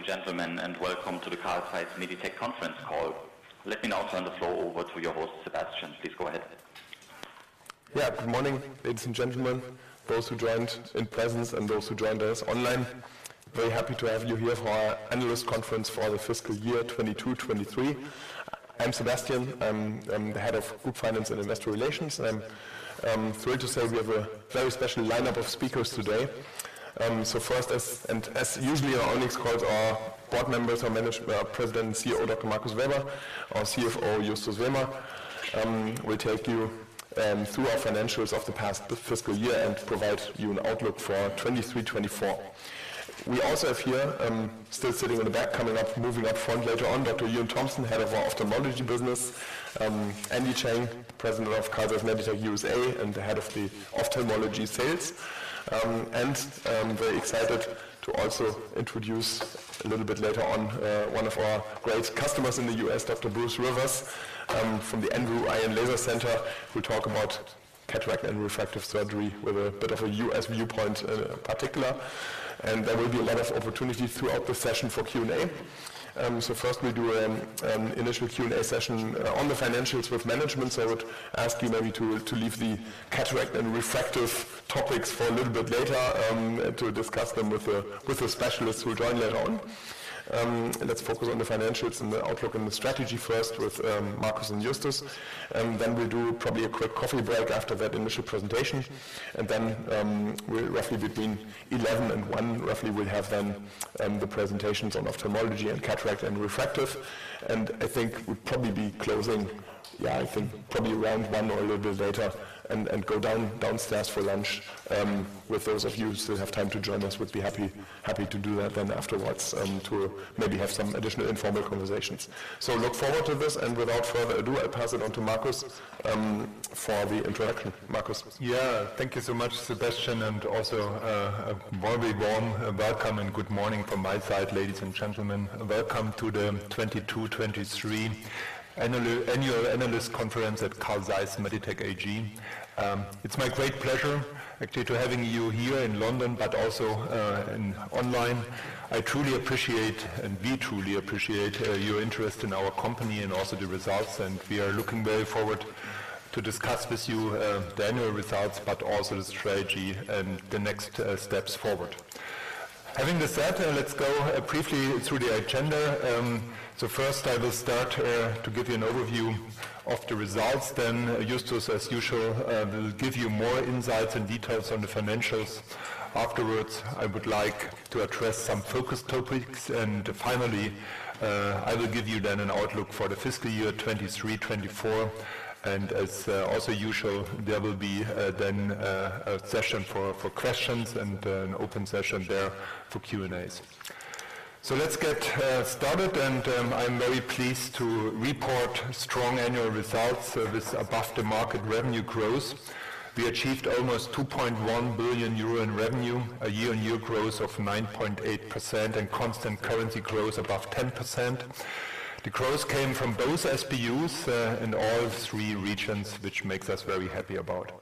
Ladies and gentlemen, and welcome to the Carl Zeiss Meditec conference call. Let me now turn the floor over to your host, Sebastian. Please go ahead. Yeah, good morning, ladies and gentlemen, those who joined in presence and those who joined us online. Very happy to have you here for our analyst conference for the fiscal year 2022/23. I'm Sebastian. I'm the Head of Group Finance and Investor Relations, and I'm thrilled to say we have a very special lineup of speakers today. So first, as usual, our board members, our President and CEO, Dr. Markus Weber, our CFO, Justus Wehmer, will take you through our financials of the past fiscal year and provide you an outlook for 2023/24. We also have here, still sitting in the back, coming up, moving up front later on, Dr. Euan Thomson, Head of our Ophthalmology business, Andy Chang, President of Carl Zeiss Meditec USA, and the Head of the Ophthalmology Sales. And I'm very excited to also introduce a little bit later on, one of our great customers in the U.S., Dr. Bruce Rivers, from the Envue Eye & Laser Center, who'll talk about cataract and refractive surgery with a bit of a U.S. viewpoint, in particular. There will be a lot of opportunity throughout the session for Q&A. First we'll do an initial Q&A session on the financials with management. I would ask you maybe to leave the cataract and refractive topics for a little bit later, to discuss them with the specialists who will join later on. Let's focus on the financials and the outlook and the strategy first with Markus and Justus, and then we'll do probably a quick coffee break after that initial presentation. And then, roughly between 11 and one, roughly, we'll have then the presentations on ophthalmology and cataract and refractive. And I think we'll probably be closing, yeah, I think probably around one or a little bit later and go downstairs for lunch with those of you who still have time to join us; we'd be happy, happy to do that then afterwards to maybe have some additional informal conversations. So look forward to this, and without further ado, I pass it on to Markus for the introduction. Markus? Yeah. Thank you so much, Sebastian, and also a very warm welcome and good morning from my side, ladies and gentlemen. Welcome to the 2022-2023 annual analyst conference at Carl Zeiss Meditec AG. It's my great pleasure, actually, to having you here in London, but also in online. I truly appreciate, and we truly appreciate, your interest in our company and also the results, and we are looking very forward to discuss with you the annual results, but also the strategy and the next steps forward. Having this said, let's go briefly through the agenda. So first, I will start to give you an overview of the results. Then, Justus, as usual, will give you more insights and details on the financials. Afterwards, I would like to address some focus topics. And finally, I will give you then an outlook for the fiscal year 2023-2024. As also usual, there will be then a session for questions and an open session there for Q&As. So let's get started, and I'm very pleased to report strong annual results with above-the-market revenue growth. We achieved almost 2.1 billion euro in revenue, a year-on-year growth of 9.8% and constant currency growth above 10%. The growth came from both SBUs in all three regions, which makes us very happy about.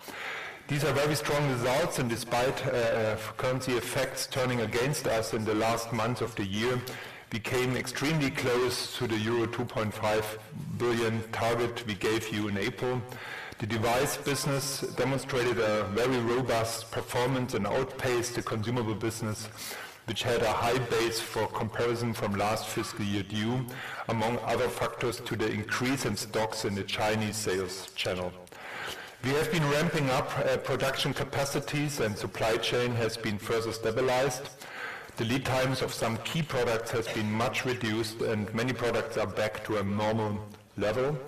These are very strong results, and despite currency effects turning against us in the last months of the year, we came extremely close to the euro 2.5 billion target we gave you in April. The device business demonstrated a very robust performance and outpaced the consumable business, which had a high base for comparison from last fiscal year due, among other factors, to the increase in stocks in the Chinese sales channel. We have been ramping up production capacities, and supply chain has been further stabilized. The lead times of some key products has been much reduced, and many products are back to a normal level.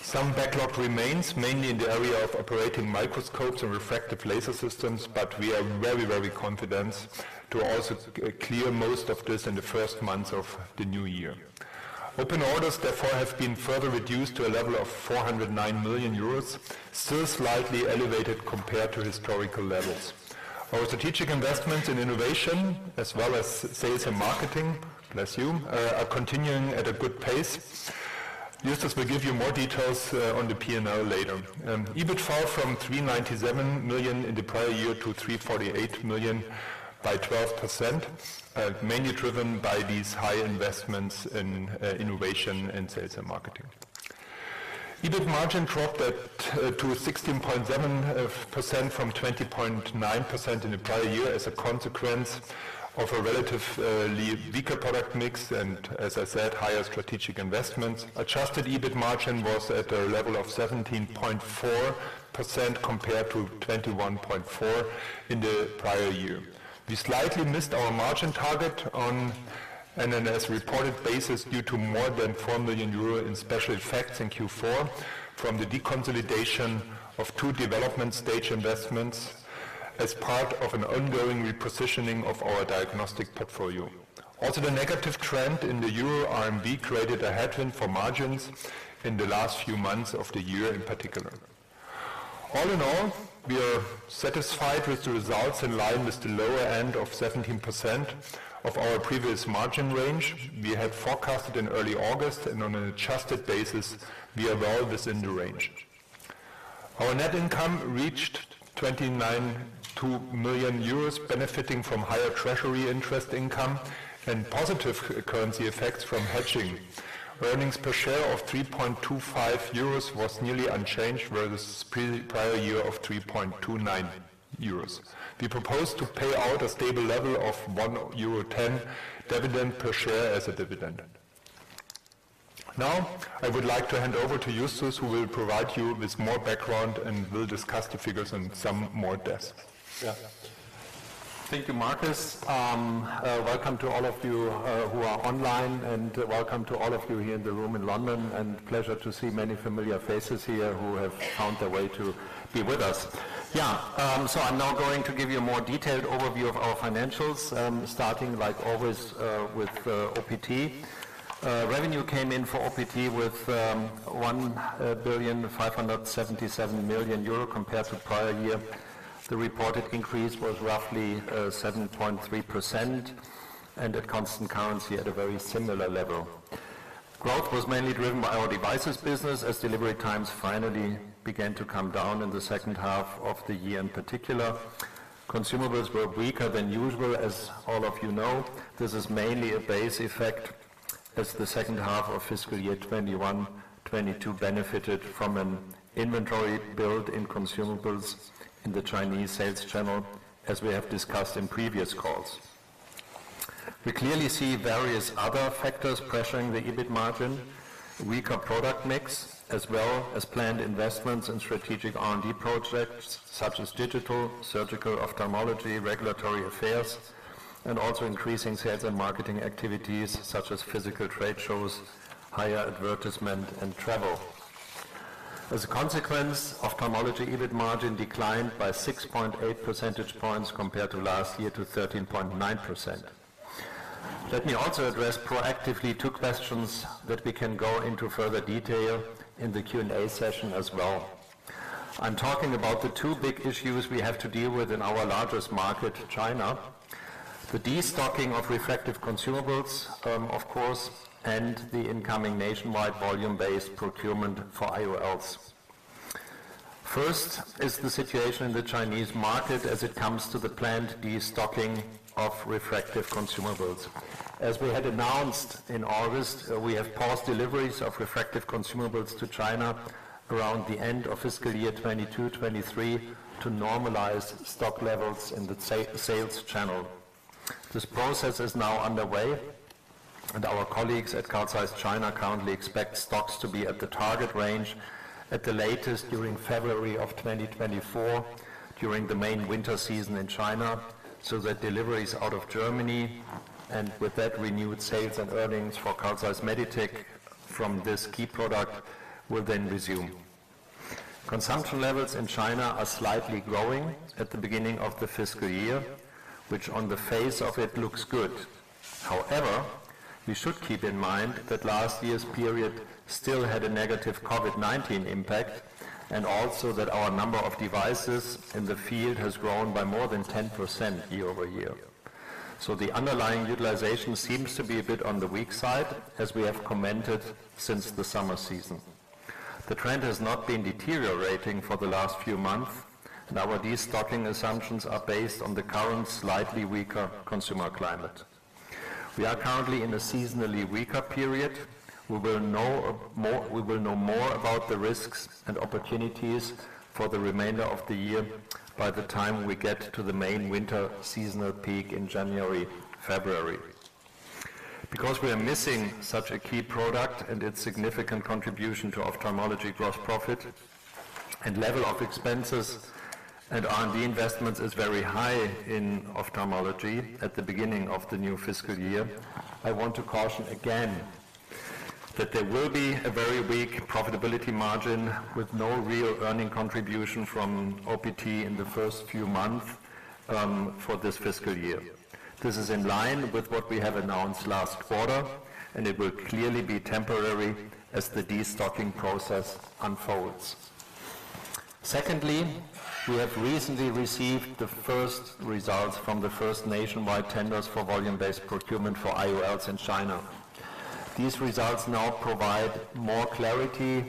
Some backlog remains, mainly in the area of operating microscopes and refractive laser systems, but we are very, very confident to also clear most of this in the first months of the new year. Open orders, therefore, have been further reduced to a level of 409 million euros, still slightly elevated compared to historical levels. Our strategic investments in innovation, as well as sales and marketing, are continuing at a good pace. Justus will give you more details on the P&L later. EBIT fell from 397 million in the prior year to 348 million, by 12%, mainly driven by these high investments in innovation and sales and marketing. EBIT margin dropped to 16.7% from 20.9% in the prior year as a consequence of a relatively weaker product mix and, as I said, higher strategic investments. Adjusted EBIT margin was at a level of 17.4%, compared to 21.4% in the prior year. We slightly missed our margin target on as reported basis due to more than 4 million euro in special effects in Q4 from the deconsolidation of two development stage investments as part of an ongoing repositioning of our diagnostic portfolio. Also, the negative trend in the EUR/RMB created a headwind for margins in the last few months of the year in particular. All in all, we are satisfied with the results, in line with the lower end of 17% of our previous margin range we had forecasted in early August, and on an adjusted basis, we are well within the range. Our net income reached 292 million euros, benefiting from higher treasury interest income and positive currency effects from hedging. Earnings per share of 3.25 euros was nearly unchanged versus the prior year of 3.29 euros. We propose to pay out a stable level of 1.10 euro dividend per share as a dividend. Now, I would like to hand over to Justus, who will provide you with more background, and will discuss the figures and some more aspects. Yeah. Thank you, Markus. Welcome to all of you who are online, and welcome to all of you here in the room in London, and pleasure to see many familiar faces here who have found their way to be with us. Yeah, so I'm now going to give you a more detailed overview of our financials, starting, like always, with OPT. Revenue came in for OPT with 1,577 million euro compared to prior year. The reported increase was roughly 7.3%, and at constant currency at a very similar level. Growth was mainly driven by our devices business, as delivery times finally began to come down in the second half of the year in particular. Consumables were weaker than usual, as all of you know. This is mainly a base effect, as the second half of fiscal year 2021, 2022 benefited from an inventory build in consumables in the Chinese sales channel, as we have discussed in previous calls. We clearly see various other factors pressuring the EBIT margin, weaker product mix, as well as planned investments in strategic R&D projects, such as digital, surgical ophthalmology, regulatory affairs, and also increasing sales and marketing activities, such as physical trade shows, higher advertisement, and travel. As a consequence, ophthalmology EBIT margin declined by 6.8 percentage points compared to last year, to 13.9%. Let me also address proactively two questions that we can go into further detail in the Q&A session as well. I'm talking about the two big issues we have to deal with in our largest market, China: the destocking of refractive consumables, of course, and the incoming nationwide volume-based procurement for IOLs. First is the situation in the Chinese market as it comes to the planned destocking of refractive consumables. As we had announced in August, we have paused deliveries of refractive consumables to China around the end of fiscal year 2022/23, to normalize stock levels in the sales channel. This process is now underway, and our colleagues at Carl Zeiss China currently expect stocks to be at the target range at the latest during February 2024, during the main winter season in China, so that deliveries out of Germany, and with that, renewed sales and earnings for Carl Zeiss Meditec from this key product, will then resume. Consumption levels in China are slightly growing at the beginning of the fiscal year, which on the face of it, looks good. However, we should keep in mind that last year's period still had a negative COVID-19 impact, and also that our number of devices in the field has grown by more than 10% year-over-year. So the underlying utilization seems to be a bit on the weak side, as we have commented since the summer season. The trend has not been deteriorating for the last few months, and our destocking assumptions are based on the current, slightly weaker consumer climate. We are currently in a seasonally weaker period. We will know more-- we will know more about the risks and opportunities for the remainder of the year by the time we get to the main winter seasonal peak in January, February. Because we are missing such a key product and its significant contribution to ophthalmology gross profit, and level of expenses and R&D investments is very high in ophthalmology at the beginning of the new fiscal year, I want to caution again that there will be a very weak profitability margin with no real earning contribution from OPT in the first few months, for this fiscal year. This is in line with what we have announced last quarter, and it will clearly be temporary as the destocking process unfolds. Secondly, we have recently received the first results from the first nationwide tenders for volume-based procurement for IOLs in China. These results now provide more clarity,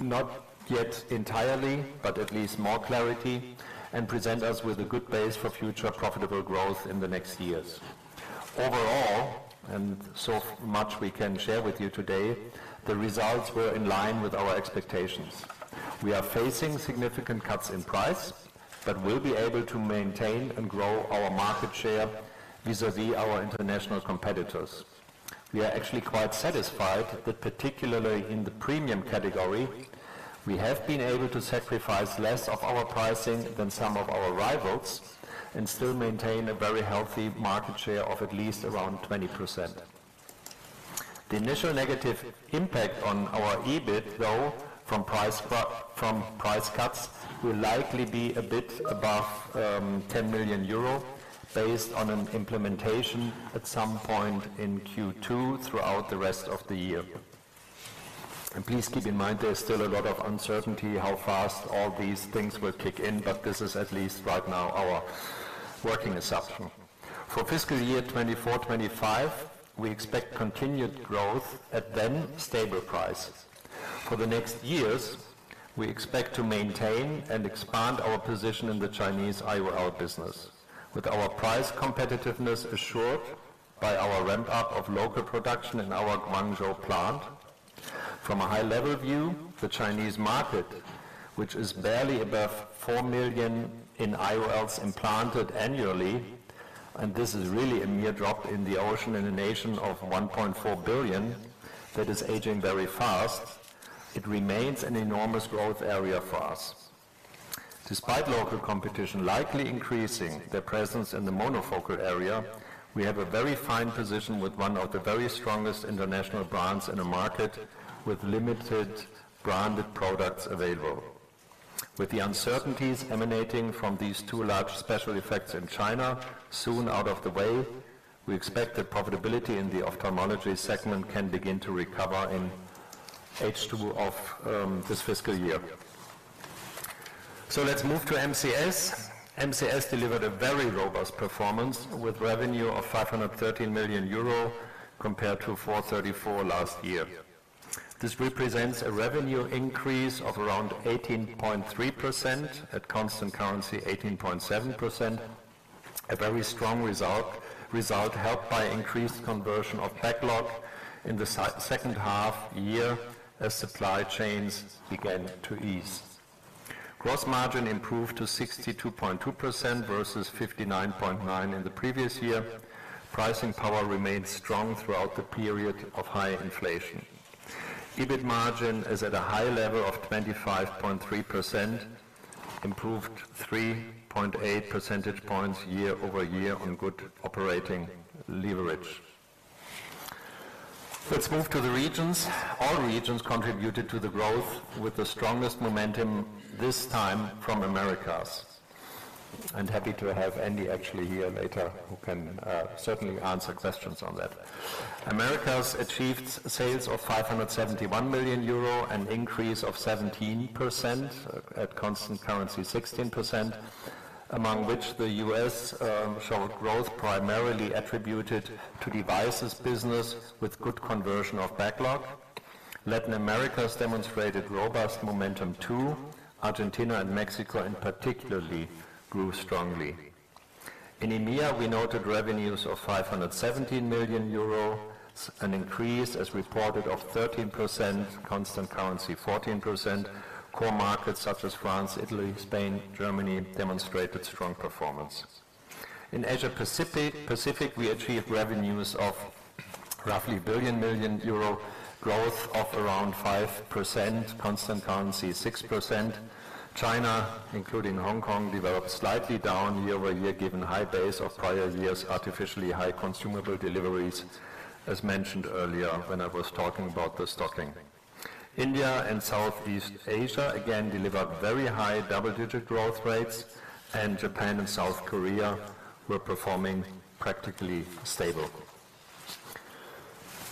not yet entirely, but at least more clarity, and present us with a good base for future profitable growth in the next years. Overall, and so much we can share with you today, the results were in line with our expectations. We are facing significant cuts in price, but we'll be able to maintain and grow our market share vis-à-vis our international competitors. We are actually quite satisfied that, particularly in the premium category, we have been able to sacrifice less of our pricing than some of our rivals and still maintain a very healthy market share of at least around 20%. The initial negative impact on our EBIT, though, from price cuts, will likely be a bit above ten million euro, based on an implementation at some point in Q2, throughout the rest of the year. Please keep in mind, there is still a lot of uncertainty how fast all these things will kick in, but this is at least right now, our working assumption. For fiscal year 2024, 2025, we expect continued growth at then stable prices. For the next years, we expect to maintain and expand our position in the Chinese IOL business, with our price competitiveness assured by our ramp-up of local production in our Guangzhou plant. From a high-level view, the Chinese market, which is barely above 4 million in IOLs implanted annually, and this is really a mere drop in the ocean in a nation of 1.4 billion that is aging very fast, it remains an enormous growth area for us. Despite local competition likely increasing their presence in the monofocal area, we have a very fine position with one of the very strongest international brands in a market with limited branded products available. With the uncertainties emanating from these two large special effects in China soon out of the way, we expect that profitability in the ophthalmology segment can begin to recover in H2 of this fiscal year. So let's move to MCS. MCS delivered a very robust performance, with revenue of 513 million euro, compared to 434 last year. This represents a revenue increase of around 18.3%, at constant currency, 18.7%. A very strong result helped by increased conversion of backlog in the second half year as supply chains began to ease. Gross margin improved to 62.2% versus 59.9% in the previous year. Pricing power remained strong throughout the period of high inflation. EBIT margin is at a high level of 25.3%, improved 3.8 percentage points year-over-year on good operating leverage. Let's move to the regions. All regions contributed to the growth, with the strongest momentum this time from Americas. I'm happy to have Andy actually here later, who can certainly answer questions on that. Americas achieved sales of 571 million euro, an increase of 17%, at constant currency, 16%, among which the US showed growth primarily attributed to devices business with good conversion of backlog. Latin Americas demonstrated robust momentum, too. Argentina and Mexico in particularly grew strongly. In EMEA, we noted revenues of 517 million euros, an increase as reported of 13%, constant currency 14%. Core markets such as France, Italy, Spain, Germany, demonstrated strong performance. In Asia Pacific, we achieved revenues of roughly 1 billion, growth of around 5%, constant currency 6%. China, including Hong Kong, developed slightly down year-over-year, given high base of prior year's artificially high consumable deliveries, as mentioned earlier when I was talking about the stocking. India and Southeast Asia again delivered very high double-digit growth rates, and Japan and South Korea were performing practically stable.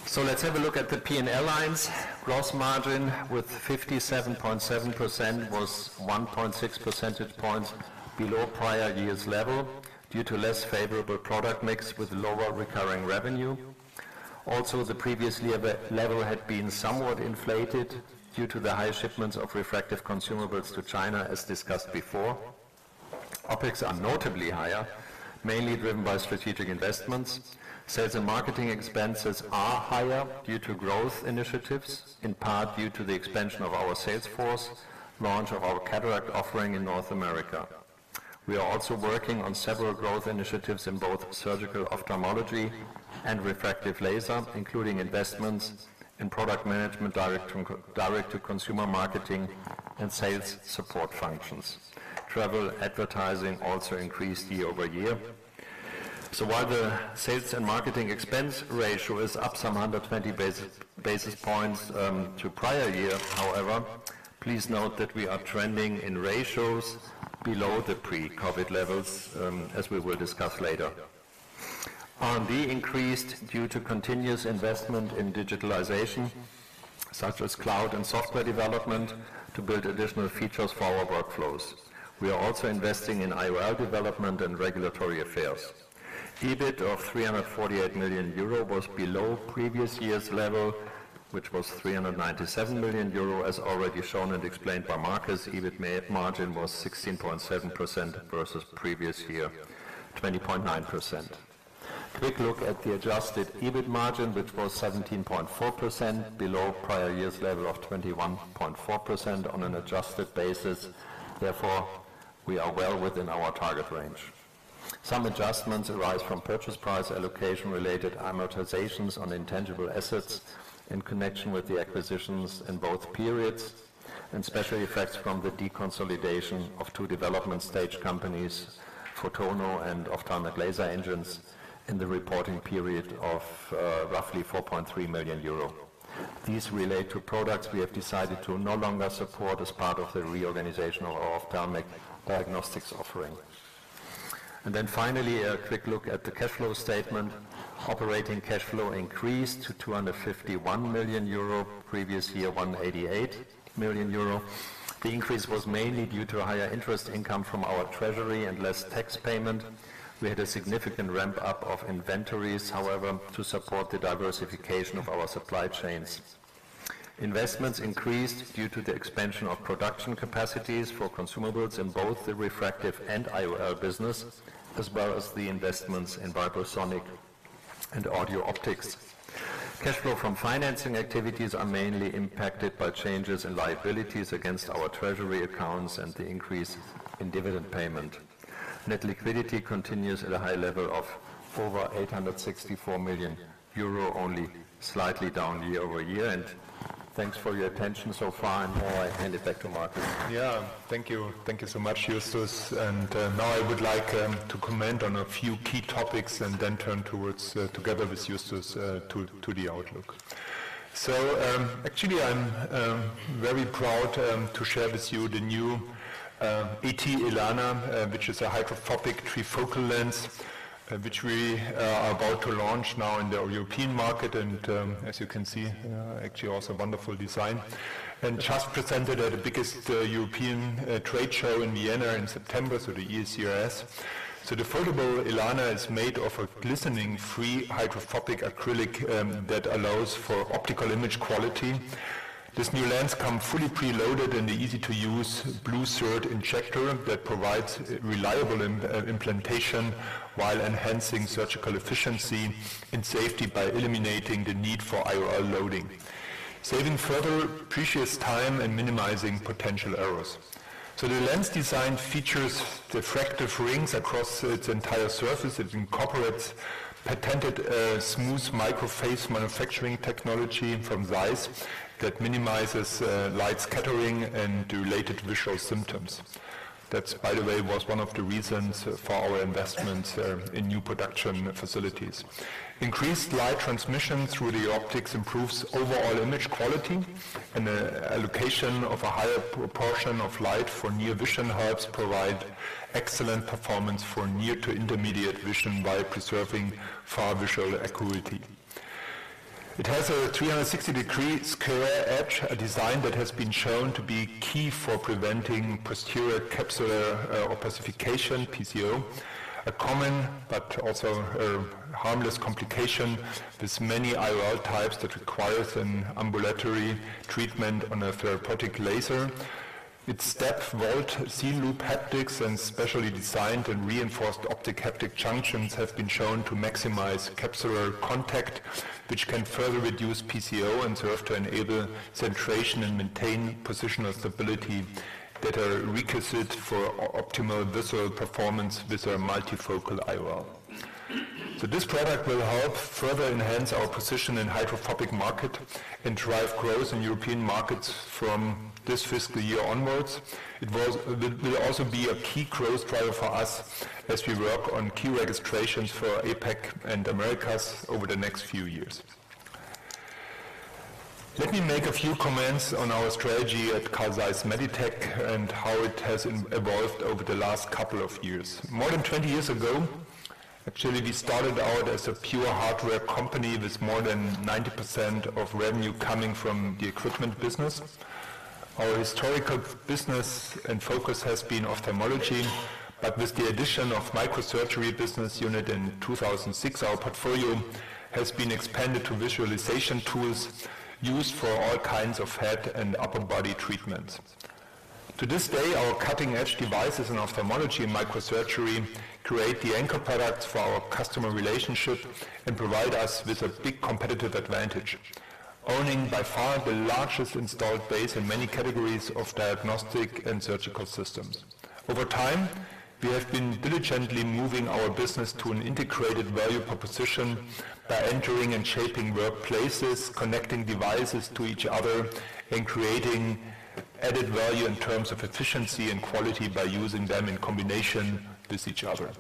So let's have a look at the P&L lines. Gross margin with 57.7% was 1.6 percentage points below prior year's level due to less favorable product mix with lower recurring revenue. Also, the previous year level had been somewhat inflated due to the high shipments of refractive consumables to China, as discussed before. OpEx are notably higher, mainly driven by strategic investments. Sales and marketing expenses are higher due to growth initiatives, in part due to the expansion of our sales force, launch of our cataract offering in North America. We are also working on several growth initiatives in both surgical ophthalmology and refractive laser, including investments in product management, direct to, direct to consumer marketing, and sales support functions. Travel advertising also increased year-over-year. So while the sales and marketing expense ratio is up some 120 basis points to prior year, however, please note that we are trending in ratios below the pre-COVID levels, as we will discuss later. R&D increased due to continuous investment in digitalization, such as cloud and software development, to build additional features for our workflows. We are also investing in IOL development and regulatory affairs. EBIT of 348 million euro was below previous year's level, which was 397 million euro, as already shown and explained by Markus. EBIT margin was 16.7% versus previous year, 20.9%. Quick look at the adjusted EBIT margin, which was 17.4%, below prior year's level of 21.4% on an adjusted basis. Therefore, we are well within our target range. Some adjustments arise from purchase price allocation related amortizations on intangible assets in connection with the acquisitions in both periods, and special effects from the deconsolidation of two development stage companies, Photono and Ophthalmic Laser Engines, in the reporting period of roughly 4.3 million euro. These relate to products we have decided to no longer support as part of the reorganization of our ophthalmic diagnostics offering. Then finally, a quick look at the cash flow statement. Operating cash flow increased to 251 million euro, previous year, 188 million euro. The increase was mainly due to higher interest income from our treasury and less tax payment. We had a significant ramp-up of inventories, however, to support the diversification of our supply chains. Investments increased due to the expansion of production capacities for consumables in both the refractive and IOL business, as well as the investments in Vibrosonic and Audioptics. Cash flow from financing activities are mainly impacted by changes in liabilities against our treasury accounts and the increase in dividend payment. Net liquidity continues at a high level of over 864 million euro, only slightly down year over year. And thanks for your attention so far, and now I hand it back to Markus. Yeah. Thank you. Thank you so much, Justus. Now I would like to comment on a few key topics and then turn towards, together with Justus, to the outlook. So, actually, I'm very proud to share with you the new AT ELANA, which is a hydrophobic trifocal lens, which we are about to launch now in the European market, and, as you can see, actually, also wonderful design. And just presented at the biggest European trade show in Vienna in September, so the ESCRS. So the foldable ELANA is made of a glistening-free hydrophobic acrylic that allows for optical image quality. This new lens come fully preloaded in the easy-to-use Blue Syringe injector that provides reliable implantation, while enhancing surgical efficiency and safety by eliminating the need for IOL loading, saving further precious time and minimizing potential errors. So the lens design features diffractive rings across its entire surface. It incorporates patented Smooth Micro Phase manufacturing technology from ZEISS that minimizes light scattering and related visual symptoms. That, by the way, was one of the reasons for our investment in new production facilities. Increased light transmission through the optics improves overall image quality, and the allocation of a higher proportion of light for near vision helps provide excellent performance for near to intermediate vision by preserving far visual acuity. It has a 360-degree square edge, a design that has been shown to be key for preventing posterior capsular opacification, PCO, a common but also a harmless complication. There's many IOL types that requires an ambulatory treatment on a therapeutic laser. Its step-vault seal loop haptics and specially designed and reinforced optic haptic junctions have been shown to maximize capsular contact, which can further reduce PCO and serve to enable centration and maintain positional stability that are requisite for optimal visual performance with a multifocal IOL. So this product will help further enhance our position in hydrophobic market and drive growth in European markets from this fiscal year onwards. It will also be a key growth driver for us as we work on key registrations for APAC and Americas over the next few years. Let me make a few comments on our strategy at Carl Zeiss Meditec, and how it has evolved over the last couple of years. More than 20 years ago, actually, we started out as a pure hardware company, with more than 90% of revenue coming from the equipment business. Our historical business and focus has been ophthalmology, but with the addition of microsurgery business unit in 2006, our portfolio has been expanded to visualization tools used for all kinds of head and upper body treatments. To this day, our cutting-edge devices in ophthalmology and microsurgery create the anchor products for our customer relationship and provide us with a big competitive advantage, owning by far the largest installed base in many categories of diagnostic and surgical systems. Over time, we have been diligently moving our business to an integrated value proposition by entering and shaping workplaces, connecting devices to each other, and creating added value in terms of efficiency and quality by using them in combination with each other.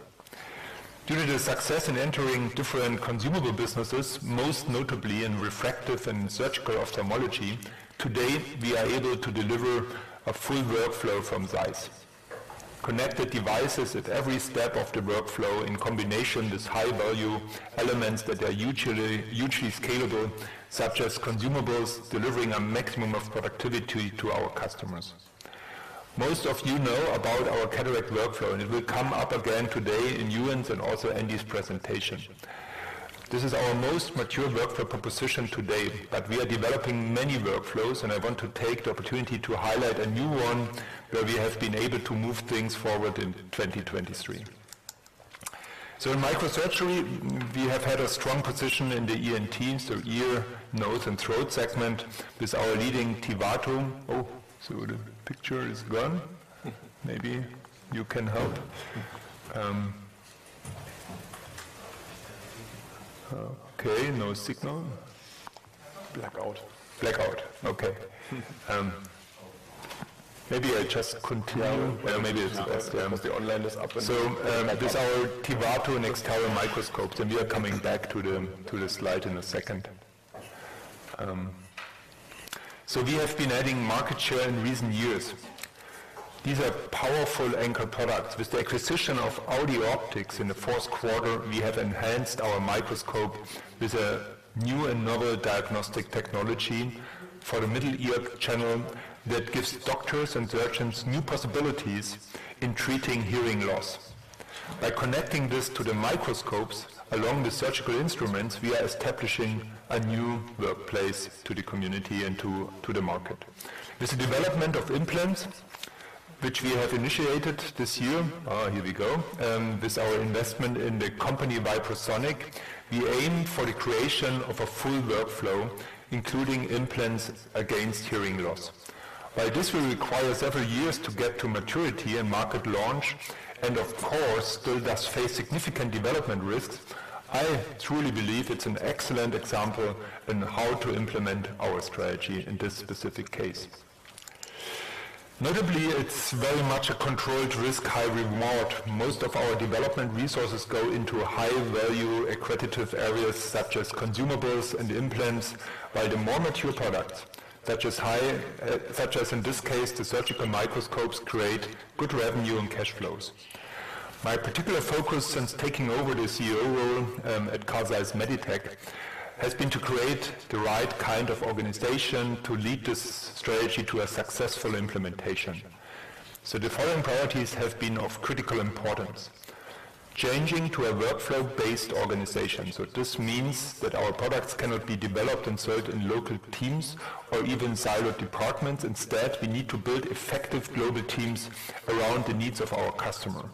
Due to the success in entering different consumable businesses, most notably in refractive and surgical ophthalmology, today, we are able to deliver a full workflow from ZEISS. Connected devices at every step of the workflow, in combination with high-value elements that are hugely, hugely scalable, such as consumables, delivering a maximum of productivity to our customers. Most of you know about our cataract workflow, and it will come up again today in Euan's and also Andy's presentation. This is our most mature workflow proposition to date, but we are developing many workflows, and I want to take the opportunity to highlight a new one, where we have been able to move things forward in 2023. So in microsurgery, we have had a strong position in the ENT, so ear, nose, and throat segment, with our leading Tivato... Oh, so the picture is gone. Maybe you can help. Okay, no signal. Blackout. Blackout. Okay. Maybe I just continue. Yeah, maybe it's best, yeah, because the online is up- So, this our Tivato and Extaro microscopes, and we are coming back to the, to the slide in a second. So we have been adding market share in recent years. These are powerful anchor products. With the acquisition of Audioptics in the fourth quarter, we have enhanced our microscope with a new and novel diagnostic technology for the middle ear channel that gives doctors and surgeons new possibilities in treating hearing loss. By connecting this to the microscopes, along with surgical instruments, we are establishing a new workplace to the community and to, to the market. With the development of implants, which we have initiated this year. Ah, here we go. With our investment in the company Vibrosonic, we aim for the creation of a full workflow, including implants against hearing loss. While this will require several years to get to maturity and market launch, and of course, still does face significant development risks, I truly believe it's an excellent example in how to implement our strategy in this specific case. Notably, it's very much a controlled risk, high reward. Most of our development resources go into high-value accretive areas, such as consumables and implants, while the more mature products, such as high such as, in this case, the surgical microscopes, create good revenue and cash flows. My particular focus since taking over the CEO role at Carl Zeiss Meditec has been to create the right kind of organization to lead this strategy to a successful implementation. So the following priorities have been of critical importance: Changing to a workflow-based organization. So this means that our products cannot be developed and sold in local teams or even siloed departments. Instead, we need to build effective global teams around the needs of our customer,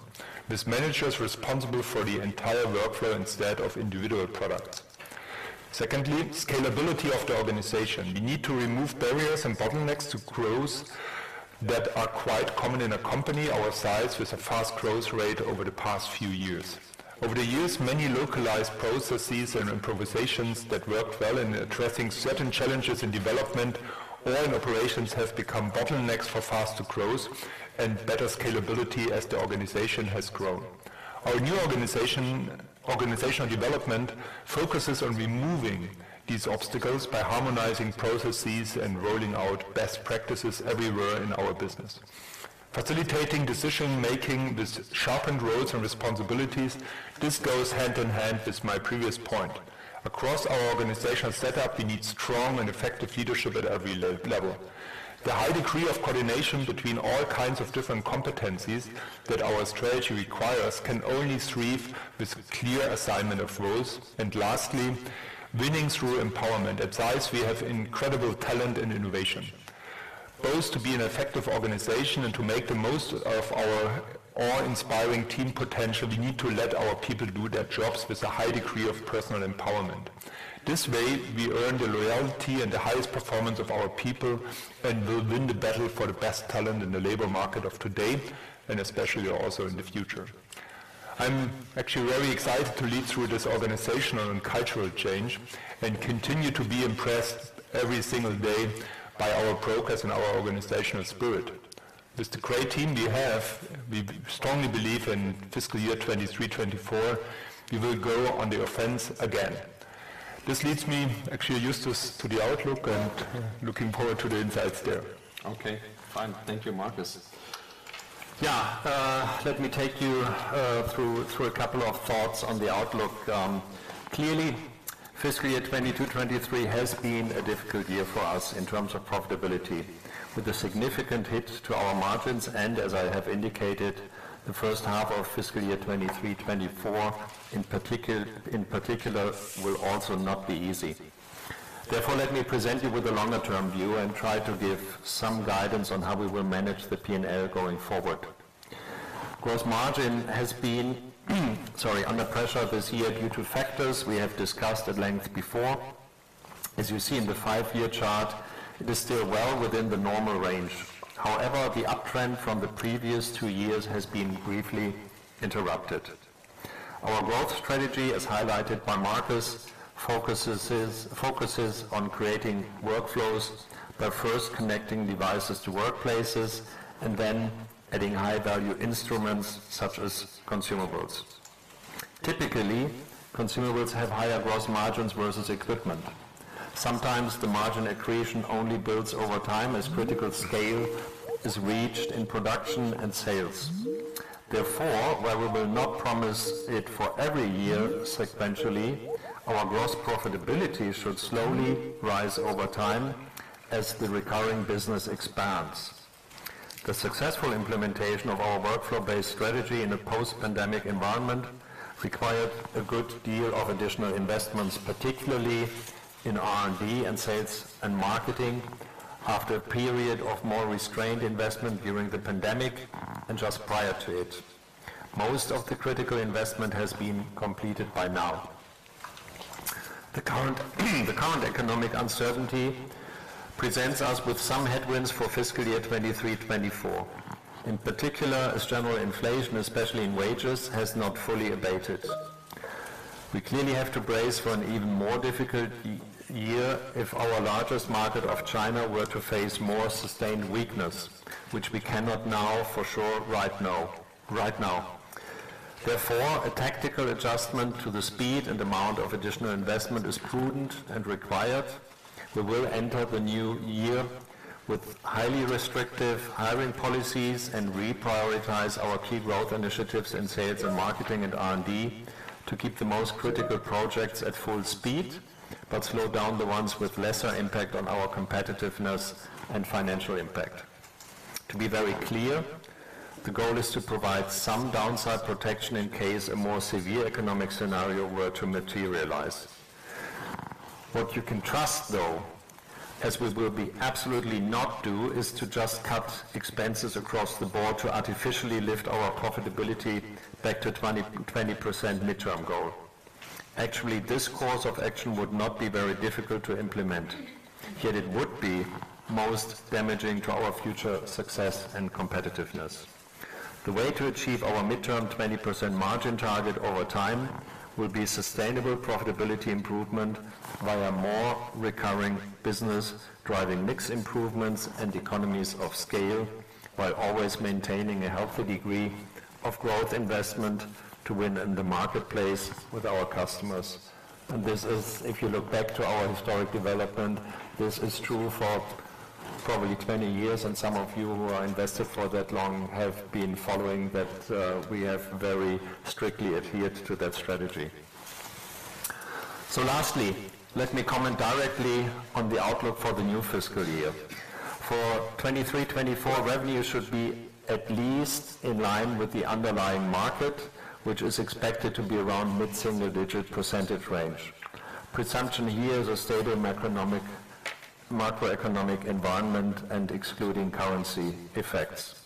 with managers responsible for the entire workflow instead of individual products. Secondly, scalability of the organization. We need to remove barriers and bottlenecks to growth that are quite common in a company our size, with a fast growth rate over the past few years. Over the years, many localized processes and improvisations that worked well in addressing certain challenges in development or in operations have become bottlenecks for faster growth and better scalability as the organization has grown. Our new organizational development focuses on removing these obstacles by harmonizing processes and rolling out best practices everywhere in our business. Facilitating decision-making with sharpened roles and responsibilities, this goes hand in hand with my previous point. Across our organizational setup, we need strong and effective leadership at every level. The high degree of coordination between all kinds of different competencies that our strategy requires can only thrive with clear assignment of roles. And lastly, winning through empowerment. At ZEISS, we have incredible talent and innovation. Both to be an effective organization and to make the most of our awe-inspiring team potential, we need to let our people do their jobs with a high degree of personal empowerment. This way, we earn the loyalty and the highest performance of our people and will win the battle for the best talent in the labor market of today, and especially also in the future. I'm actually very excited to lead through this organizational and cultural change, and continue to be impressed every single day by our progress and our organizational spirit. With the great team we have, we strongly believe in fiscal year 2023, 2024, we will go on the offense again. This leads me, actually, Justus, to the outlook and looking forward to the insights there. Okay, fine. Thank you, Markus. Yeah, let me take you through a couple of thoughts on the outlook. Clearly, fiscal year 2022/23 has been a difficult year for us in terms of profitability, with a significant hit to our margins, and as I have indicated, the first half of fiscal year 2023/24, in particular, will also not be easy. Therefore, let me present you with a longer-term view and try to give some guidance on how we will manage the P&L going forward. Gross margin has been, sorry, under pressure this year due to factors we have discussed at length before. As you see in the five-year chart, it is still well within the normal range. However, the uptrend from the previous two years has been briefly interrupted. Our growth strategy, as highlighted by Markus, focuses on creating workflows by first connecting devices to workplaces and then adding high-value instruments, such as consumables. Typically, consumables have higher gross margins versus equipment. Sometimes the margin accretion only builds over time as critical scale is reached in production and sales. Therefore, while we will not promise it for every year sequentially, our gross profitability should slowly rise over time as the recurring business expands. The successful implementation of our workflow-based strategy in a post-pandemic environment required a good deal of additional investments, particularly in R&D and sales and marketing, after a period of more restrained investment during the pandemic and just prior to it. Most of the critical investment has been completed by now. The current economic uncertainty presents us with some headwinds for fiscal year 2023, 2024. In particular, as general inflation, especially in wages, has not fully abated. We clearly have to brace for an even more difficult year if our largest market of China were to face more sustained weakness, which we cannot know for sure right now, right now. Therefore, a tactical adjustment to the speed and amount of additional investment is prudent and required. We will enter the new year with highly restrictive hiring policies and reprioritize our key growth initiatives in sales and marketing and R&D, to keep the most critical projects at full speed, but slow down the ones with lesser impact on our competitiveness and financial impact. To be very clear, the goal is to provide some downside protection in case a more severe economic scenario were to materialize. What you can trust, though, as we will absolutely not do, is to just cut expenses across the board to artificially lift our profitability back to 20-20% midterm goal. Actually, this course of action would not be very difficult to implement, yet it would be most damaging to our future success and competitiveness. The way to achieve our midterm 20% margin target over time will be sustainable profitability improvement via more recurring business, driving mix improvements and economies of scale, while always maintaining a healthy degree of growth investment to win in the marketplace with our customers. This is, if you look back to our historic development, this is true for probably 20 years, and some of you who are invested for that long have been following that, we have very strictly adhered to that strategy. Lastly, let me comment directly on the outlook for the new fiscal year. For 2023-2024, revenue should be at least in line with the underlying market, which is expected to be around mid-single-digit % range. Presumption here is a steady macroeconomic environment and excluding currency effects.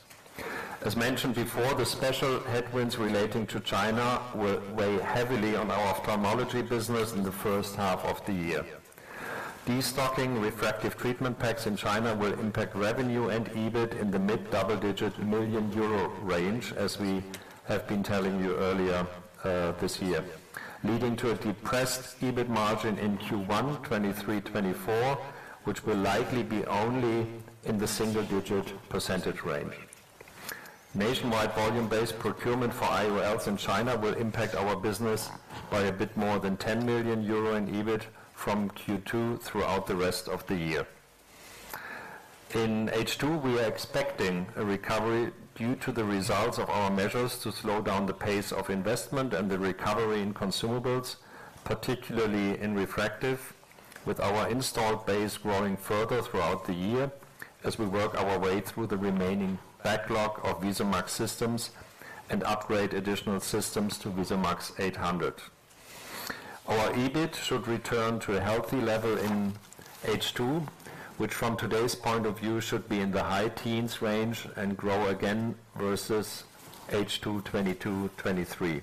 As mentioned before, the special headwinds relating to China will weigh heavily on our ophthalmology business in the first half of the year. Destocking refractive treatment packs in China will impact revenue and EBIT in the mid-double-digit million EUR range, as we have been telling you earlier, this year. Leading to a depressed EBIT margin in Q1 2023-2024, which will likely be only in the single-digit % range. Nationwide volume-based procurement for IOLs in China will impact our business by a bit more than 10 million euro in EBIT from Q2 throughout the rest of the year. In H2, we are expecting a recovery due to the results of our measures to slow down the pace of investment and the recovery in consumables, particularly in refractive, with our installed base growing further throughout the year as we work our way through the remaining backlog of VISUMAX systems and upgrade additional systems to VISUMAX 800. Our EBIT should return to a healthy level in H2, which from today's point of view, should be in the high teens range and grow again versus H2 2022-2023.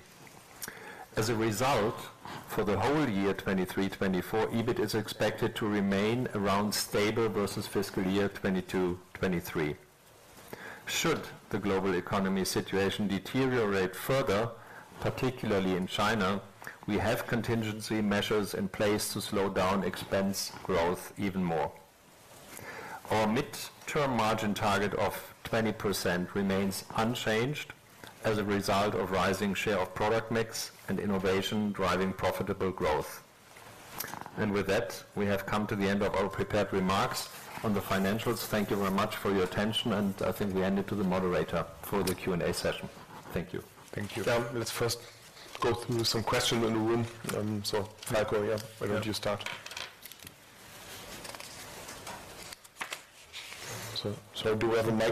As a result, for the whole year 2023-2024, EBIT is expected to remain around stable versus fiscal year 2022-2023. Should the global economy situation deteriorate further, particularly in China, we have contingency measures in place to slow down expense growth even more. Our midterm margin target of 20% remains unchanged as a result of rising share of product mix and innovation, driving profitable growth. With that, we have come to the end of our prepared remarks on the financials. Thank you very much for your attention, and I think we hand it to the moderator for the Q&A session. Thank you. Thank you. Now, let's first go through some questions in the room. So Michael, yeah, why don't you start? So, do we have a mic?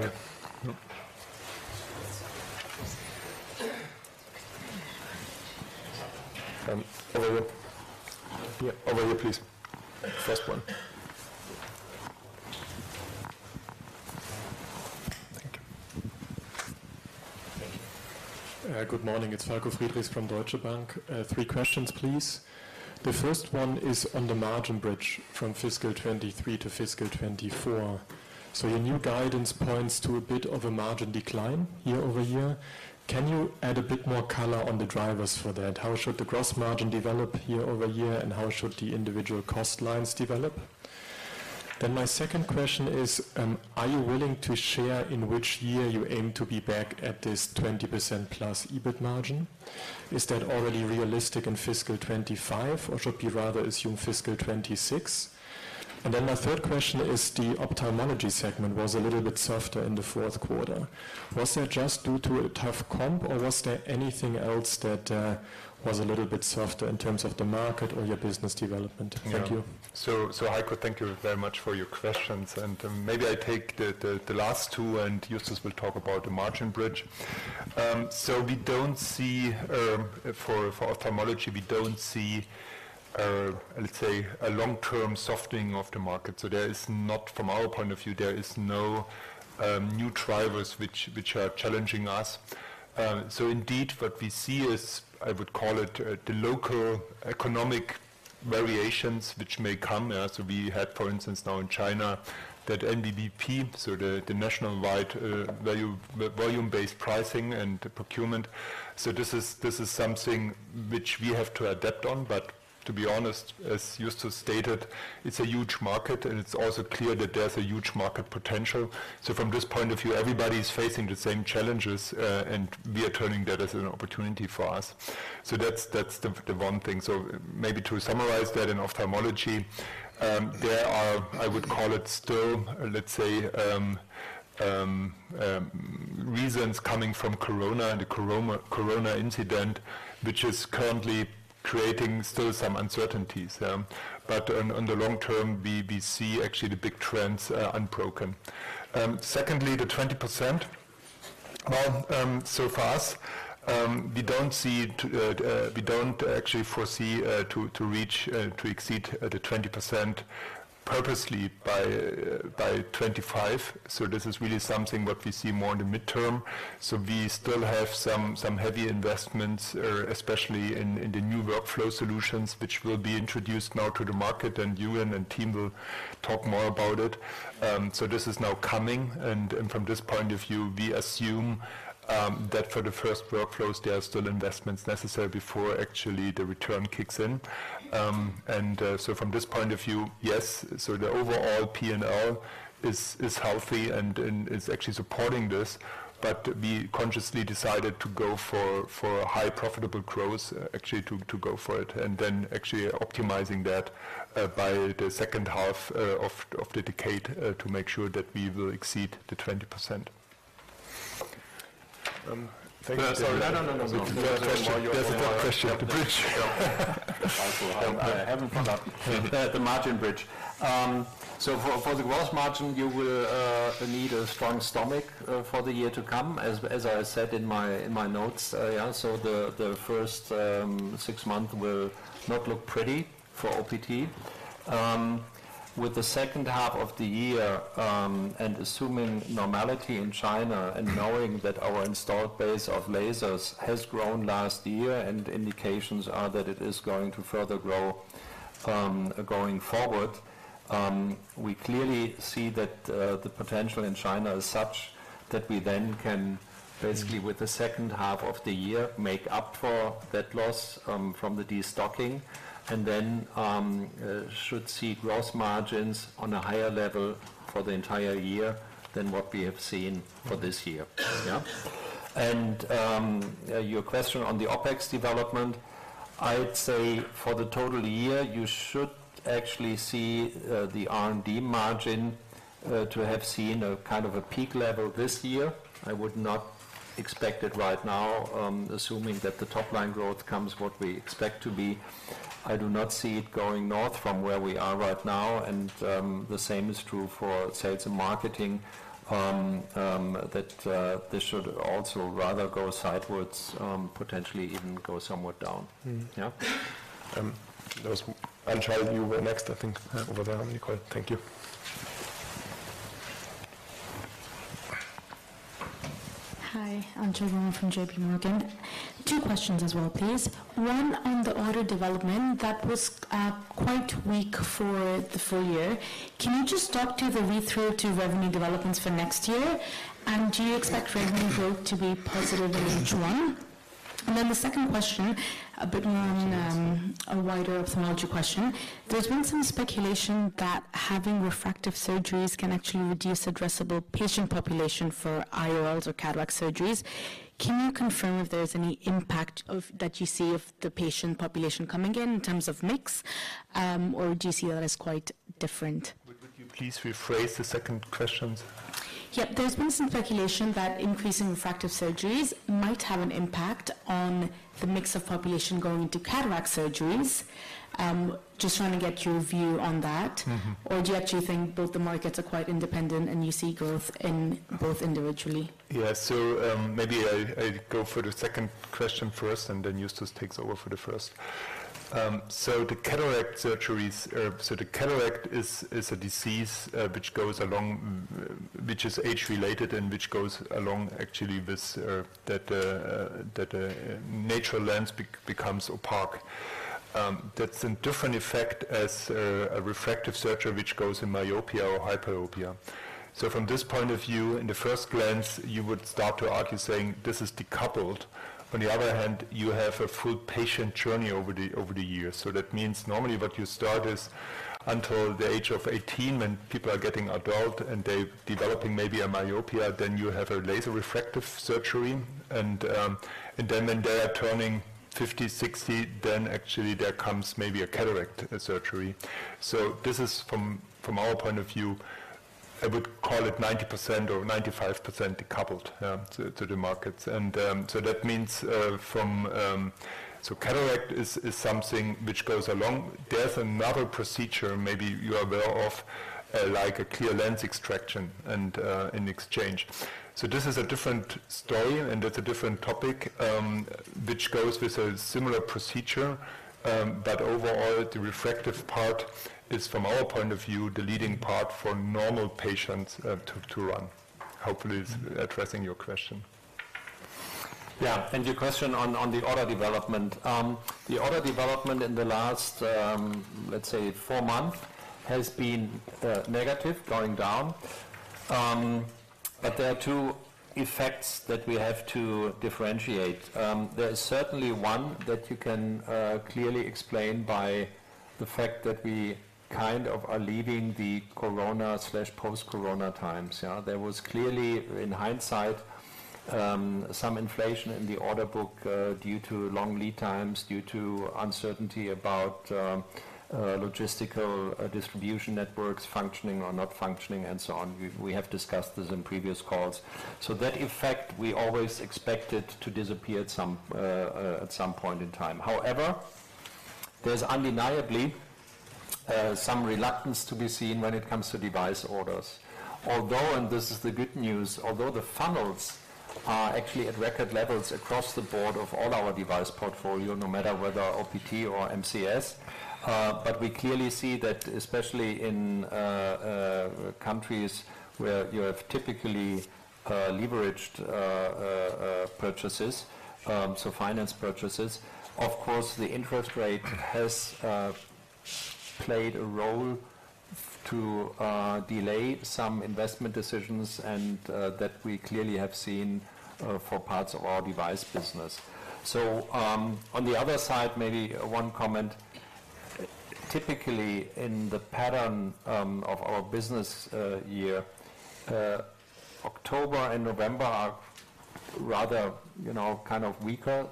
No. Over here. Yeah, over here, please. First one. Thank you. Thank you. Good morning. It's Falko Friedrichs from Deutsche Bank. Three questions, please. The first one is on the margin bridge from fiscal 2023 to fiscal 2024. So your new guidance points to a bit of a margin decline year over year. Can you add a bit more color on the drivers for that? How should the gross margin develop year over year, and how should the individual cost lines develop? Then my second question is, are you willing to share in which year you aim to be back at this 20%+ EBIT margin? Is that already realistic in fiscal 2025, or should we rather assume fiscal 2026? And then my third question is, the ophthalmology segment was a little bit softer in the fourth quarter. Was that just due to a tough comp, or was there anything else that was a little bit softer in terms of the market or your business development? Thank you. So, Michael, thank you very much for your questions. And, maybe I take the last two, and Justus will talk about the margin bridge. So we don't see... For ophthalmology, we don't see, let's say, a long-term softening of the market. So there is not, from our point of view, there is no new drivers which are challenging us. So indeed, what we see is, I would call it, the local economic variations, which may come. So we had, for instance, now in China, that NVBP, so the nationwide volume-based pricing and procurement. So this is something which we have to adapt on, but- ... to be honest, as Justus stated, it's a huge market, and it's also clear that there's a huge market potential. So from this point of view, everybody's facing the same challenges, and we are turning that as an opportunity for us. So that's the one thing. So maybe to summarize that, in ophthalmology, there are, I would call it still, let's say, reasons coming from Corona and the Corona, Corona incident, which is currently creating still some uncertainties, but on the long term, we see actually the big trends, unbroken. Secondly, the 20%. Well, so far, we don't actually foresee to exceed the 20% purposely by 2025. So this is really something what we see more in the midterm. So we still have some heavy investments, especially in the new workflow solutions, which will be introduced now to the market, and Euan and team will talk more about it. So this is now coming, and from this point of view, we assume that for the first workflows, there are still investments necessary before actually the return kicks in. And so from this point of view, yes, so the overall P&L is healthy and is actually supporting this, but we consciously decided to go for a high profitable growth, actually, to go for it, and then actually optimizing that by the second half of the decade to make sure that we will exceed the 20%. Thank you. No, no, no, no, no. There's a third question. You have to bridge. I haven't forgot. The margin bridge. So for the gross margin, you will need a strong stomach for the year to come, as I said in my notes. Yeah, so the first six months will not look pretty for OPT. With the second half of the year, and assuming normality in China and knowing that our installed base of lasers has grown last year, and indications are that it is going to further grow going forward, we clearly see that the potential in China is such that we then can basically, with the second half of the year, make up for that loss from the destocking, and then should see gross margins on a higher level for the entire year than what we have seen for this year. Yeah? Your question on the OpEx development, I'd say for the total year, you should actually see the R&D margin to have seen a kind of a peak level this year. I would not expect it right now, assuming that the top-line growth comes what we expect to be. I do not see it going north from where we are right now, and the same is true for sales and marketing, that this should also rather go sidewards, potentially even go somewhat down. Mm-hmm. Yeah? Ansha, you were next, I think, over there, Nicole. Thank you. Hi, Anchal Sharma from JP Morgan. Two questions as well, please. One, on the order development, that was quite weak for the full year. Can you just talk to the read-through to revenue developments for next year? And do you expect revenue growth to be positively strong? And then the second question, a bit more, a wider ophthalmology question. There's been some speculation that having refractive surgeries can actually reduce addressable patient population for IOLs or cataract surgeries. Can you confirm if there's any impact of that you see of the patient population coming in, in terms of mix, or do you see that as quite different? Would you please rephrase the second question? Yep. There's been some speculation that increasing refractive surgeries might have an impact on the mix of population going into cataract surgeries. Just trying to get your view on that. Mm-hmm. Or do you actually think both the markets are quite independent and you see growth in both individually? Yeah. So, maybe I go for the second question first, and then Justus takes over for the first. So the cataract surgeries. So the cataract is a disease which goes along, which is age-related and which goes along actually with that natural lens becomes opaque. That's a different effect as a refractive surgery, which goes in myopia or hyperopia. So from this point of view, in the first glance, you would start to argue, saying, "This is decoupled." On the other hand, you have a full patient journey over the years. So that means normally what you start is until the age of 18, when people are getting adult and they're developing maybe a myopia, then you have a laser refractive surgery, and then when they are turning 50, 60, then actually there comes maybe a cataract surgery. So this is from our point of view, I would call it 90% or 95% decoupled to the markets. And so that means from... So cataract is something which goes along. There's another procedure, maybe you are aware of, like a clear lens extraction and exchange. So this is a different story, and it's a different topic which goes with a similar procedure. But overall, the refractive part is from our point of view the leading part for normal patients to run. Hopefully, it's addressing your question. Yeah, and your question on the order development. The order development in the last, let's say, four months, has been negative, going down. But there are two effects that we have to differentiate. There is certainly one that you can clearly explain by the fact that we kind of are leaving the Corona slash post-Corona times, yeah. There was clearly, in hindsight, some inflation in the order book due to long lead times, due to uncertainty about logistical distribution networks functioning or not functioning, and so on. We have discussed this in previous calls. So that effect, we always expected to disappear at some point in time. However, there's undeniably some reluctance to be seen when it comes to device orders. Although, and this is the good news, although the funnels are actually at record levels across the board of all our device portfolio, no matter whether OPT or MCS, but we clearly see that especially in countries where you have typically leveraged purchases, so finance purchases, of course, the interest rate has played a role to delay some investment decisions, and that we clearly have seen for parts of our device business. So, on the other side, maybe one comment: typically, in the pattern of our business year October and November are rather, you know, kind of weaker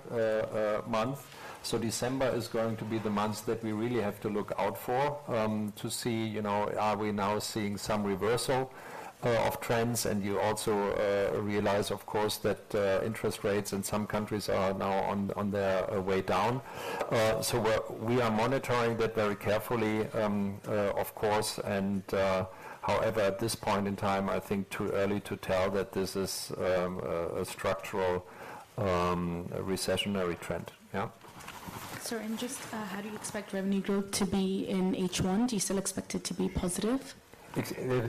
month. So December is going to be the months that we really have to look out for to see, you know, are we now seeing some reversal of trends? And you also realize, of course, that interest rates in some countries are now on their way down. So we are monitoring that very carefully, of course, and... However, at this point in time, I think too early to tell that this is a structural recessionary trend. Yeah? Sir, and just, how do you expect revenue growth to be in H1? Do you still expect it to be positive? Ex- uh,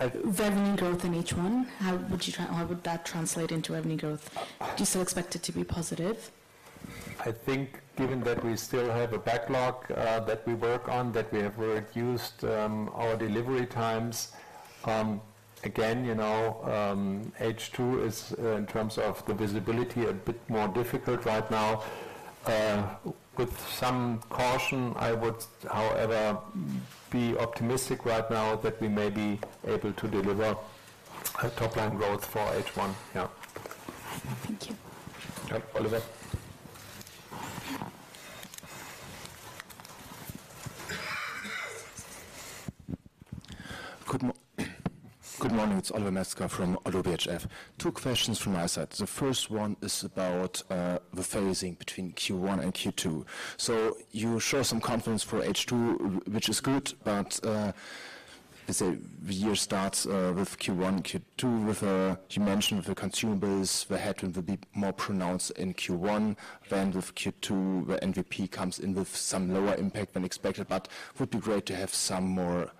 I- Revenue growth in H1, how would that translate into revenue growth? Do you still expect it to be positive? I think given that we still have a backlog, that we work on, that we have reduced our delivery times again, you know, H2 is in terms of the visibility a bit more difficult right now. With some caution, I would, however, be optimistic right now that we may be able to deliver a top-line growth for H1. Yeah. Thank you. Oliver. Good morning, it's Oliver Metzger from Oddo BHF. Two questions from my side. The first one is about the phasing between Q1 and Q2. So you show some confidence for H2, which is good, but let's say the year starts with Q1 and Q2, with you mentioned the consumables, the headwind will be more pronounced in Q1 than with Q2, where VBP comes in with some lower impact than expected, but would be great to have some more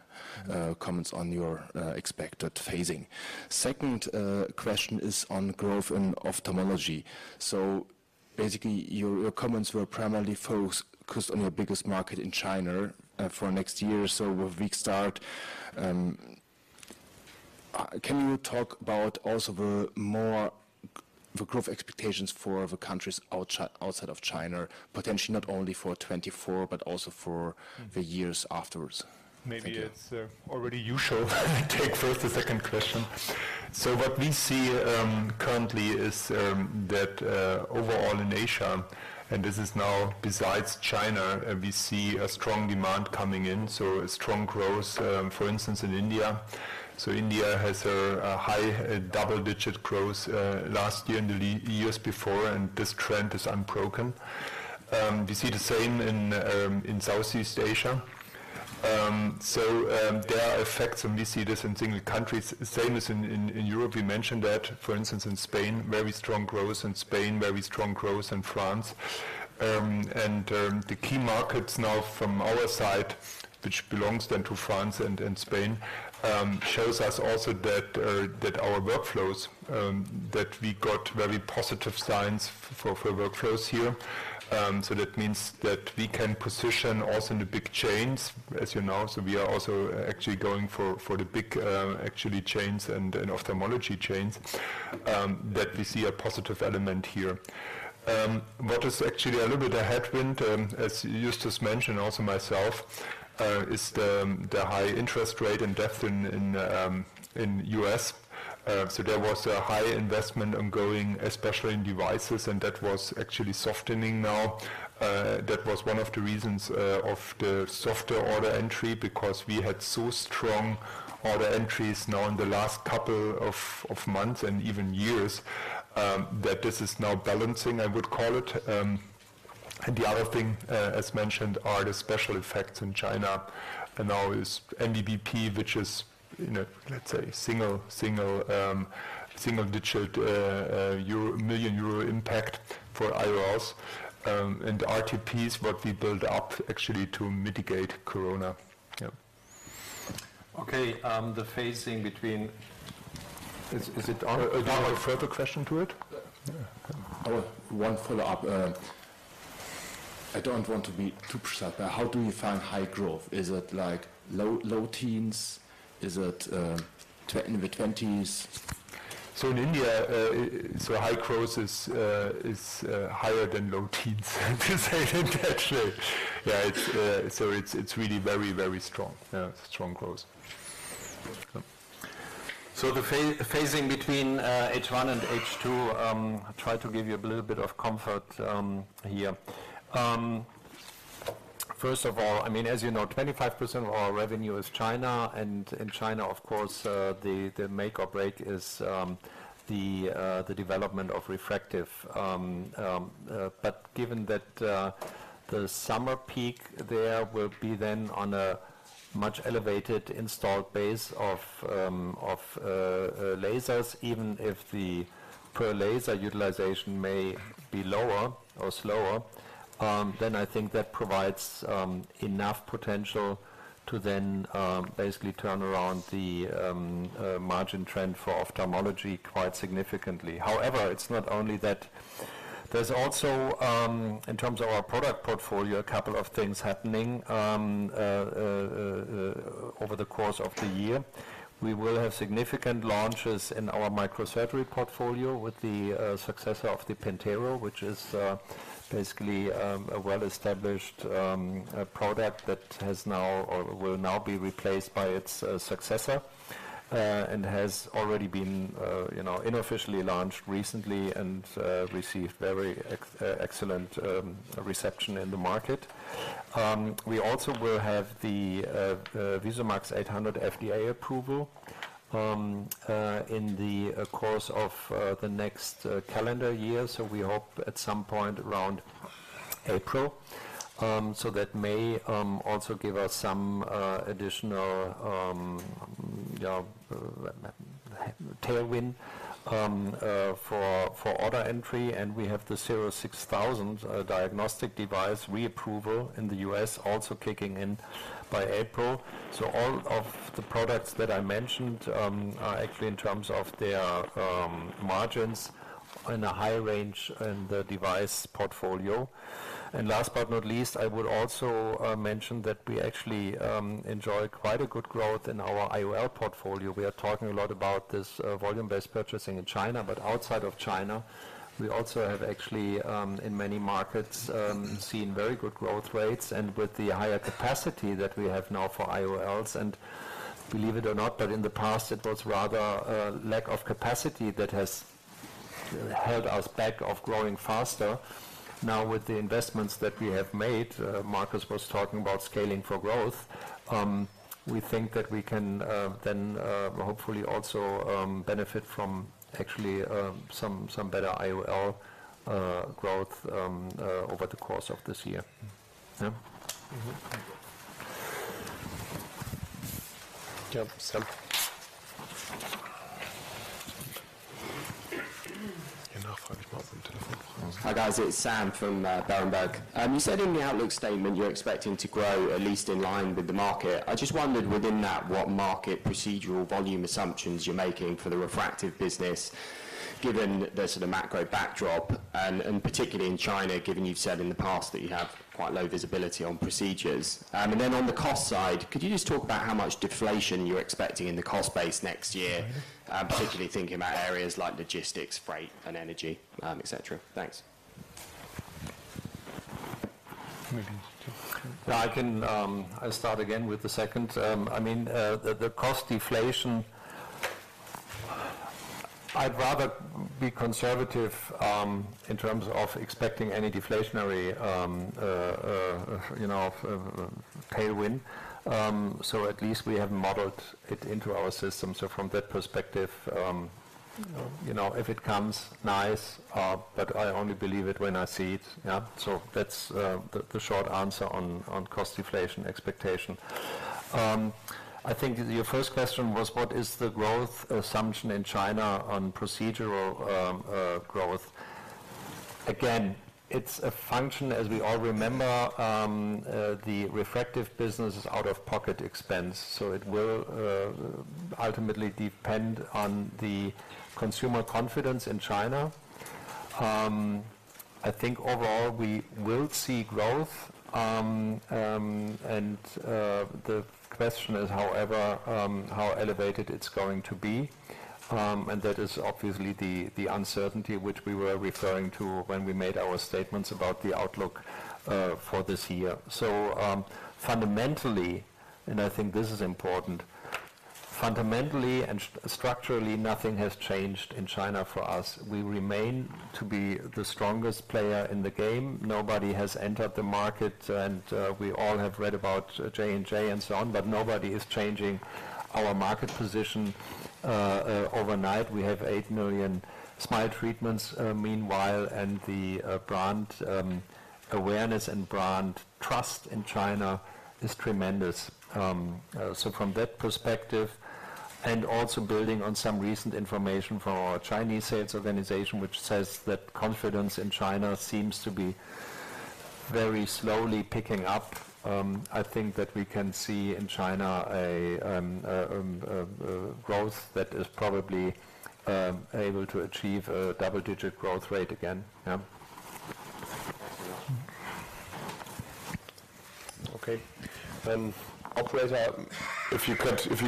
comments on your expected phasing. Second question is on growth in ophthalmology. So basically, your comments were primarily focused on your biggest market in China for next year or so, with a weak start. Can you talk about also the growth expectations for the countries outside of China, potentially not only for 2024, but also for the years afterwards? Maybe it's already you should take first the second question. So what we see currently is that overall in Asia, and this is now besides China, we see a strong demand coming in, so a strong growth for instance in India. So India has a high double-digit growth last year and the years before, and this trend is unbroken. We see the same in Southeast Asia. So there are effects, and we see this in single countries, same as in Europe. You mentioned that, for instance, in Spain, very strong growth in Spain, very strong growth in France. And the key markets now from our side, which belongs then to France and Spain, shows us also that that our workflows that we got very positive signs for workflows here. So that means that we can position also in the big chains, as you know. So we are also actually going for the big actually chains and ophthalmology chains that we see a positive element here. What is actually a little bit of a headwind, as Justus mentioned, also myself, is the high interest rate and debt in the U.S. So there was a high investment ongoing, especially in devices, and that was actually softening now. That was one of the reasons of the softer order entry, because we had so strong order entries now in the last couple of months and even years, that this is now balancing, I would call it. And the other thing, as mentioned, are the special effects in China. And now is NVBP, which is, you know, let's say single-digit million EUR impact for IOLs. And RTP is what we built up actually to mitigate Corona. Yeah. Okay, the phasing between, is it on? Do you have a further question to it? Yeah. Oh, one follow-up. I don't want to be too precise, but how do you find high growth? Is it like low teens? Is it in the 20s? So in India, so high growth is, is, higher than low teens, to say it actually. Yeah, it's, so it's, it's really very, very strong. Yeah, strong growth. So the phasing between, H1 and H2, I try to give you a little bit of comfort, here. First of all, I mean, as you know, 25% of our revenue is China, and in China, of course, the, the make or break is, the, the development of refractive. But given that, the summer peak there will be then on a much elevated installed base of, of, lasers, even if the per laser utilization may be lower or slower, then I think that provides, enough potential to then, basically turn around the, margin trend for ophthalmology quite significantly. However, it's not only that. There's also, in terms of our product portfolio, a couple of things happening over the course of the year. We will have significant launches in our microsurgery portfolio with the successor of the PENTERO, which is basically a well-established product that has now or will now be replaced by its successor, and has already been, you know, unofficially launched recently and received very excellent reception in the market. We also will have the VISUMAX 800 FDA approval in the course of the next calendar year, so we hope at some point around April. So that may also give us some additional tailwind for order entry, and we have the CIRRUS 6000 diagnostic device reapproval in the U.S. also kicking in by April. So all of the products that I mentioned are actually in terms of their margins in a high range in the device portfolio. And last but not least, I would also mention that we actually enjoy quite a good growth in our IOL portfolio. We are talking a lot about this, volume-based purchasing in China, but outside of China, we also have actually, in many markets, seen very good growth rates and with the higher capacity that we have now for IOLs, and believe it or not, but in the past, it was rather a lack of capacity that has held us back of growing faster. Now, with the investments that we have made, Markus was talking about scaling for growth, we think that we can, then, hopefully also, benefit from actually, some better IOL growth over the course of this year. Yeah. Mm-hmm. Yeah, Sam. Hi, guys, it's Sam from Berenberg. You said in the outlook statement you're expecting to grow at least in line with the market. I just wondered within that, what market procedural volume assumptions you're making for the refractive business, given the sort of macro backdrop, and particularly in China, given you've said in the past that you have quite low visibility on procedures. And then on the cost side, could you just talk about how much deflation you're expecting in the cost base next year? Particularly thinking about areas like logistics, freight, and energy, et cetera. Thanks. Yeah, I can start again with the second. I mean, the cost deflation, I'd rather be conservative in terms of expecting any deflationary tailwind. So at least we have modeled it into our system. So from that perspective, you know, if it comes, nice, but I only believe it when I see it. Yeah. So that's the short answer on cost deflation expectation. I think your first question was, what is the growth assumption in China on procedural growth? Again, it's a function, as we all remember, the refractive business is out-of-pocket expense, so it will ultimately depend on the consumer confidence in China. I think overall, we will see growth. The question is, however, how elevated it's going to be, and that is obviously the uncertainty which we were referring to when we made our statements about the outlook for this year. So, fundamentally, and I think this is important, fundamentally and structurally, nothing has changed in China for us. We remain to be the strongest player in the game. Nobody has entered the market, and we all have read about J&J and so on, but nobody is changing our market position overnight. We have 8 million SMILE treatments meanwhile, and the brand awareness and brand trust in China is tremendous. So from that perspective, and also building on some recent information from our Chinese sales organization, which says that confidence in China seems to be-... very slowly picking up, I think that we can see in China a growth that is probably able to achieve a double-digit growth rate again. Yeah. Thank you very much. Okay, then operator, if you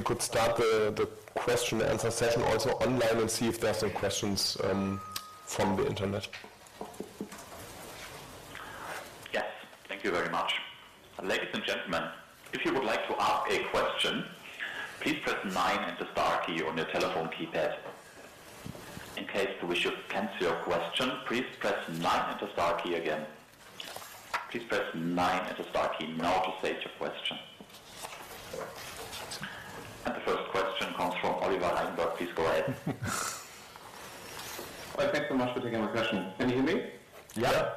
could start the question and answer session also online and see if there are some questions from the internet. Yes, thank you very much. Ladies and gentlemen, if you would like to ask a question, please press nine and the star key on your telephone keypad. In case we should cancel your question, please press nine and the star key again. Please press nine and the star key now to state your question. And the first question comes from Oliver Reinberg. Please go ahead. Well, thanks so much for taking my question. Can you hear me? Yeah. Yeah.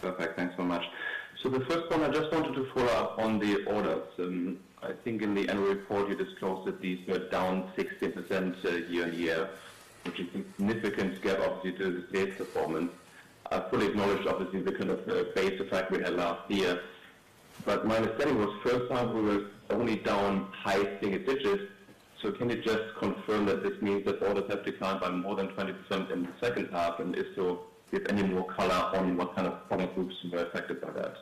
Perfect. Thanks so much. So the first one, I just wanted to follow up on the orders. I think in the annual report, you disclosed that these were down 16% year-on-year, which is significant gap obviously to the sales performance. I fully acknowledge, obviously, the kind of base effect we had last year, but my understanding was first time we were only down high single digits. So can you just confirm that this means that orders have declined by more than 20% in the second half? And if so, give any more color on what kind of product groups were affected by that.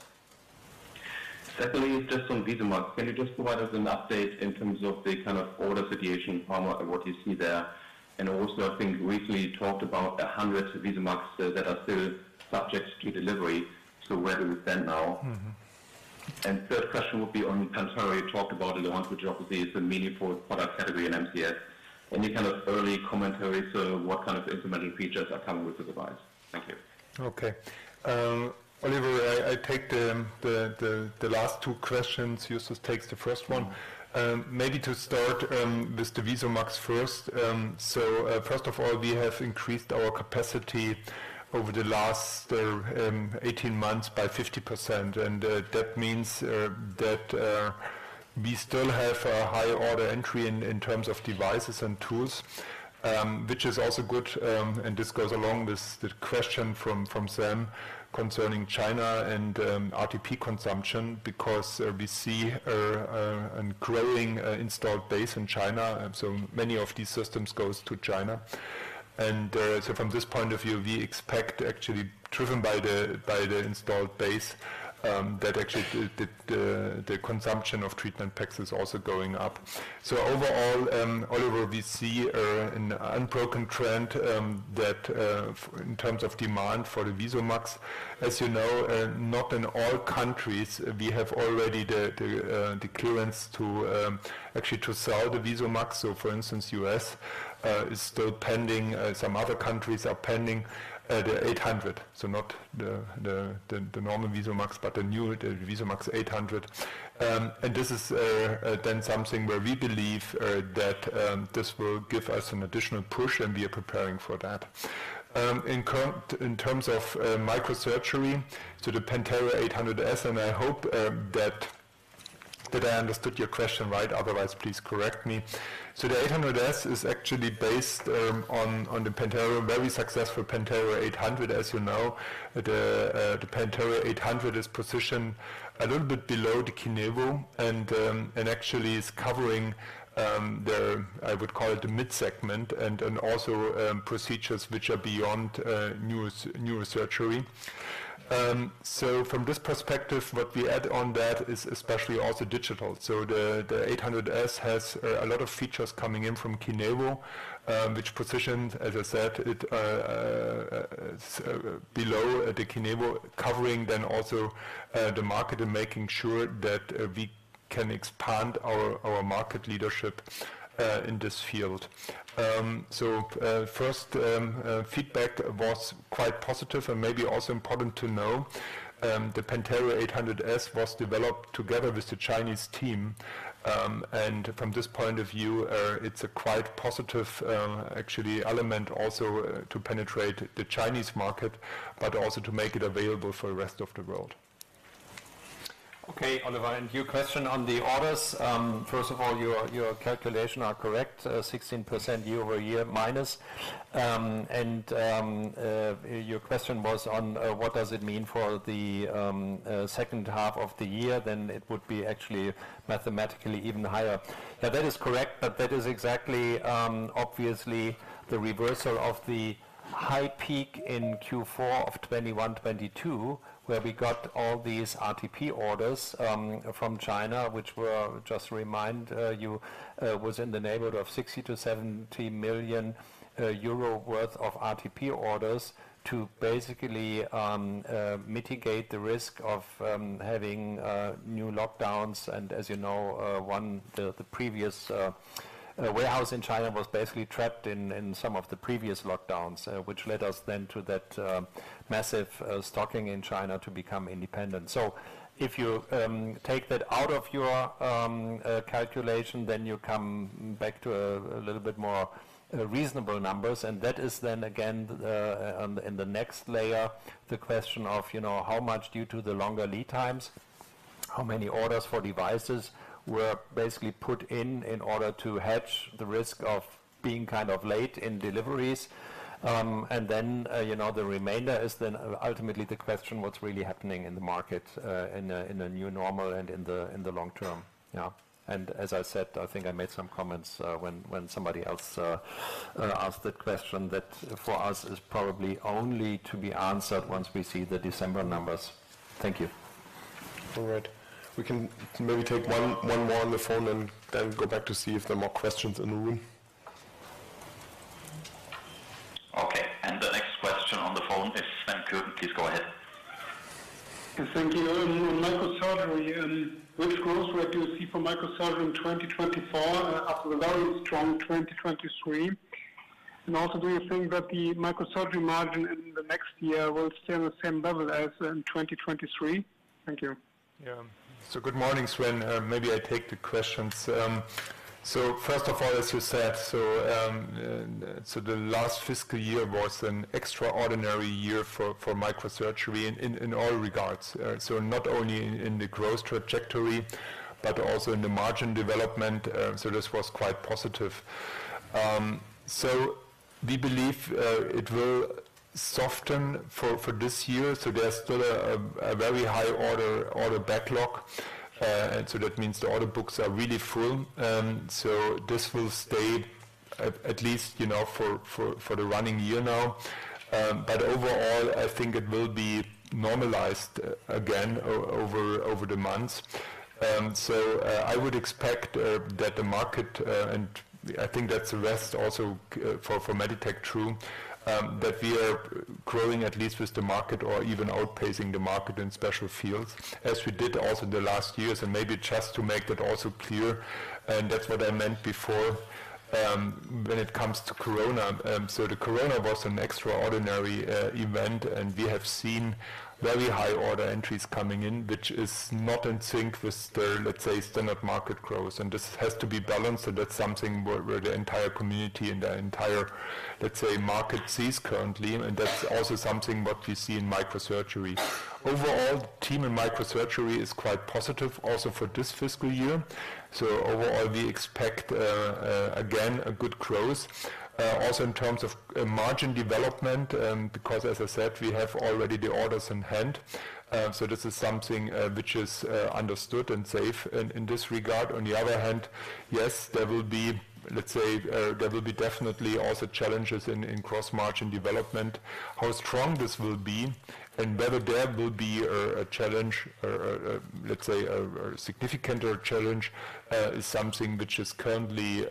Secondly, just on VISUMAX, can you just provide us an update in terms of the kind of order situation, how mu- and what you see there? Also, I think recently you talked about 100 VISUMAX that are still subject to delivery. So where do we stand now? Mm-hmm. Third question would be on PENTERO. You talked about the launch, which obviously is a meaningful product category in MCS. Any kind of early commentary to what kind of instrumental features are coming with the device? Thank you. Okay. Oliver, I take the last two questions. Justus takes the first one. Maybe to start with the VISUMAX first. So, first of all, we have increased our capacity over the last 18 months by 50%, and that means that we still have a high order entry in terms of devices and tools, which is also good. And this goes along with the question from Sam concerning China and RTP consumption, because we see a growing installed base in China, and so many of these systems goes to China. And so from this point of view, we expect actually driven by the installed base that actually the consumption of treatment packs is also going up. So overall, Oliver, we see an unbroken trend that in terms of demand for the VISUMAX. As you know, not in all countries, we have already the, the clearance to actually to sell the VISUMAX. So for instance, U.S. is still pending. Some other countries are pending the 800, so not the, the normal VISUMAX, but the new, the VISUMAX 800. And this is then something where we believe that this will give us an additional push, and we are preparing for that. In terms of microsurgery, so the PENTERO 800 S, and I hope that that I understood your question right, otherwise, please correct me. So the 800 S is actually based on the PENTERO, very successful PENTERO 800, as you know. The PENTERO 800 is positioned a little bit below the KINEVO and actually is covering the... I would call it the mid segment and also procedures which are beyond neurosurgery. So from this perspective, what we add on that is especially also digital. So the 800 S has a lot of features coming in from KINEVO, which positions, as I said, it below the KINEVO, covering then also the market and making sure that we can expand our market leadership in this field. So, first, feedback was quite positive and maybe also important to know, the PENTERO 800 S was developed together with the Chinese team. And from this point of view, it's a quite positive, actually element also, to penetrate the Chinese market, but also to make it available for the rest of the world. Okay, Oliver, and your question on the orders. First of all, your calculation are correct, 16% year-over-year minus. And your question was on what does it mean for the second half of the year, then it would be actually mathematically even higher. Now, that is correct, but that is exactly, obviously the reversal of the high peak in Q4 of 2021, 2022, where we got all these RTP orders from China, which were, just to remind you, was in the neighborhood of 60 million-70 million euro worth of RTP orders to basically mitigate the risk of having new lockdowns. As you know, the previous warehouse in China was basically trapped in some of the previous lockdowns, which led us then to that massive stocking in China to become independent. So if you take that out of your calculation, then you come back to a little bit more reasonable numbers. And that is then again in the next layer, the question of, you know, how much due to the longer lead times?... how many orders for devices were basically put in, in order to hedge the risk of being kind of late in deliveries. And then, you know, the remainder is then ultimately the question: what's really happening in the market, in a new normal and in the long term? Yeah. And as I said, I think I made some comments when somebody else asked that question, that for us is probably only to be answered once we see the December numbers. Thank you. All right. We can maybe take one more on the phone and then go back to see if there are more questions in the room. Okay, and the next question on the phone is Sven Kürten. Please go ahead. Yes, thank you. In microsurgery and which growth rate do you see for microsurgery in 2024, after the very strong 2023? And also, do you think that the microsurgery margin in the next year will stay on the same level as in 2023? Thank you. Yeah. So good morning, Sven. Maybe I take the questions. So first of all, as you said, so the last fiscal year was an extraordinary year for microsurgery in all regards. So not only in the growth trajectory, but also in the margin development, so this was quite positive. So we believe it will soften for this year, so there's still a very high order backlog. And so that means the order books are really full, so this will stay at least, you know, for the running year now. But overall, I think it will be normalized again over the months. So, I would expect that the market, and I think that's the rest also, for Meditec too, that we are growing at least with the market or even outpacing the market in special fields, as we did also in the last years. And maybe just to make that also clear, and that's what I meant before, when it comes to Corona. So the Corona was an extraordinary event, and we have seen very high order entries coming in, which is not in sync with the, let's say, standard market growth. And this has to be balanced, and that's something where the entire community and the entire, let's say, market sees currently, and that's also something what we see in microsurgery. Overall, the team in microsurgery is quite positive also for this fiscal year. So overall, we expect again a good growth also in terms of margin development because as I said, we have already the orders in hand. So this is something which is understood and safe in this regard. On the other hand, yes, there will be, let's say, there will be definitely also challenges in gross-margin development. How strong this will be and whether there will be a challenge or, let's say, a significant challenge is something which is currently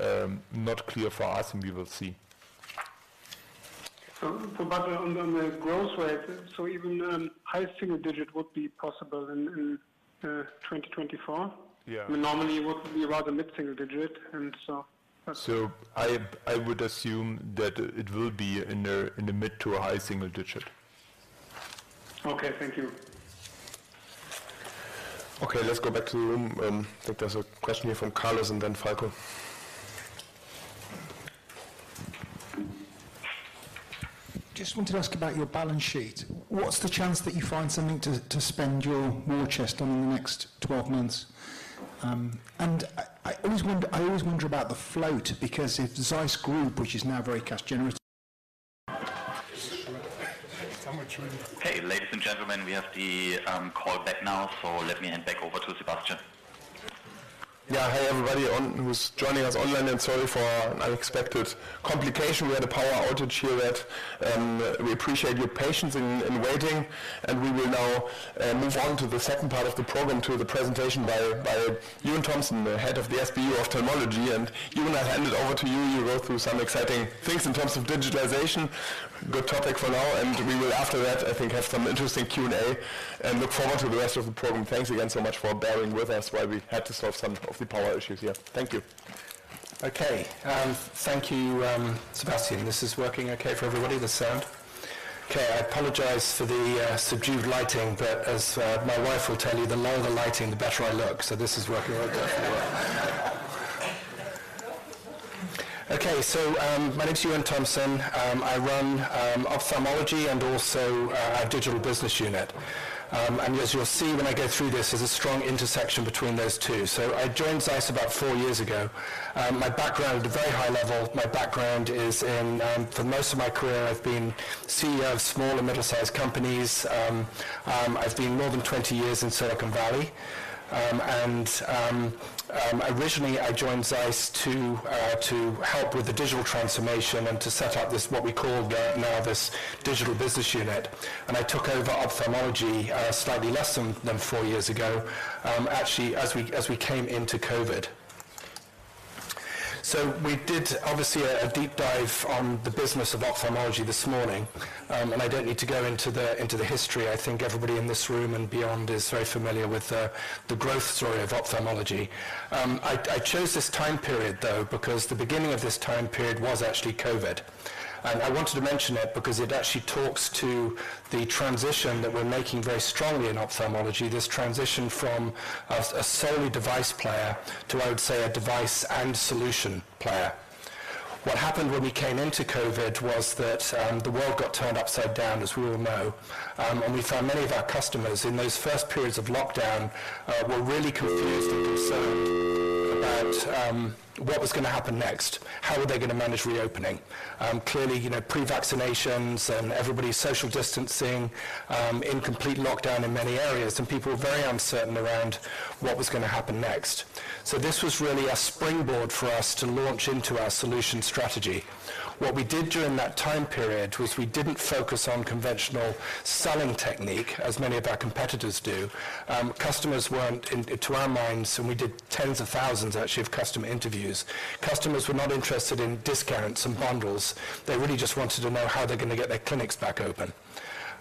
not clear for us, and we will see. So, but on the growth rate, so even high single digit would be possible in 2024? Yeah. Normally, it would be rather mid-single-digit, and so- I would assume that it will be in the mid to a high single digit. Okay, thank you. Okay, let's go back to the room. I think there's a question here from Carlos and then Falko. Just wanted to ask about your balance sheet. What's the chance that you find something to spend your war chest on in the next 12 months? And I always wonder about the float, because if Zeiss Group, which is now very cash generative- Hey, ladies and gentlemen, we have the call back now, so let me hand back over to Sebastian. Yeah. Hi, everybody who's joining us online, and sorry for an unexpected complication. We had a power outage here at.... We appreciate your patience in waiting, and we will now move on to the second part of the program, to the presentation by Euan Thomson, the head of the SBU Ophthalmology. And Euan, I hand it over to you. You go through some exciting things in terms of digitization. Good topic for now, and we will, after that, I think, have some interesting Q&A and look forward to the rest of the program. Thanks again so much for bearing with us while we had to solve some of the power issues here. Thank you. Okay, thank you. Sebastian, this is working okay for everybody, the sound? Okay, I apologize for the subdued lighting, but as my wife will tell you, the lower the lighting, the better I look. So this is working very good for me. Okay, so my name is Euan Thomson. I run Ophthalmology and also our digital business unit. And as you'll see when I go through this, there's a strong intersection between those two. So I joined Zeiss about four years ago, and my background, at a very high level, my background is in... For most of my career, I've been CEO of small and middle-sized companies. I've been more than 20 years in Silicon Valley. Originally, I joined ZEISS to help with the digital transformation and to set up this, what we call the neurosurgery digital business unit. I took over Ophthalmology slightly less than four years ago, actually, as we came into COVID. We did obviously a deep dive on the business of Ophthalmology this morning, and I don't need to go into the history. I think everybody in this room and beyond is very familiar with the growth story of Ophthalmology. I chose this time period, though, because the beginning of this time period was actually COVID. I wanted to mention it because it actually talks to the transition that we're making very strongly in Ophthalmology, this transition from a solely device player to, I would say, a device and solution player. What happened when we came into COVID was that the world got turned upside down, as we all know. And we found many of our customers in those first periods of lockdown were really confused and concerned about what was gonna happen next, how were they gonna manage reopening? Clearly, you know, pre-vaccinations and everybody's social distancing in complete lockdown in many areas, and people were very uncertain around what was gonna happen next. So this was really a springboard for us to launch into our solution strategy. What we did during that time period was we didn't focus on conventional selling technique, as many of our competitors do. Customers weren't in to our minds, and we did tens of thousands, actually, of customer interviews. Customers were not interested in discounts and bundles. They really just wanted to know how they're gonna get their clinics back open.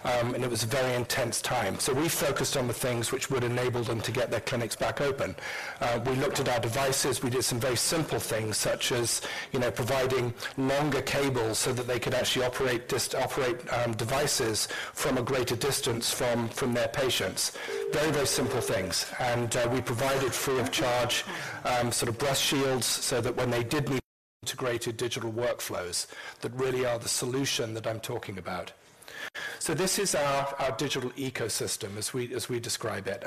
And it was a very intense time, so we focused on the things which would enable them to get their clinics back open. We looked at our devices. We did some very simple things, such as, you know, providing longer cables so that they could actually operate devices from a greater distance from their patients. Very, very simple things. We provided free of charge sort of breath shields so that when they did need... integrated digital workflows that really are the solution that I'm talking about. So this is our, our digital ecosystem, as we, as we describe it,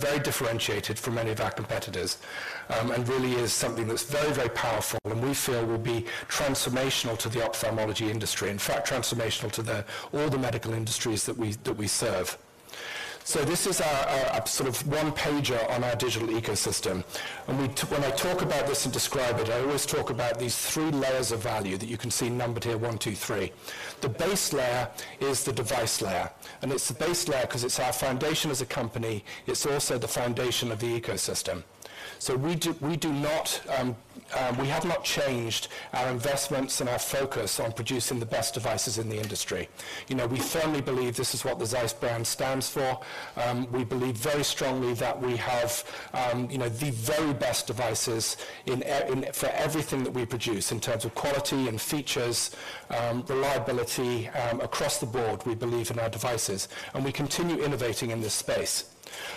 and very differentiated from many of our competitors, and really is something that's very, very powerful and we feel will be transformational to the ophthalmology industry, in fact, transformational to the, all the medical industries that we, that we serve. So this is our, our sort of one-pager on our digital ecosystem, and we when I talk about this and describe it, I always talk about these three layers of value that you can see numbered here, one, two, three. The base layer is the device layer, and it's the base layer 'cause it's our foundation as a company. It's also the foundation of the ecosystem. So we have not changed our investments and our focus on producing the best devices in the industry. You know, we firmly believe this is what the ZEISS brand stands for. We believe very strongly that we have, you know, the very best devices in everything that we produce in terms of quality and features, reliability. Across the board, we believe in our devices, and we continue innovating in this space.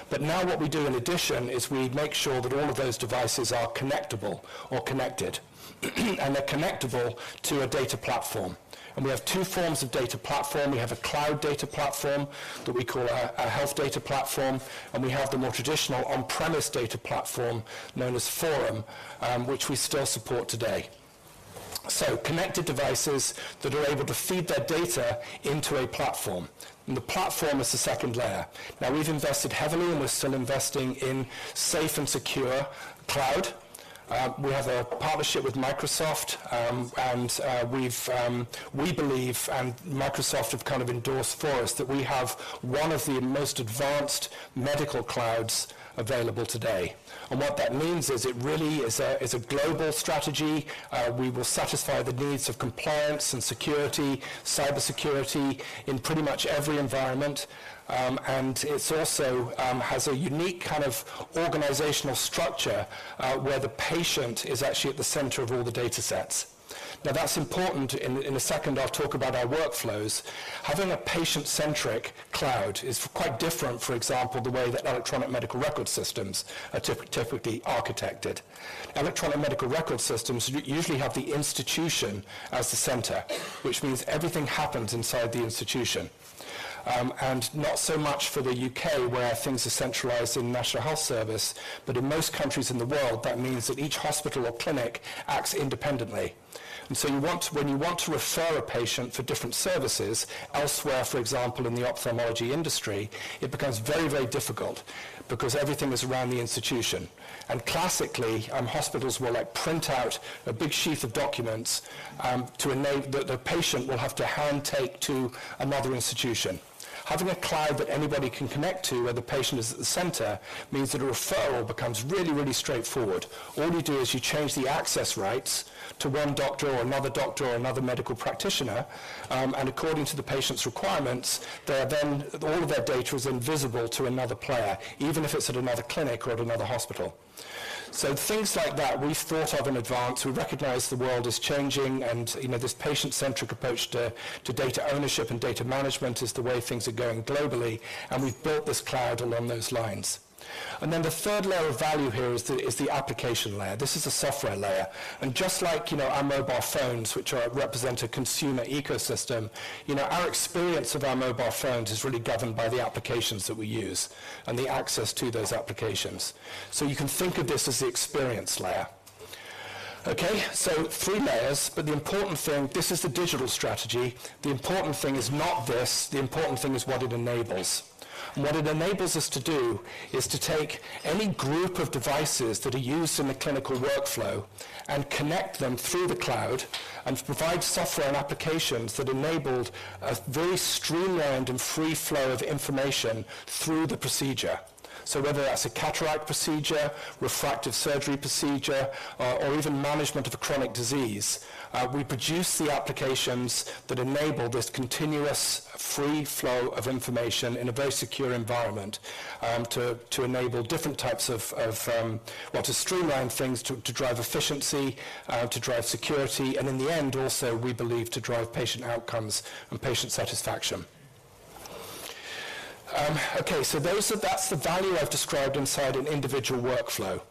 But now what we do in addition is we make sure that all of those devices are connectable or connected, and they're connectable to a data platform. And we have two forms of data platform. We have a cloud data platform that we call our Health Data Platform, and we have the more traditional on-premise data platform known as FORUM, which we still support today. So connected devices that are able to feed their data into a platform, and the platform is the second layer. Now, we've invested heavily, and we're still investing in safe and secure cloud. We have a partnership with Microsoft, and we believe, and Microsoft have kind of endorsed for us, that we have one of the most advanced medical clouds available today. And what that means is it really is a global strategy. We will satisfy the needs of compliance and security, cybersecurity in pretty much every environment. And it's also has a unique kind of organizational structure, where the patient is actually at the center of all the datasets. Now, that's important. In a second, I'll talk about our workflows. Having a patient-centric cloud is quite different, for example, the way that electronic medical record systems are typically architected. Electronic medical record systems usually have the institution as the center, which means everything happens inside the institution. And not so much for the U.K., where things are centralized in National Health Service, but in most countries in the world, that means that each hospital or clinic acts independently. When you want to refer a patient for different services elsewhere, for example, in the ophthalmology industry, it becomes very, very difficult because everything is around the institution. Classically, hospitals will, like, print out a big sheaf of documents to enable that the patient will have to hand take to another institution. Having a cloud that anybody can connect to, where the patient is at the center, means that a referral becomes really, really straightforward. All you do is you change the access rights to one doctor or another doctor or another medical practitioner, and according to the patient's requirements, they are then all of their data is invisible to another player, even if it's at another clinic or at another hospital. Things like that, we've thought of in advance. We recognize the world is changing, and, you know, this patient-centric approach to, to data ownership and data management is the way things are going globally, and we've built this cloud along those lines. And then the third layer of value here is the application layer. This is the software layer. And just like, you know, our mobile phones, which represent a consumer ecosystem, you know, our experience of our mobile phones is really governed by the applications that we use and the access to those applications. So you can think of this as the experience layer. Okay, so three layers, but the important thing, this is the digital strategy. The important thing is not this; the important thing is what it enables. And what it enables us to do is to take any group of devices that are used in a clinical workflow and connect them through the cloud and provide software and applications that enabled a very streamlined and free flow of information through the procedure. So whether that's a cataract procedure, refractive surgery procedure, or even management of a chronic disease, we produce the applications that enable this continuous free flow of information in a very secure environment, to enable different types of, well, to streamline things, to drive efficiency, to drive security, and in the end, also, we believe to drive patient outcomes and patient satisfaction. Okay, so those are—that's the value I've described inside an individual workflow.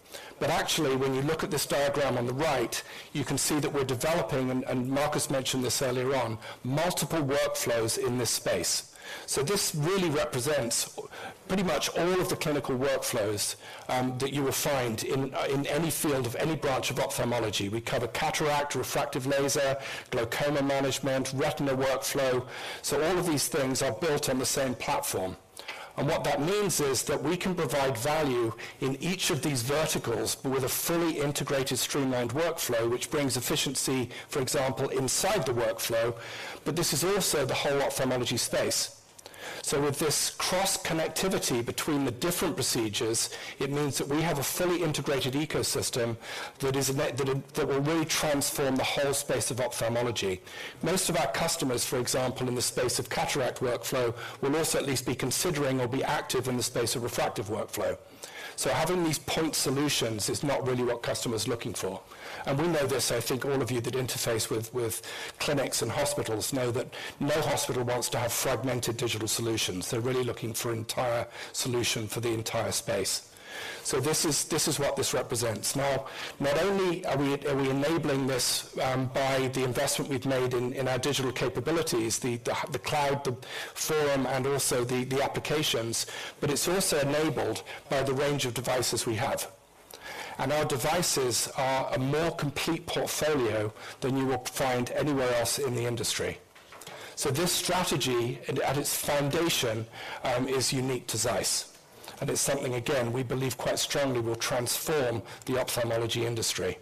But actually, when you look at this diagram on the right, you can see that we're developing, and Markus mentioned this earlier on, multiple workflows in this space. So this really represents pretty much all of the clinical workflows, that you will find in any field of any branch of ophthalmology. We cover cataract, refractive laser, glaucoma management, retina workflow. So all of these things are built on the same platform, and what that means is that we can provide value in each of these verticals, but with a fully integrated, streamlined workflow, which brings efficiency, for example, inside the workflow, but this is also the whole ophthalmology space. So with this cross-connectivity between the different procedures, it means that we have a fully integrated ecosystem that will really transform the whole space of ophthalmology. Most of our customers, for example, in the space of cataract workflow, will also at least be considering or be active in the space of refractive workflow. So having these point solutions is not really what customers are looking for, and we know this. I think all of you that interface with clinics and hospitals know that no hospital wants to have fragmented digital solutions. They're really looking for entire solution for the entire space. So this is what this represents. Now, not only are we enabling this by the investment we've made in our digital capabilities, the cloud, the FORUM, and also the applications, but it's also enabled by the range of devices we have. And our devices are a more complete portfolio than you will find anywhere else in the industry. So this strategy at its foundation is unique to ZEISS, and it's something, again, we believe quite strongly will transform the ophthalmology industry.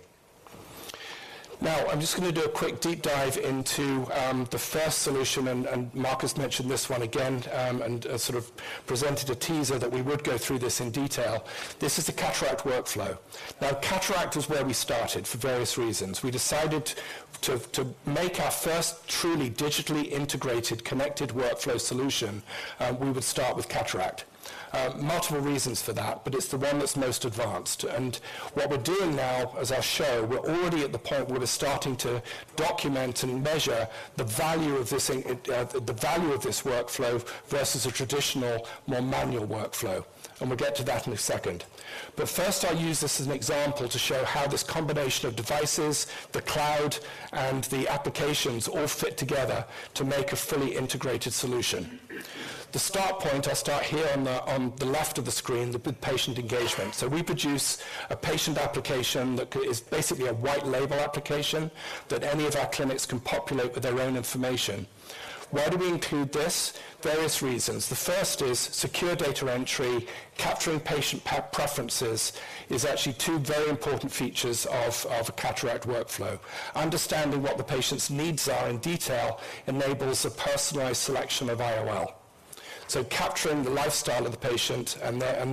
Now, I'm just gonna do a quick deep dive into the first solution, and Markus mentioned this one again, and sort of presented a teaser that we would go through this in detail. This is the cataract workflow. Now, cataract was where we started for various reasons. We decided to make our first truly digitally integrated, connected workflow solution, we would start with cataract. Multiple reasons for that, but it's the one that's most advanced. And what we're doing now, as I show, we're already at the point where we're starting to document and measure the value of this in, the value of this workflow versus a traditional, more manual workflow, and we'll get to that in a second. But first, I'll use this as an example to show how this combination of devices, the cloud, and the applications all fit together to make a fully integrated solution. The start point, I'll start here on the left of the screen, the patient engagement. So we produce a patient application that is basically a white label application that any of our clinics can populate with their own information. Why do we include this? Various reasons. The first is secure data entry. Capturing patient preferences is actually two very important features of a cataract workflow. Understanding what the patient's needs are in detail enables a personalized selection of IOL. So capturing the lifestyle of the patient and their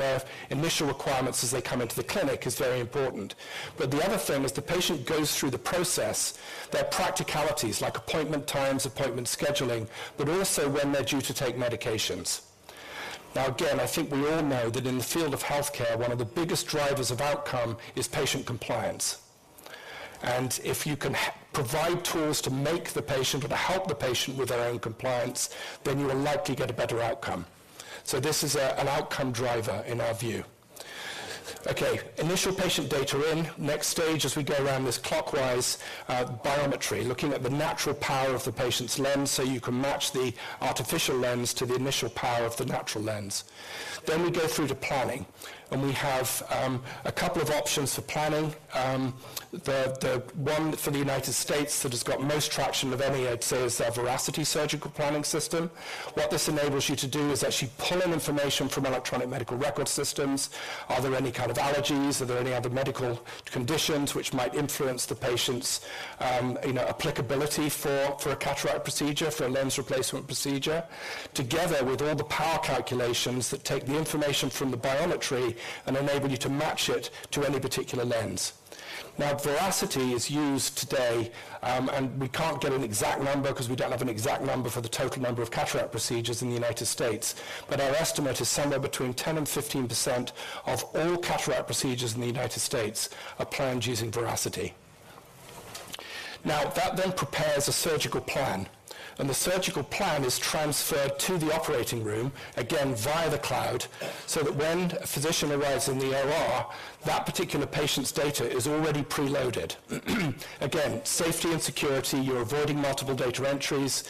initial requirements as they come into the clinic is very important. But the other thing, as the patient goes through the process, there are practicalities like appointment times, appointment scheduling, but also when they're due to take medications. Now, again, I think we all know that in the field of healthcare, one of the biggest drivers of outcome is patient compliance, and if you can provide tools to make the patient or to help the patient with their own compliance, then you will likely get a better outcome. So this is a, an outcome driver in our view. Okay, initial patient data in. Next stage, as we go around this clockwise, biometry, looking at the natural power of the patient's lens, so you can match the artificial lens to the initial power of the natural lens. Then we go through to planning, and we have a couple of options for planning. The one for the United States that has got most traction of any I'd say, is our VERACITY surgical planning system. What this enables you to do is actually pull in information from electronic medical record systems. Are there any kind of allergies? Are there any other medical conditions which might influence the patient's, you know, applicability for, for a cataract procedure, for a lens replacement procedure? Together with all the power calculations that take the information from the biometry and enable you to match it to any particular lens. Now, VERACITY is used today, and we can't get an exact number 'cause we don't have an exact number for the total number of cataract procedures in the United States, but our estimate is somewhere between 10%-15% of all cataract procedures in the United States are planned using VERACITY. Now, that then prepares a surgical plan, and the surgical plan is transferred to the operating room, again, via the cloud, so that when a physician arrives in the OR, that particular patient's data is already preloaded. Again, safety and security, you're avoiding multiple data entries.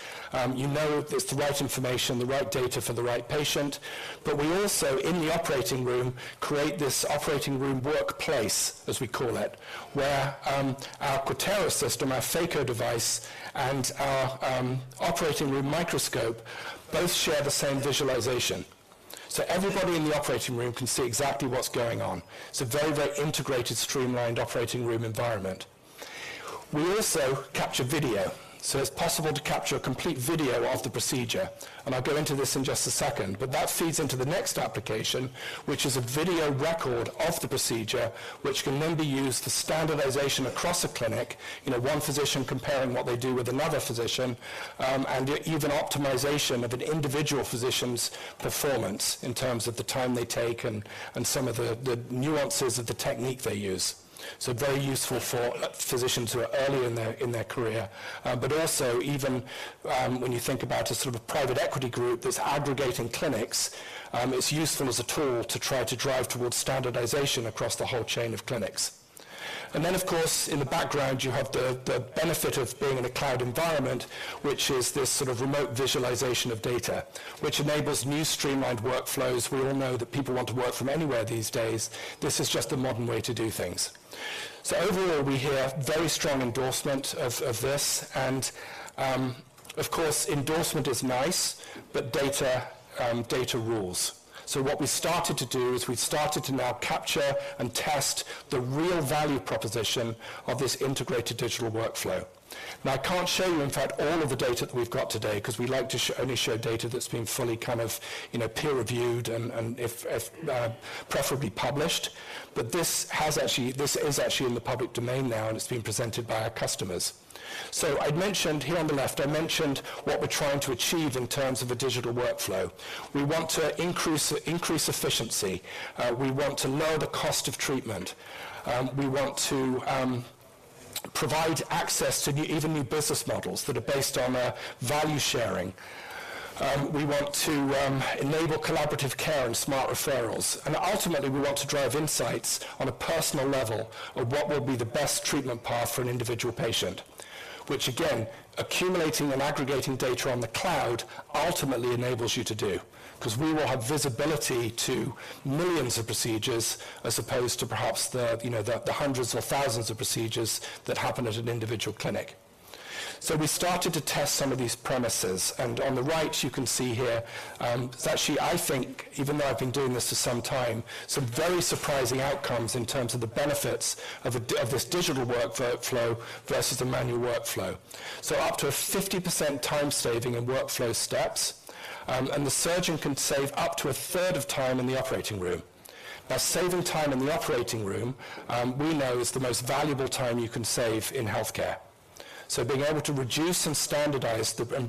You know, it's the right information, the right data for the right patient. But we also, in the operating room, create this operating room workplace, as we call it, where our QUATERA system, our phaco device, and our operating room microscope both share the same visualization. So everybody in the operating room can see exactly what's going on. It's a very, very integrated, streamlined operating room environment. We also capture video, so it's possible to capture a complete video of the procedure, and I'll go into this in just a second. But that feeds into the next application, which is a video record of the procedure, which can then be used for standardization across a clinic. You know, one physician comparing what they do with another physician, and even optimization of an individual physician's performance in terms of the time they take and some of the nuances of the technique they use. So very useful for physicians who are early in their career. But also, even when you think about a sort of private equity group that's aggregating clinics, it's useful as a tool to try to drive towards standardization across the whole chain of clinics. And then, of course, in the background, you have the benefit of being in a cloud environment, which is this sort of remote visualization of data, which enables new streamlined workflows. We all know that people want to work from anywhere these days. This is just the modern way to do things. So overall, we hear very strong endorsement of, of this, and, of course, endorsement is nice, but data, data rules. So what we started to do is we started to now capture and test the real value proposition of this integrated digital workflow. Now, I can't show you, in fact, all of the data that we've got today, 'cause we like to only show data that's been fully kind of, you know, peer-reviewed and, and if, preferably published. But this has actually... This is actually in the public domain now, and it's being presented by our customers. So I'd mentioned, here on the left, I mentioned what we're trying to achieve in terms of a digital workflow. We want to increase efficiency, we want to lower the cost of treatment, we want to provide access to new, even new business models that are based on value sharing. We want to enable collaborative care and smart referrals, and ultimately, we want to drive insights on a personal level of what would be the best treatment path for an individual patient, which again, accumulating and aggregating data on the cloud ultimately enables you to do, 'cause we will have visibility to millions of procedures, as opposed to perhaps the, you know, the hundreds or thousands of procedures that happen at an individual clinic. So we started to test some of these premises, and on the right, you can see here, it's actually, I think, even though I've been doing this for some time, some very surprising outcomes in terms of the benefits of this digital workflow versus the manual workflow. So up to a 50% time saving in workflow steps, and the surgeon can save up to a third of time in the operating room. Now, saving time in the operating room, we know is the most valuable time you can save in healthcare. So being able to reduce and standardize the,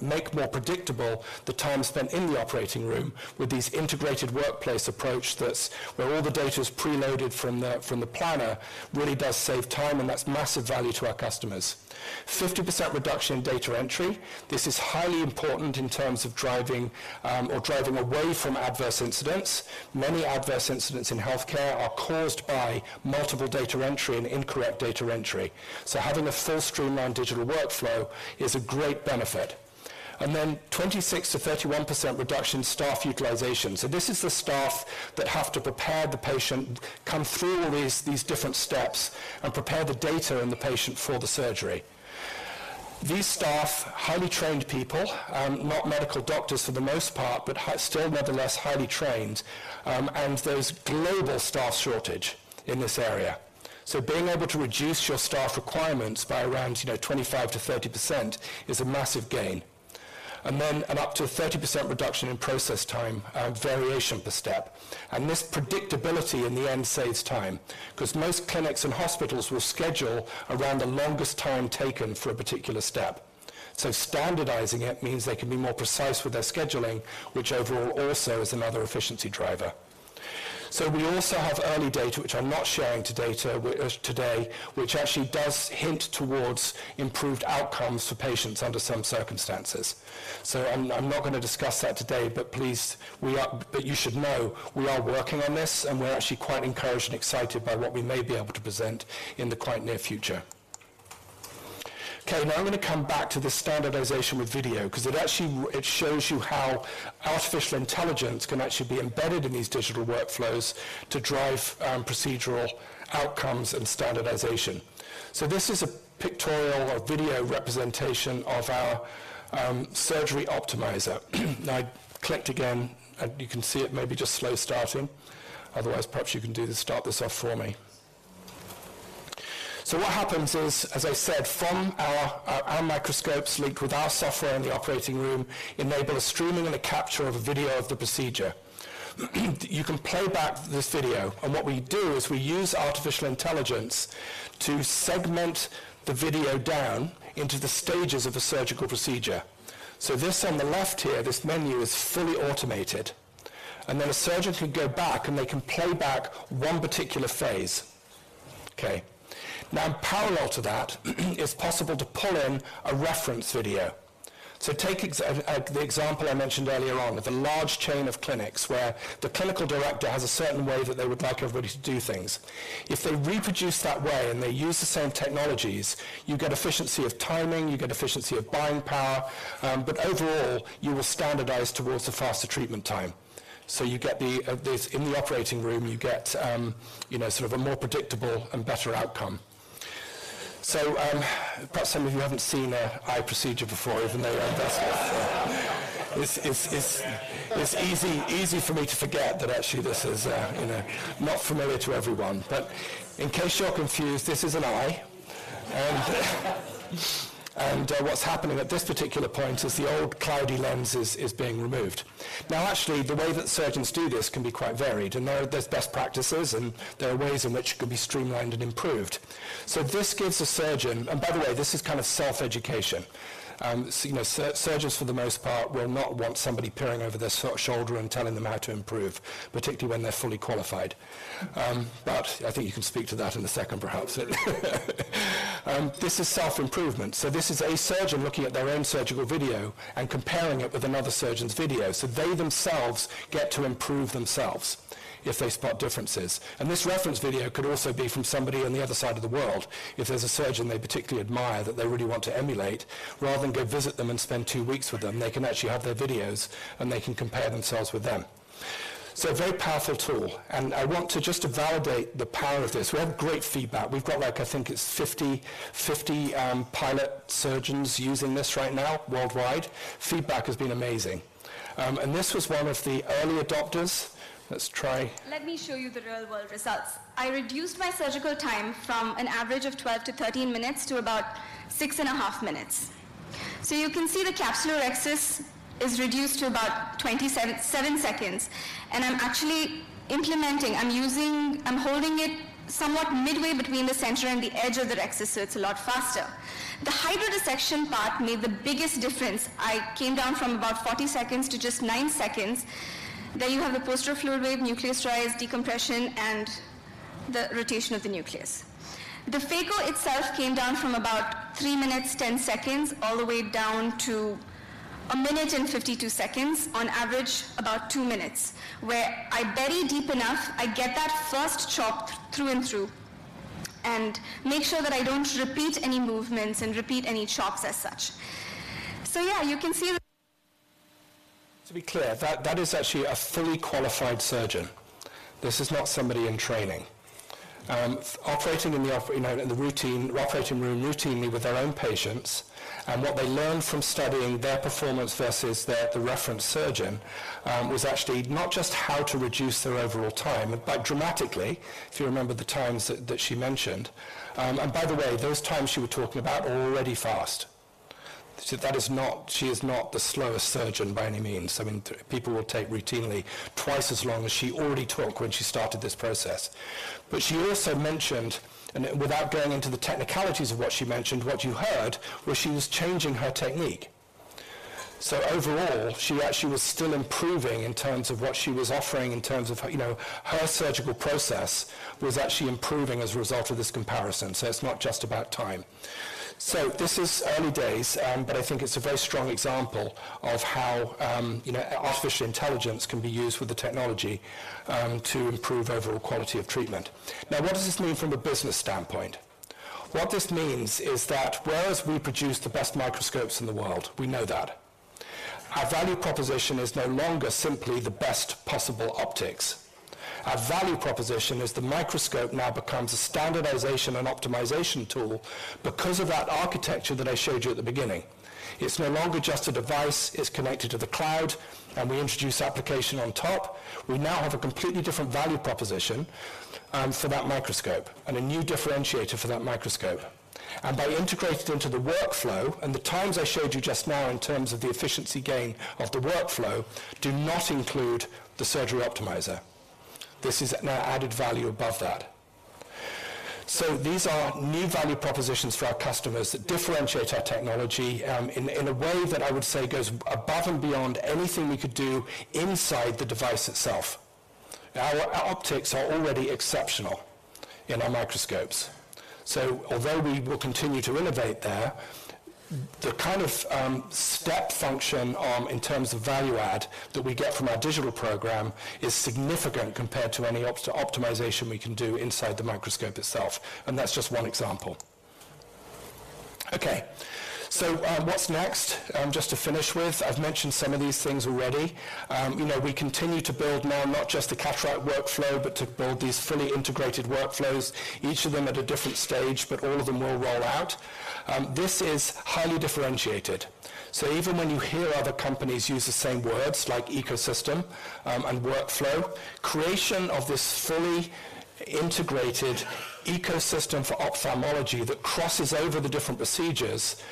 make more predictable, the time spent in the operating room with this integrated workplace approach, that's where all the data is preloaded from the, from the planner, really does save time, and that's massive value to our customers. 50% reduction in data entry. This is highly important in terms of driving, or driving away from adverse incidents. Many adverse incidents in healthcare are caused by multiple data entry and incorrect data entry. So having a full streamlined digital workflow is a great benefit. And then 26%-31% reduction in staff utilization. So this is the staff that have to prepare the patient, come through all these, these different steps, and prepare the data and the patient for the surgery. These staff, highly trained people, not medical doctors for the most part, but high, still nonetheless, highly trained, and there's global staff shortage in this area. So being able to reduce your staff requirements by around, you know, 25%-30% is a massive gain. And then an up to 30% reduction in process time and variation per step. This predictability, in the end, saves time, 'cause most clinics and hospitals will schedule around the longest time taken for a particular step. Standardizing it means they can be more precise with their scheduling, which overall also is another efficiency driver. We also have early data, which I'm not sharing today, too, today, which actually does hint towards improved outcomes for patients under some circumstances. I'm not gonna discuss that today, but please, but you should know we are working on this, and we're actually quite encouraged and excited by what we may be able to present in the quite near future. Okay, now I'm gonna come back to the standardization with video, 'cause it actually, it shows you how artificial intelligence can actually be embedded in these digital workflows to drive procedural outcomes and standardization. So this is a pictorial or video representation of our Surgery Optimizer. Now, I clicked again, and you can see it maybe just slow starting. Otherwise, perhaps you can do this, start this off for me. So what happens is, as I said, from our microscopes linked with our software in the operating room, enable a streaming and a capture of a video of the procedure. You can play back this video, and what we do is we use artificial intelligence to segment the video down into the stages of a surgical procedure. So this on the left here, this menu is fully automated, and then a surgeon can go back, and they can play back one particular phase. Okay. Now, parallel to that, it's possible to pull in a reference video. So take ex... The example I mentioned earlier on, with a large chain of clinics where the clinical director has a certain way that they would like everybody to do things. If they reproduce that way, and they use the same technologies, you get efficiency of timing, you get efficiency of buying power, but overall, you will standardize towards a faster treatment time. So you get this, in the operating room, you get, you know, sort of a more predictable and better outcome. So, perhaps some of you haven't seen an eye procedure before, even though it's easy for me to forget that actually, this is, you know, not familiar to everyone. But in case you're confused, this is an eye. And, what's happening at this particular point is the old cloudy lens is being removed. Now, actually, the way that surgeons do this can be quite varied, and there, there's best practices, and there are ways in which it could be streamlined and improved. So this gives the surgeon... By the way, this is kind of self-education. You know, surgeons, for the most part, will not want somebody peering over their shoulder and telling them how to improve, particularly when they're fully qualified. But I think you can speak to that in a second, perhaps. This is self-improvement. So this is a surgeon looking at their own surgical video and comparing it with another surgeon's video, so they themselves get to improve themselves... if they spot differences. And this reference video could also be from somebody on the other side of the world. If there's a surgeon they particularly admire that they really want to emulate, rather than go visit them and spend two weeks with them, they can actually have their videos, and they can compare themselves with them. So a very powerful tool, and I want to just to validate the power of this. We have great feedback. We've got, like, I think it's 50/50 pilot surgeons using this right now worldwide. Feedback has been amazing. And this was one of the early adopters. Let's try- Let me show you the real-world results. I reduced my surgical time from an average of 12 to 13 minutes to about 6.5 minutes. So you can see the capsulorhexis is reduced to about 27 seconds, and I'm actually using. I'm holding it somewhat midway between the center and the edge of the rhexis, so it's a lot faster. The hydrodissection part made the biggest difference. I came down from about 40 seconds to just 9 seconds. Then you have the posterior fluid wave, nucleus rise, decompression, and the rotation of the nucleus. The phaco itself came down from about 3 minutes, 10 seconds, all the way down to a minute and 52 seconds, on average, about 2 minutes. Where I bury deep enough, I get that first chop through and through and make sure that I don't repeat any movements and repeat any chops as such. So yeah, you can see the- To be clear, that, that is actually a fully qualified surgeon. This is not somebody in training. Operating in the operating room routinely with their own patients, you know, and what they learned from studying their performance versus the reference surgeon was actually not just how to reduce their overall time, but dramatically, if you remember the times that, that she mentioned. And by the way, those times she was talking about are already fast. So that is not - she is not the slowest surgeon by any means. I mean, people will take routinely twice as long as she already took when she started this process. But she also mentioned, and without going into the technicalities of what she mentioned, what you heard was she was changing her technique. So overall, she actually was still improving in terms of what she was offering, in terms of, you know, her surgical process was actually improving as a result of this comparison. So it's not just about time. So this is early days, but I think it's a very strong example of how, you know, artificial intelligence can be used with the technology, to improve overall quality of treatment. Now, what does this mean from a business standpoint? What this means is that whereas we produce the best microscopes in the world, we know that, our value proposition is no longer simply the best possible optics. Our value proposition is the microscope now becomes a standardization and optimization tool because of that architecture that I showed you at the beginning. It's no longer just a device. It's connected to the cloud, and we introduce application on top. We now have a completely different value proposition for that microscope and a new differentiator for that microscope. By integrating it into the workflow, and the times I showed you just now in terms of the efficiency gain of the workflow, do not include the Surgery Optimizer. This is now added value above that. So these are new value propositions for our customers that differentiate our technology in a way that I would say goes above and beyond anything we could do inside the device itself. Our optics are already exceptional in our microscopes, so although we will continue to innovate there, the kind of step function in terms of value add that we get from our digital program is significant compared to any optimization we can do inside the microscope itself, and that's just one example. Okay, so what's next? Just to finish with, I've mentioned some of these things already. You know, we continue to build now, not just the cataract workflow, but to build these fully integrated workflows, each of them at a different stage, but all of them will roll out. This is highly differentiated. So even when you hear other companies use the same words, like ecosystem, and workflow, creation of this fully integrated ecosystem for ophthalmology that crosses over the different procedures,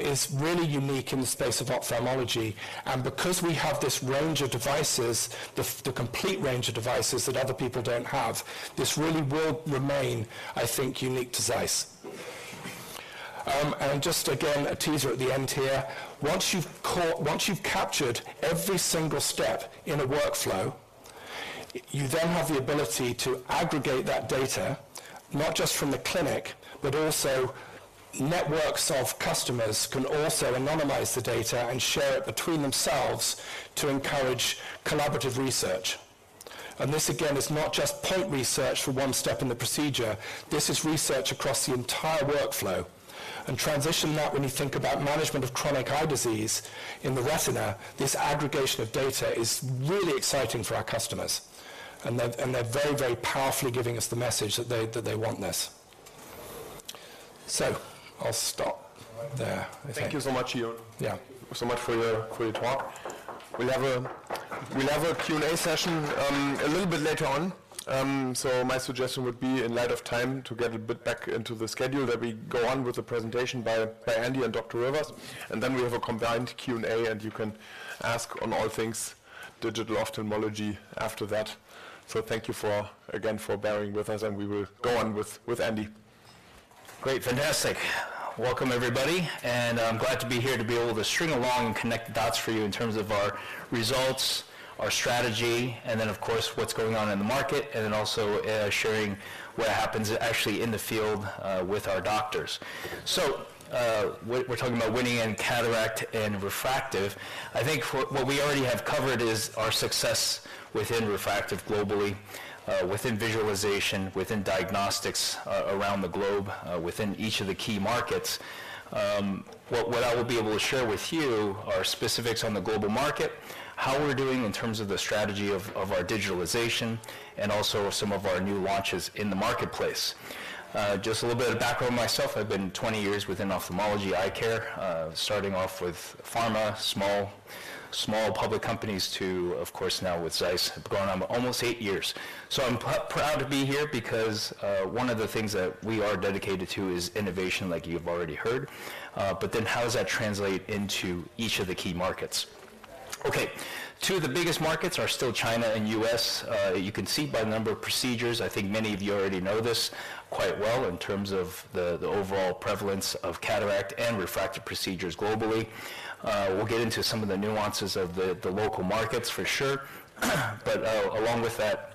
is really unique in the space of ophthalmology. And because we have this range of devices, the complete range of devices that other people don't have, this really will remain, I think, unique to ZEISS. And just again, a teaser at the end here. Once you've captured every single step in a workflow, you then have the ability to aggregate that data, not just from the clinic, but also networks of customers can also anonymize the data and share it between themselves to encourage collaborative research. And this, again, is not just point research for one step in the procedure. This is research across the entire workflow. And transition that when you think about management of chronic eye disease in the retina, this aggregation of data is really exciting for our customers, and they're very, very powerfully giving us the message that they want this. So I'll stop there. Thank you so much, Euan. Yeah. So much for your talk. We'll have a Q&A session a little bit later on. So my suggestion would be, in light of time, to get a bit back into the schedule, that we go on with the presentation by Andy and Dr. Rivers, and then we have a combined Q&A, and you can ask on all things digital ophthalmology after that. So thank you again for bearing with us, and we will go on with Andy. Great, fantastic! Welcome, everybody, and I'm glad to be here to be able to string along and connect the dots for you in terms of our results, our strategy, and then, of course, what's going on in the market, and then also, sharing what happens actually in the field, with our doctors. So, we're talking about winning in cataract and refractive. I think for what we already have covered is our success within refractive globally, within visualization, within diagnostics around the globe, within each of the key markets. What I will be able to share with you are specifics on the global market, how we're doing in terms of the strategy of our digitalization, and also some of our new launches in the marketplace. Just a little bit of background on myself. I've been 20 years within ophthalmology eye care, starting off with pharma, small, small public companies, to, of course, now with ZEISS, going on almost 8 years. So I'm proud to be here because, one of the things that we are dedicated to is innovation, like you've already heard. But then how does that translate into each of the key markets? Okay, 2 of the biggest markets are still China and U.S. You can see by the number of procedures, I think many of you already know this quite well in terms of the, the overall prevalence of cataract and refractive procedures globally. We'll get into some of the nuances of the, the local markets for sure. But, along with that,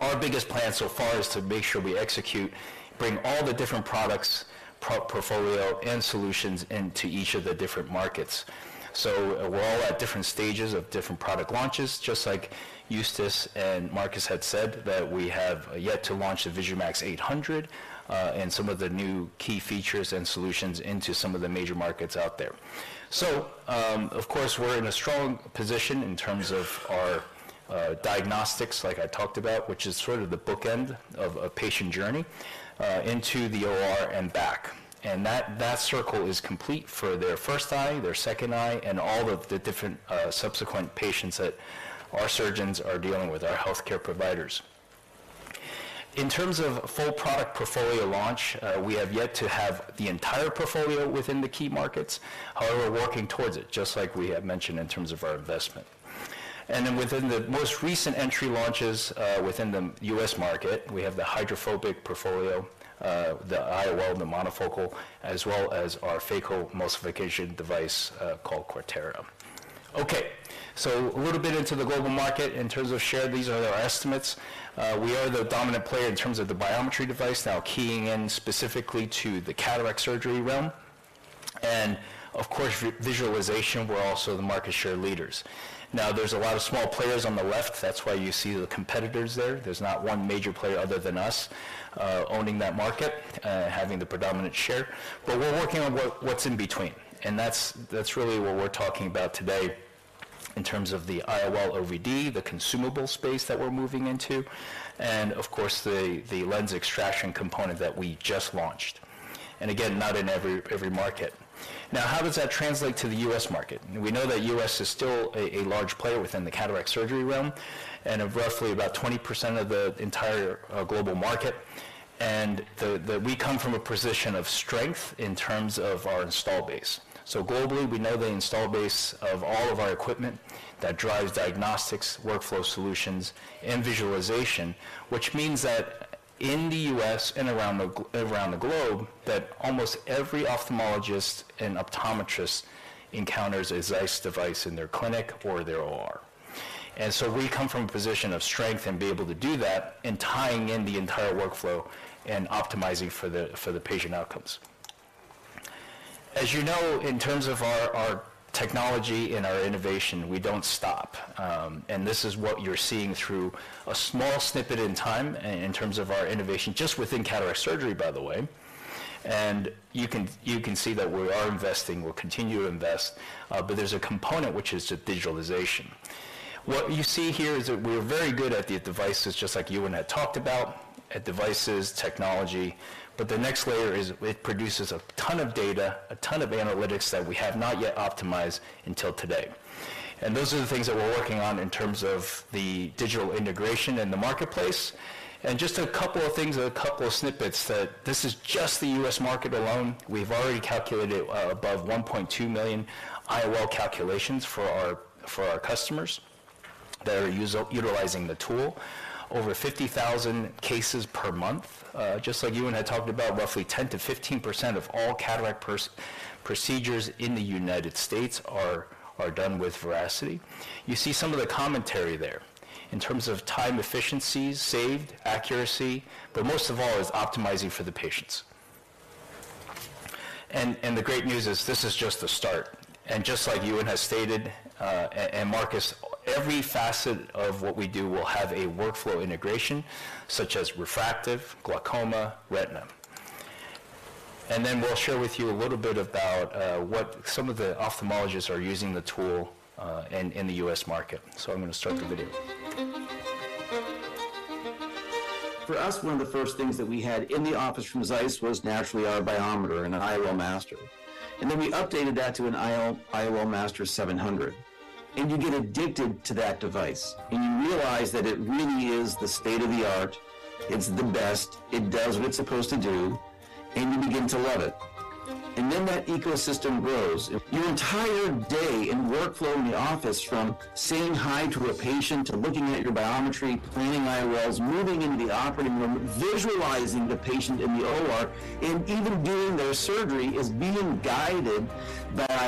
our biggest plan so far is to make sure we execute, bring all the different products, portfolio and solutions into each of the different markets. So we're all at different stages of different product launches, just like Euan and Markus had said, that we have yet to launch the VISUMAX 800, and some of the new key features and solutions into some of the major markets out there. So, of course, we're in a strong position in terms of our, diagnostics, like I talked about, which is sort of the bookend of a patient journey, into the OR and back. And that, that circle is complete for their first eye, their second eye, and all of the different, subsequent patients that our surgeons are dealing with, our healthcare providers. In terms of full product portfolio launch, we have yet to have the entire portfolio within the key markets. However, we're working towards it, just like we have mentioned in terms of our investment. And then within the most recent entry launches, within the U.S. market, we have the hydrophobic portfolio, the IOL, the monofocal, as well as our phacoemulsification device, called QUATERA. Okay, so a little bit into the global market. In terms of share, these are our estimates. We are the dominant player in terms of the biometry device, now keying in specifically to the cataract surgery realm. And of course, visualization, we're also the market share leaders. Now, there's a lot of small players on the left. That's why you see the competitors there. There's not one major player other than us, owning that market, having the predominant share. But we're working on what's in between, and that's, that's really what we're talking about today in terms of the IOL-OVD, the consumable space that we're moving into, and of course, the lens extraction component that we just launched, and again, not in every market. Now, how does that translate to the U.S. market? We know that U.S. is still a large player within the cataract surgery realm and of roughly about 20% of the entire global market, and the we come from a position of strength in terms of our install base. So globally, we know the install base of all of our equipment that drives diagnostics, workflow solutions, and visualization, which means that in the U.S. and around the globe, that almost every ophthalmologist and optometrist encounters a ZEISS device in their clinic or their OR. And so we come from a position of strength and be able to do that in tying in the entire workflow and optimizing for the, for the patient outcomes. As you know, in terms of our, our technology and our innovation, we don't stop, and this is what you're seeing through a small snippet in time in terms of our innovation, just within cataract surgery, by the way. And you can, you can see that we are investing. We'll continue to invest, but there's a component which is the digitalization. What you see here is that we're very good at the devices, just like Euan had talked about, at devices, technology, but the next layer is it produces a ton of data, a ton of analytics that we have not yet optimized until today. Those are the things that we're working on in terms of the digital integration in the marketplace. Just a couple of things and a couple of snippets that this is just the US market alone. We've already calculated above 1.2 million IOL calculations for our customers that are utilizing the tool. Over 50,000 cases per month. Just like Euan had talked about, roughly 10%-15% of all cataract procedures in the United States are done with VERACITY. You see some of the commentary there in terms of time efficiencies saved, accuracy, but most of all, is optimizing for the patients. The great news is this is just the start. And just like Euan has stated, and Markus, every facet of what we do will have a workflow integration, such as refractive, glaucoma, retina. And then we'll share with you a little bit about what some of the ophthalmologists are using the tool in the U.S. market. So I'm going to start the video. For us, one of the first things that we had in the office from ZEISS was naturally our biometer, an IOLMaster. And then we updated that to an IOLMaster 700, and you get addicted to that device, and you realize that it really is the state-of-the-art. It's the best. It does what it's supposed to do, and you begin to love it... and then that ecosystem grows. Your entire day and workflow in the office, from saying hi to a patient, to looking at your biometry, planning IOLs, moving into the operating room, visualizing the patient in the OR, and even doing their surgery, is being guided by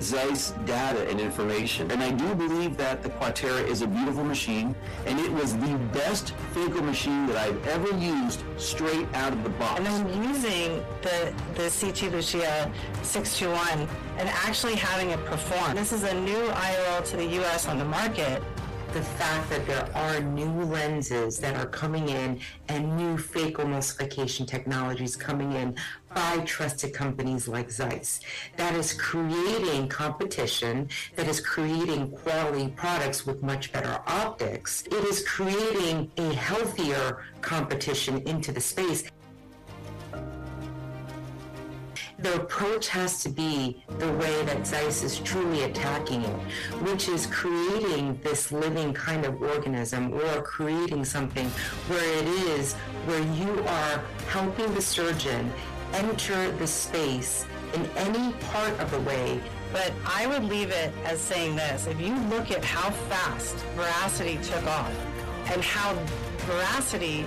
ZEISS data and information. And I do believe that the QUATERA is a beautiful machine, and it was the best phaco machine that I've ever used straight out of the box. And then using the CT LUCIA 621 and actually having it perform. This is a new IOL to the U.S. on the market. The fact that there are new lenses that are coming in and new phacoemulsification technologies coming in by trusted companies like ZEISS, that is creating competition, that is creating quality products with much better optics. It is creating a healthier competition into the space. The approach has to be the way that ZEISS is truly attacking it, which is creating this living kind of organism or creating something where it is, where you are helping the surgeon enter the space in any part of the way. But I would leave it as saying this: if you look at how fast VERACITY took off and how VERACITY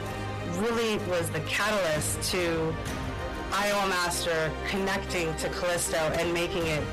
really was the catalyst to IOLMaster connecting to CALLISTO and making it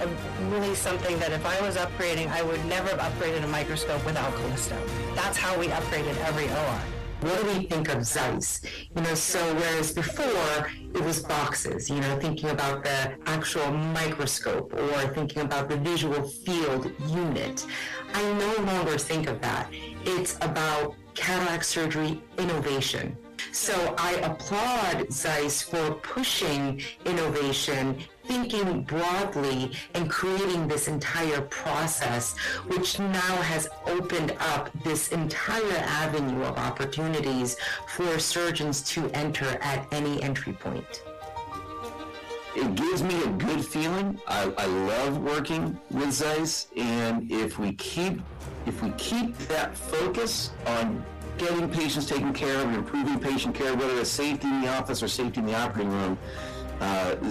a really something that if I was upgrading, I would never have upgraded a microscope without CALLISTO. That's how we upgraded every OR. What do we think of ZEISS? You know, so whereas before it was boxes, you know, thinking about the actual microscope or thinking about the visual field unit, I no longer think of that. It's about cataract surgery innovation. So I applaud ZEISS for pushing innovation, thinking broadly, and creating this entire process, which now has opened up this entire avenue of opportunities for surgeons to enter at any entry point. It gives me a good feeling. I love working with ZEISS, and if we keep that focus on getting patients taken care of and improving patient care, whether it's safety in the office or safety in the operating room,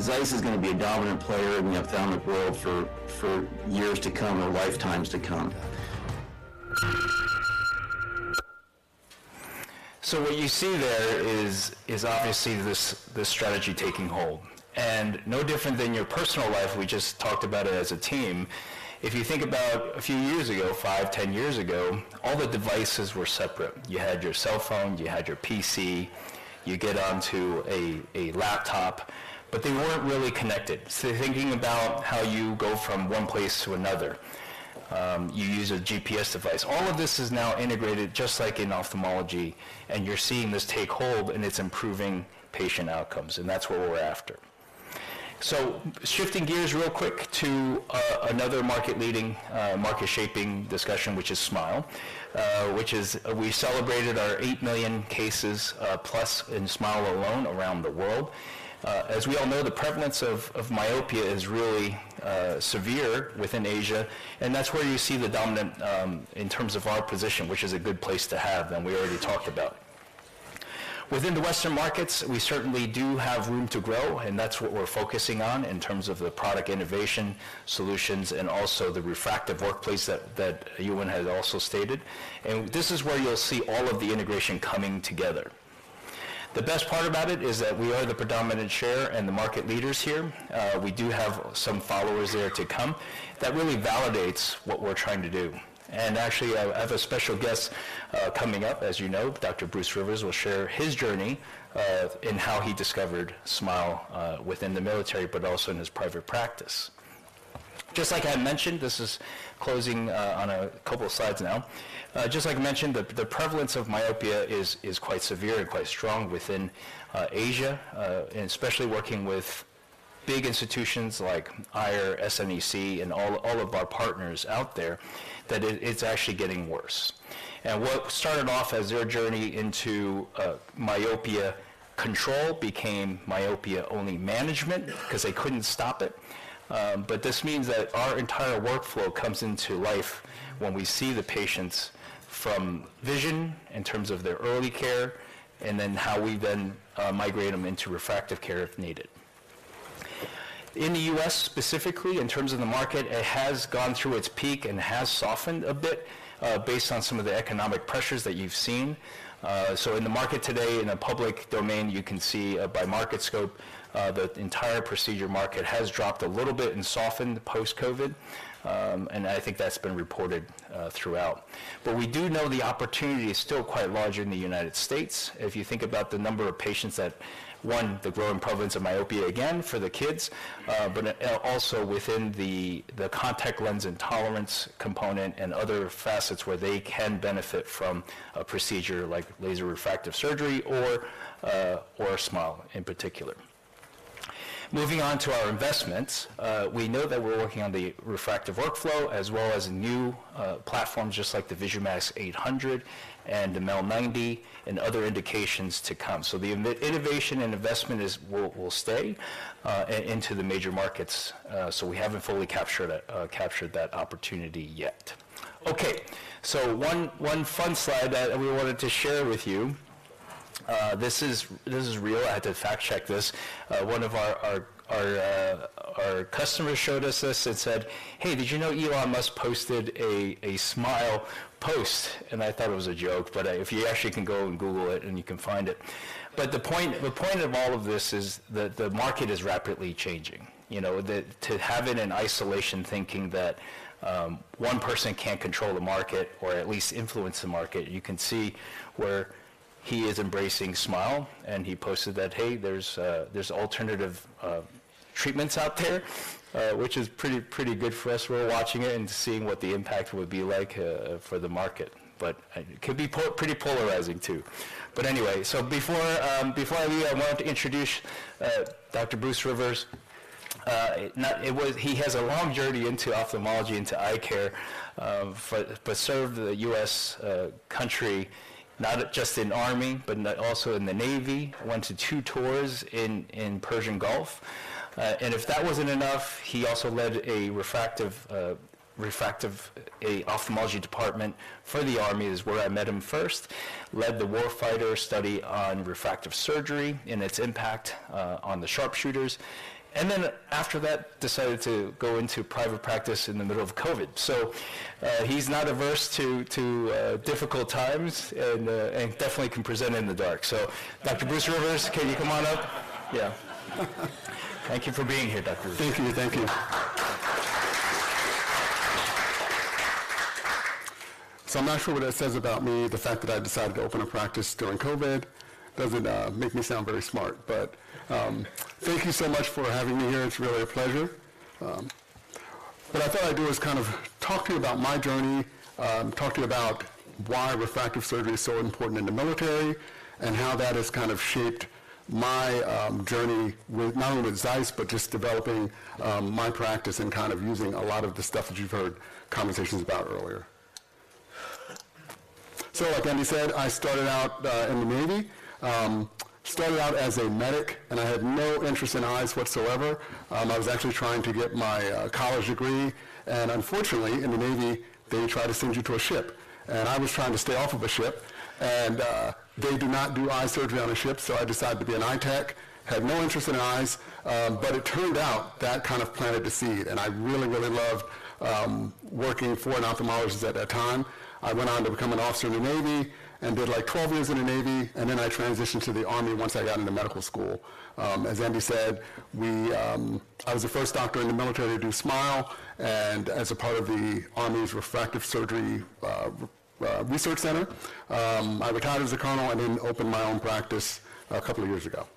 ZEISS is going to be a dominant player in the ophthalmic world for years to come or lifetimes to come. So what you see there is obviously this strategy taking hold. No different than your personal life, we just talked about it as a team. If you think about a few years ago, 5, 10 years ago, all the devices were separate. You had your cell phone, you had your PC, you get onto a laptop, but they weren't really connected. So thinking about how you go from one place to another, you use a GPS device. All of this is now integrated, just like in ophthalmology, and you're seeing this take hold, and it's improving patient outcomes, and that's what we're after. So shifting gears real quick to another market-leading, market-shaping discussion, which is SMILE, we celebrated our 8 million cases plus in SMILE alone around the world. As we all know, the prevalence of myopia is really severe within Asia, and that's where you see the dominant in terms of our position, which is a good place to have, and we already talked about. Within the Western markets, we certainly do have room to grow, and that's what we're focusing on in terms of the product innovation solutions and also the refractive workplace that Euan had also stated. And this is where you'll see all of the integration coming together. The best part about it is that we are the predominant share and the market leaders here. We do have some followers there to come. That really validates what we're trying to do. And actually, I have a special guest coming up. As you know, Dr. Bruce Rivers will share his journey in how he discovered SMILE within the military, but also in his private practice. Just like I had mentioned, this is closing on a couple of slides now. Just like I mentioned, the prevalence of myopia is quite severe and quite strong within Asia, and especially working with big institutions like Aier, SNEC, and all of our partners out there, that it's actually getting worse. And what started off as their journey into myopia control became myopia-only management 'cause they couldn't stop it. But this means that our entire workflow comes into life when we see the patients from vision, in terms of their early care, and then how we then migrate them into refractive care if needed. In the U.S., specifically, in terms of the market, it has gone through its peak and has softened a bit based on some of the economic pressures that you've seen. So in the market today, in the public domain, you can see, by Market Scope, the entire procedure market has dropped a little bit and softened post-COVID, and I think that's been reported throughout. But we do know the opportunity is still quite large in the United States. If you think about the number of patients that, one, the growing prevalence of myopia, again, for the kids, but also within the contact lens intolerance component and other facets where they can benefit from a procedure like laser refractive surgery or SMILE in particular. Moving on to our investments, we know that we're working on the refractive workflow as well as new platforms just like the VISUMAX 800 and the MEL 90 and other indications to come. So the innovation and investment is-- will stay into the major markets, so we haven't fully captured that opportunity yet. Okay, so one fun slide that we wanted to share with you... This is real. I had to fact-check this. One of our customers showed us this and said, "Hey, did you know Elon Musk posted a SMILE post?" And I thought it was a joke, but if you actually can go and Google it, and you can find it. But the point of all of this is that the market is rapidly changing. You know, the to have it in isolation, thinking that, one person can't control the market or at least influence the market, you can see where he is embracing SMILE, and he posted that, "Hey, there's, there's alternative, treatments out there," which is pretty, pretty good for us. We're watching it and seeing what the impact would be like, for the market, but, it could be pretty polarizing, too. But anyway, so before, before I leave, I wanted to introduce, Dr. Bruce Rivers. He has a long journey into ophthalmology and to eye care, but, but served the U.S. country, not just in Army, but also in the Navy, went to two tours in Persian Gulf. And if that wasn't enough, he also led a refractive ophthalmology department for the Army, is where I met him first, led the Warfighter Study on Refractive Surgery and its impact on the sharpshooters, and then after that, decided to go into private practice in the middle of COVID. So, he's not averse to difficult times and definitely can present in the dark. So, Dr. Bruce Rivers, can you come on up? Yeah. Thank you for being here, Dr. Rivers. Thank you. Thank you. So I'm not sure what that says about me, the fact that I decided to open a practice during COVID. Doesn't make me sound very smart, but thank you so much for having me here. It's really a pleasure. What I thought I'd do is kind of talk to you about my journey, talk to you about why refractive surgery is so important in the military, and how that has kind of shaped my journey with not only with ZEISS, but just developing my practice and kind of using a lot of the stuff that you've heard conversations about earlier. So like Andy said, I started out in the Navy, started out as a medic, and I had no interest in eyes whatsoever. I was actually trying to get my college degree, and unfortunately, in the Navy, they try to send you to a ship, and I was trying to stay off of a ship. They do not do eye surgery on a ship, so I decided to be an eye tech. Had no interest in eyes, but it turned out that kind of planted the seed, and I really, really loved working for an ophthalmologist at that time. I went on to become an officer in the Navy and did, like, 12 years in the Navy, and then I transitioned to the Army once I got into medical school. As Andy said, we, I was the first doctor in the military to do SMILE and as a part of the Army's Refractive Surgery Research Center. I retired as a colonel and then opened my own practice a couple of years ago.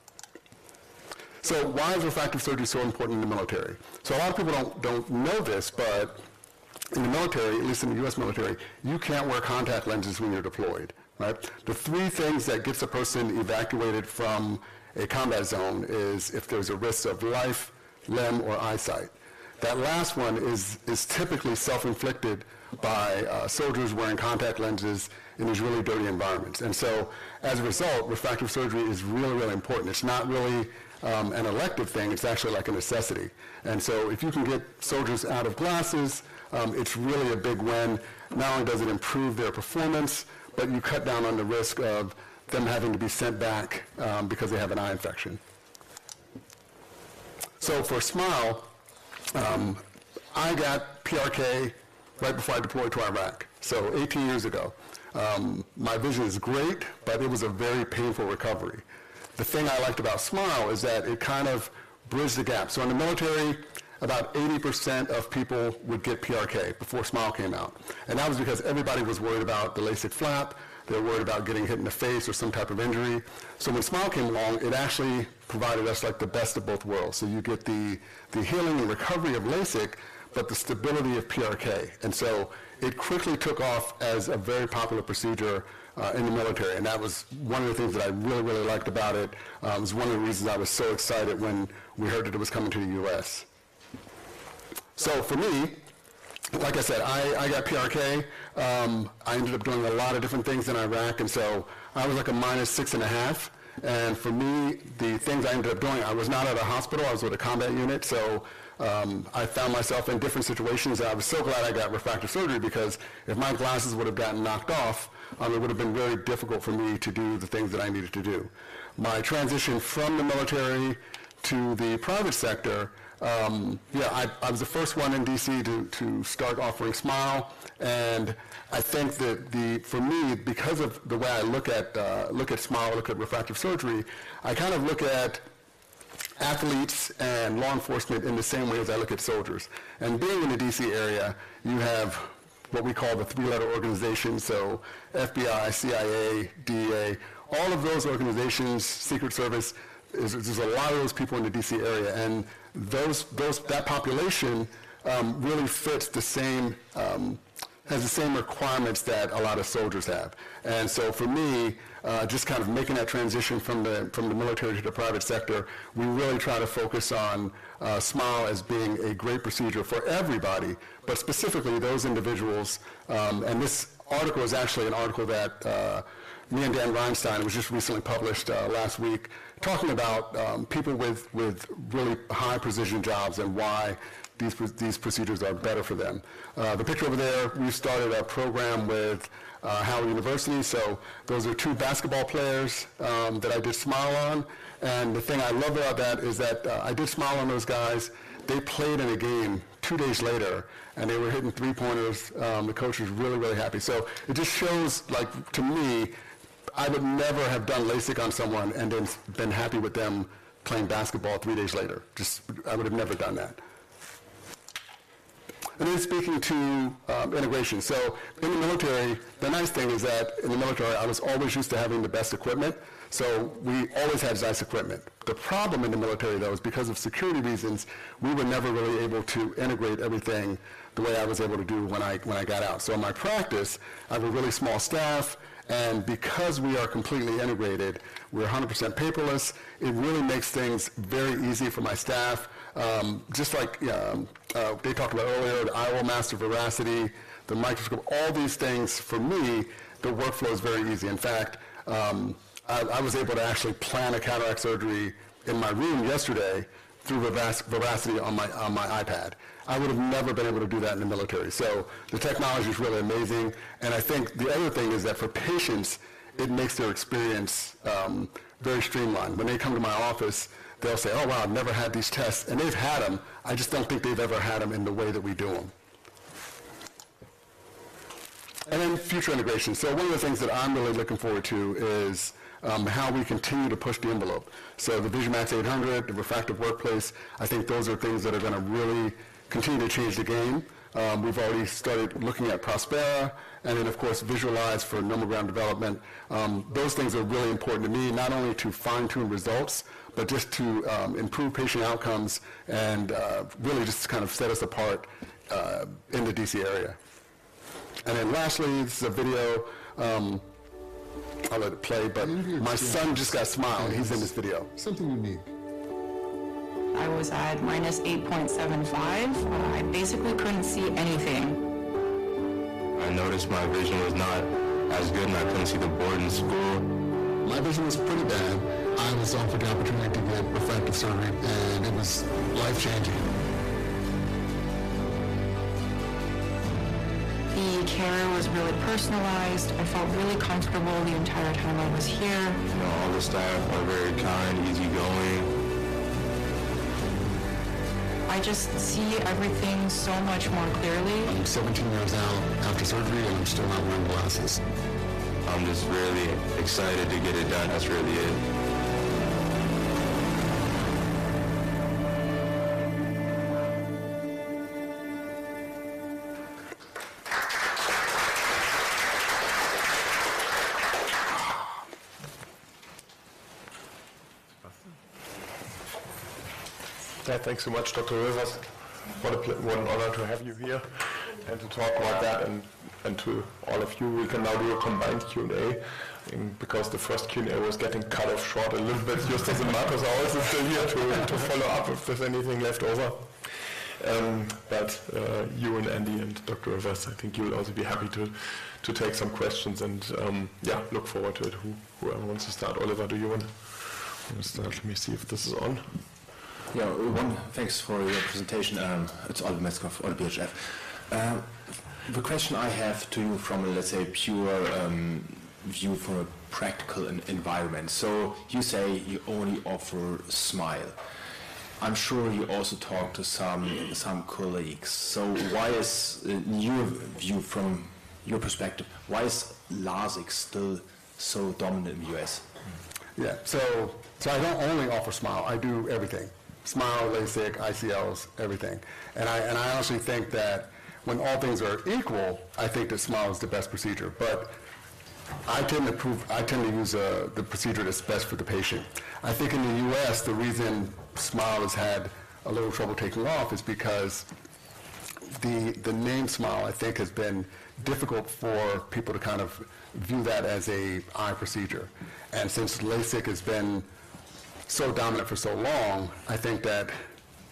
So why is refractive surgery so important in the military? So a lot of people don't know this, but in the military, at least in the U.S. military, you can't wear contact lenses when you're deployed, right? The three things that gets a person evacuated from a combat zone is if there's a risk of life, limb, or eyesight. That last one is typically self-inflicted by soldiers wearing contact lenses in these really dirty environments. And so, as a result, refractive surgery is really, really important. It's not really an elective thing. It's actually like a necessity. And so if you can get soldiers out of glasses, it's really a big win. Not only does it improve their performance, but you cut down on the risk of them having to be sent back because they have an eye infection. So for SMILE, I got PRK right before I deployed to Iraq, so 18 years ago. My vision is great, but it was a very painful recovery. The thing I liked about SMILE is that it kind of bridged the gap. So in the military, about 80% of people would get PRK before SMILE came out, and that was because everybody was worried about the LASIK flap. They were worried about getting hit in the face or some type of injury. So when SMILE came along, it actually provided us, like, the best of both worlds. So you get the healing and recovery of LASIK, but the stability of PRK. It quickly took off as a very popular procedure in the military, and that was one of the things that I really, really liked about it. It was one of the reasons I was so excited when we heard that it was coming to the U.S. So for me, like I said, I got PRK. I ended up doing a lot of different things in Iraq, and so I was, like, -6.5, and for me, the things I ended up doing, I was not at a hospital. I was with a combat unit, so I found myself in different situations, and I was so glad I got refractive surgery because if my glasses would have gotten knocked off, it would have been very difficult for me to do the things that I needed to do. My transition from the military to the private sector, I was the first one in D.C. to start offering SMILE, and I think that for me, because of the way I look at SMILE, look at refractive surgery, I kind of look at athletes and law enforcement in the same way as I look at soldiers. And being in the D.C. area, you have what we call the three-letter organizations, so FBI, CIA, DEA, all of those organizations, Secret Service, there's a lot of those people in the D.C. area, and that population really fits the same, has the same requirements that a lot of soldiers have. And so for me, just kind of making that transition from the, from the military to the private sector, we really try to focus on, SMILE as being a great procedure for everybody, but specifically those individuals. And this article is actually an article that, me and Dan Reinstein, it was just recently published, last week, talking about, people with, with really high-precision jobs and why these these procedures are better for them. The picture over there, we started a program with, Howard University, so those are two basketball players, that I did SMILE on. And the thing I love about that is that, I did SMILE on those guys. They played in a game two days later, and they were hitting three-pointers. The coach was really, really happy. So it just shows, like, to me-... I would never have done LASIK on someone and then been happy with them playing basketball 3 days later. Just, I would have never done that. And then speaking to integration. So in the military, the nice thing is that in the military, I was always used to having the best equipment, so we always had ZEISS equipment. The problem in the military, though, is because of security reasons, we were never really able to integrate everything the way I was able to do when I got out. So in my practice, I have a really small staff, and because we are completely integrated, we're 100% paperless. It really makes things very easy for my staff. Just like they talked about earlier, the IOLMaster, VERACITY, the microscope, all these things, for me, the workflow is very easy. In fact, I was able to actually plan a cataract surgery in my room yesterday through VERACITY on my iPad. I would have never been able to do that in the military. So the technology is really amazing, and I think the other thing is that for patients, it makes their experience very streamlined. When they come to my office, they'll say, "Oh, wow, I've never had these tests," and they've had them. I just don't think they've ever had them in the way that we do them. And then future integration. So one of the things that I'm really looking forward to is how we continue to push the envelope. So the VISUMAX 800, the Refractive Workplace, I think those are things that are going to really continue to change the game. We've already started looking at PRESBYOND and then, of course, VISULYZE for myopia management development. Those things are really important to me, not only to fine-tune results, but just to improve patient outcomes and really just to kind of set us apart in the D.C. area. And then lastly, this is a video. I'll let it play, but my son just got SMILE, and he's in this video.... Something unique. I was at -8.75. I basically couldn't see anything. I noticed my vision was not as good, and I couldn't see the board in school. My vision was pretty bad. I was offered the opportunity to get refractive surgery, and it was life-changing. The care was really personalized. I felt really comfortable the entire time I was here. You know, all the staff are very kind, easygoing. I just see everything so much more clearly. I'm 17 years out after surgery, and I'm still not wearing glasses. I'm just really excited to get it done. That's really it. Yeah, thanks so much, Dr. Rivers. What an honor to have you here and to talk about that and, and to all of you, we can now do a combined Q&A, because the first Q&A was getting cut off short a little bit. Justus and Markus are also still here to, to follow up if there's anything left over. But, you and Andy and Dr. Rivers, I think you will also be happy to, to take some questions and, yeah, look forward to it. Whoever wants to start? Oliver, do you want to start? Let me see if this is on. Yeah, well, thanks for your presentation. It's Oliver Metzger, Oddo BHF. The question I have to you from a, let's say, a pure view from a practical environment. So you say you only offer SMILE. I'm sure you also talk to some colleagues. So why is your view from your perspective, why is LASIK still so dominant in the U.S.? Yeah. So, so I don't only offer SMILE, I do everything, SMILE, LASIK, ICLs, everything. And I, and I honestly think that when all things are equal, I think that SMILE is the best procedure, but I tend to use the procedure that's best for the patient. I think in the U.S., the reason SMILE has had a little trouble taking off is because the, the name SMILE, I think, has been difficult for people to kind of view that as an eye procedure. And since LASIK has been so dominant for so long, I think that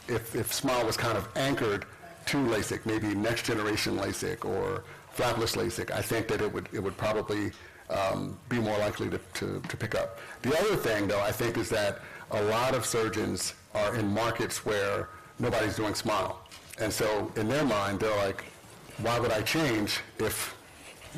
if, if SMILE was kind of anchored to LASIK, maybe next generation LASIK or flapless LASIK, I think that it would, it would probably be more likely to, to, to pick up. The other thing, though, I think, is that a lot of surgeons are in markets where nobody's doing SMILE, and so in their mind, they're like, "Why would I change if,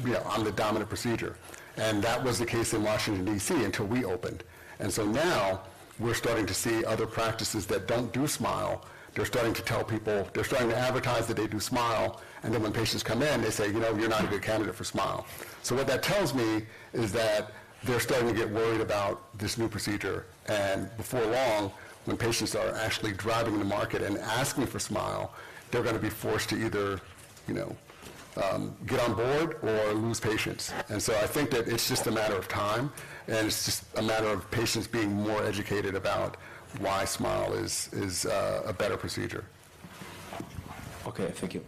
you know, I'm the dominant procedure?" And that was the case in Washington, D.C., until we opened. And so now we're starting to see other practices that don't do SMILE. They're starting to tell people. They're starting to advertise that they do SMILE, and then when patients come in, they say, "You know, you're not a good candidate for SMILE." So what that tells me is that they're starting to get worried about this new procedure, and before long, when patients are actually driving the market and asking for SMILE, they're going to be forced to either, you know, get on board or lose patients. And so I think that it's just a matter of time, and it's just a matter of patients being more educated about why SMILE is a better procedure. Okay, thank you.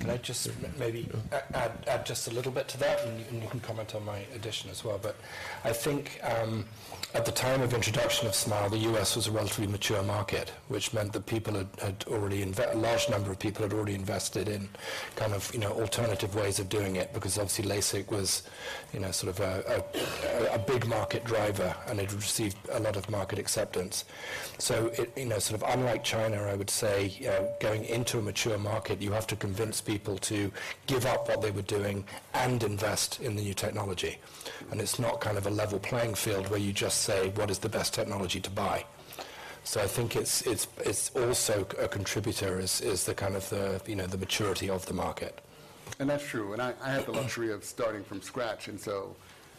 Can I just maybe add just a little bit to that? And you can comment on my addition as well. But I think, at the time of introduction of SMILE, the U.S. was a relatively mature market, which meant that people had already a large number of people had already invested in kind of, you know, alternative ways of doing it, because obviously, LASIK was, you know, sort of a big market driver, and it received a lot of market acceptance. So it, you know, sort of unlike China, I would say, going into a mature market, you have to convince people to give up what they were doing and invest in the new technology. And it's not kind of a level playing field where you just say, "What is the best technology to buy?"... So, I think it's also a contributor, is the kind of, you know, the maturity of the market. That's true, and I had the luxury of starting from scratch, and so,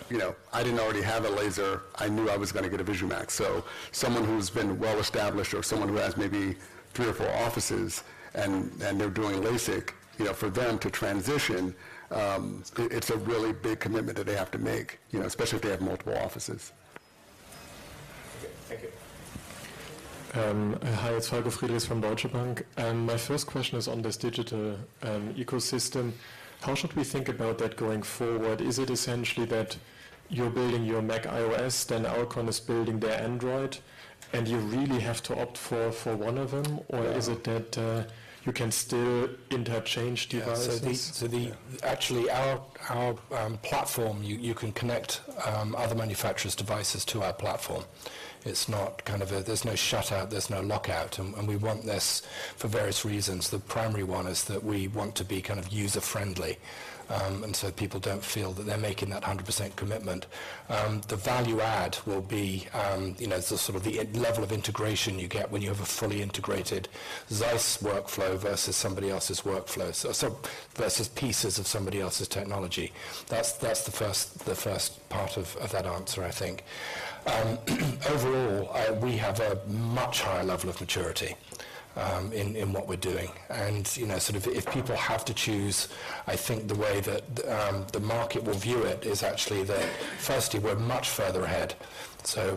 you know, I didn't already have a laser. I knew I was gonna get a VISUMAX. So someone who's been well-established or someone who has maybe three or four offices and they're doing LASIK, you know, for them to transition, it's a really big commitment that they have to make, you know, especially if they have multiple offices. Okay, thank you. Hi, it's Falko Friedrichs from Deutsche Bank. And my first question is on this digital ecosystem. How should we think about that going forward? Is it essentially that you're building your macOS, then Alcon is building their Android, and you really have to opt for one of them? Yeah. Or is it that you can still interchange devices? Yeah. Actually our platform, you can connect other manufacturers' devices to our platform. It's not kind of a... There's no shut out, there's no lockout, and we want this for various reasons. The primary one is that we want to be kind of user-friendly, and so people don't feel that they're making that 100% commitment. The value add will be, you know, sort of the level of integration you get when you have a fully integrated ZEISS workflow versus somebody else's workflow. So versus pieces of somebody else's technology. That's the first part of that answer, I think. Overall, we have a much higher level of maturity in what we're doing. You know, sort of if people have to choose, I think the way that the market will view it is actually that, firstly, we're much further ahead.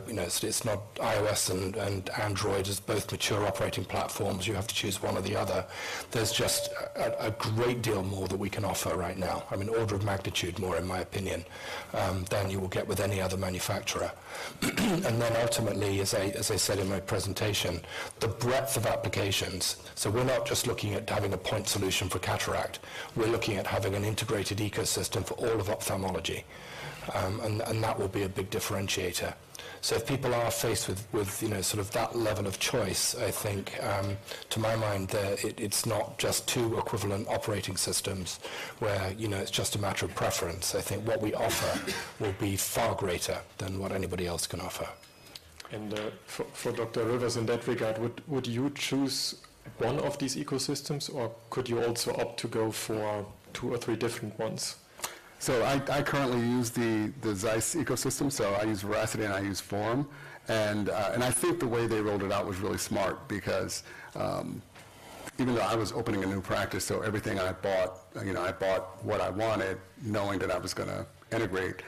You know, it's not iOS and Android as both mature operating platforms; you have to choose one or the other. There's just a great deal more that we can offer right now. I mean, order of magnitude more, in my opinion, than you will get with any other manufacturer. Then ultimately, as I said in my presentation, the breadth of applications. We're not just looking at having a point solution for cataract; we're looking at having an integrated ecosystem for all of ophthalmology, and that will be a big differentiator. So if people are faced with, you know, sort of that level of choice, I think, to my mind, it's not just two equivalent operating systems where, you know, it's just a matter of preference. I think what we offer will be far greater than what anybody else can offer. For Dr. Rivers, in that regard, would you choose one of these ecosystems, or could you also opt to go for two or three different ones? So I currently use the ZEISS ecosystem, so I use Rapida and I use FORUM. And, and I think the way they rolled it out was really smart because, even though I was opening a new practice, so everything I bought, you know, I bought what I wanted, knowing that I was gonna integrate.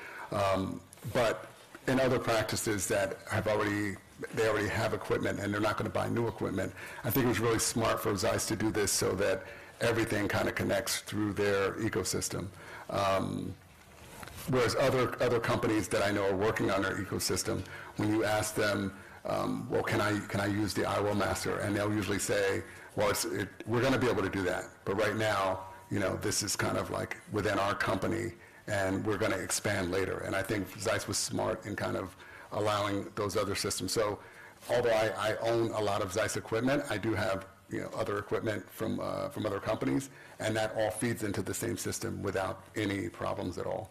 But in other practices that have already, they already have equipment, and they're not gonna buy new equipment, I think it was really smart for ZEISS to do this so that everything kind of connects through their ecosystem. Whereas other companies that I know are working on their ecosystem, when you ask them, "Well, can I use the IOLMaster?" And they'll usually say: "Well, it's we're gonna be able to do that, but right now, you know, this is kind of like within our company, and we're gonna expand later." And I think ZEISS was smart in kind of allowing those other systems. So although I own a lot of ZEISS equipment, I do have, you know, other equipment from other companies, and that all feeds into the same system without any problems at all.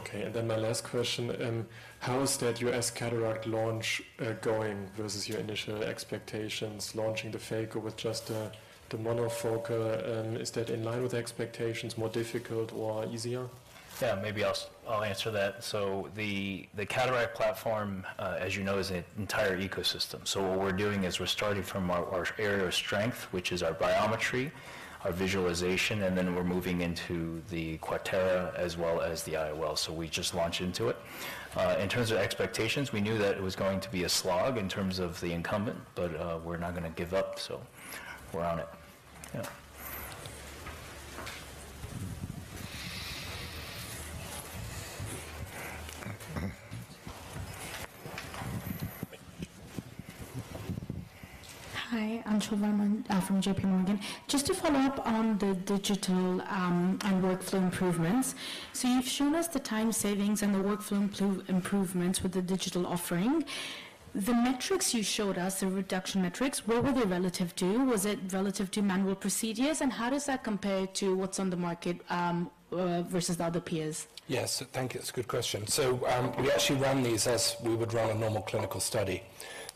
Okay, and then my last question: How is that U.S. cataract launch going versus your initial expectations, launching the Phaco with just the monofocal? And is that in line with the expectations, more difficult or easier? Yeah, maybe I'll answer that. So the, the cataract platform, as you know, is an entire ecosystem. So what we're doing is we're starting from our, our area of strength, which is our biometry, our visualization, and then we're moving into the QUATERA as well as the IOL. So we just launched into it. In terms of expectations, we knew that it was going to be a slog in terms of the incumbent, but, we're not gonna give up, so we're on it. Yeah. Hi, I'm Anchal Sharma from JP Morgan. Just to follow up on the digital and workflow improvements. So you've shown us the time savings and the workflow improvements with the digital offering. The metrics you showed us, the reduction metrics, what were they relative to? Was it relative to manual procedures, and how does that compare to what's on the market versus the other peers? Yes, thank you. It's a good question. So, we actually ran these as we would run a normal clinical study.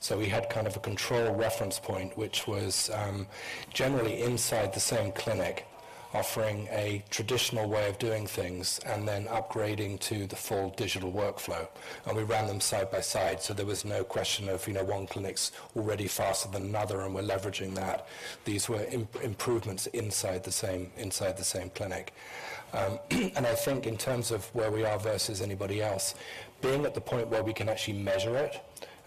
So we had kind of a control reference point, which was generally inside the same clinic, offering a traditional way of doing things and then upgrading to the full digital workflow, and we ran them side by side. So there was no question of, you know, one clinic's already faster than another, and we're leveraging that. These were improvements inside the same, inside the same clinic. And I think in terms of where we are versus anybody else, being at the point where we can actually measure it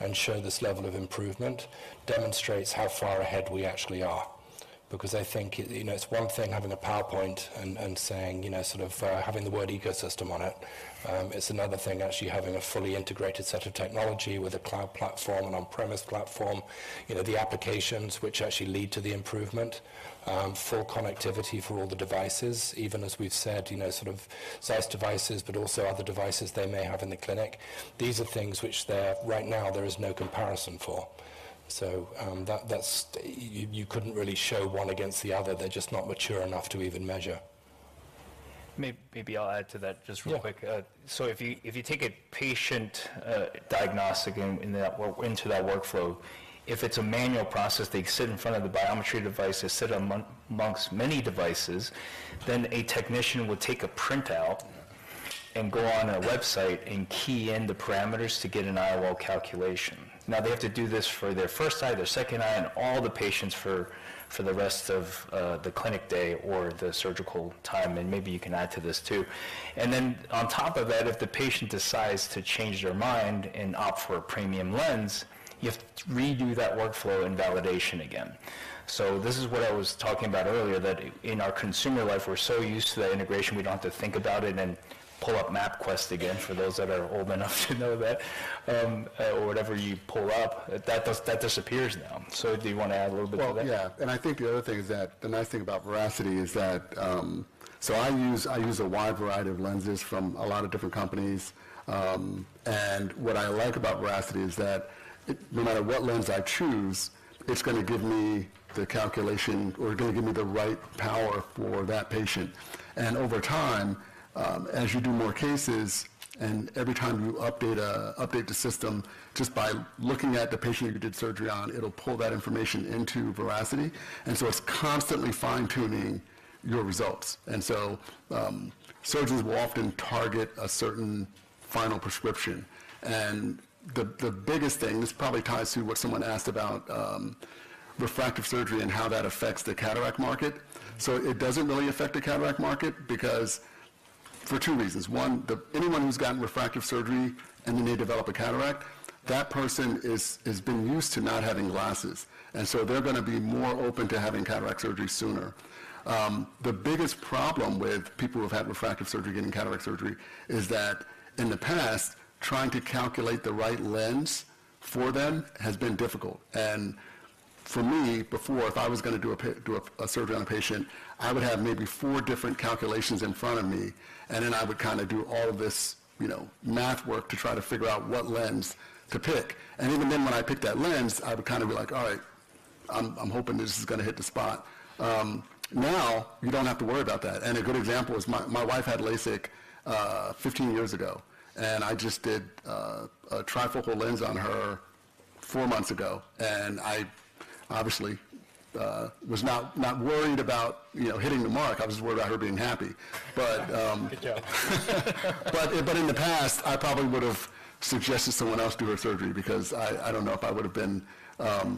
and show this level of improvement, demonstrates how far ahead we actually are. Because I think, you know, it's one thing having a PowerPoint and saying, you know, sort of having the word ecosystem on it. It's another thing actually having a fully integrated set of technology with a cloud platform, an on-premise platform, you know, the applications which actually lead to the improvement, full connectivity for all the devices, even as we've said, you know, sort of ZEISS devices, but also other devices they may have in the clinic. These are things which right now, there is no comparison for. So, that, that's you couldn't really show one against the other. They're just not mature enough to even measure. Maybe I'll add to that just real quick. Yeah. So if you, if you take a patient diagnostic into that workflow, if it's a manual process, they sit in front of the biometry device, they sit amongst many devices, then a technician will take a printout and go on a website and key in the parameters to get an IOL calculation. Now, they have to do this for their first eye, their second eye, and all the patients for the rest of the clinic day or the surgical time, and maybe you can add to this too. Then on top of that, if the patient decides to change their mind and opt for a premium lens, you have to redo that workflow and validation again. This is what I was talking about earlier, that in our consumer life, we're so used to that integration, we don't have to think about it and pull up MapQuest again, for those that are old enough to know that, or whatever you pull up, that disappears now. So do you want to add a little bit to that? Well, yeah. And I think the other thing is that the nice thing about VERACITY is that, So I use, I use a wide variety of lenses from a lot of different companies, and what I like about VERACITY is that it, no matter what lens I choose, it's gonna give me the calculation or gonna give me the right power for that patient. And over time, as you do more cases, and every time you update the system, just by looking at the patient you did surgery on, it'll pull that information into VERACITY, and so it's constantly fine-tuning your results. And so, surgeons will often target a certain final prescription. And the biggest thing, this probably ties to what someone asked about, refractive surgery and how that affects the cataract market. So it doesn't really affect the cataract market because for two reasons: One, anyone who's gotten refractive surgery and then they develop a cataract, that person is, has been used to not having glasses, and so they're gonna be more open to having cataract surgery sooner. The biggest problem with people who've had refractive surgery getting cataract surgery is that in the past, trying to calculate the right lens for them has been difficult. And for me, before, if I was gonna do a surgery on a patient, I would have maybe four different calculations in front of me, and then I would kind of do all of this, you know, math work to try to figure out what lens to pick. Even then, when I picked that lens, I would kind of be like, "All right, I'm hoping this is gonna hit the spot." Now, you don't have to worry about that. And a good example is my wife had LASIK 15 years ago, and I just did a trifocal lens on her 4 months ago, and I obviously was not worried about, you know, hitting the mark. I was worried about her being happy. But, Good job. But in the past, I probably would've suggested someone else do her surgery because I don't know if I would've been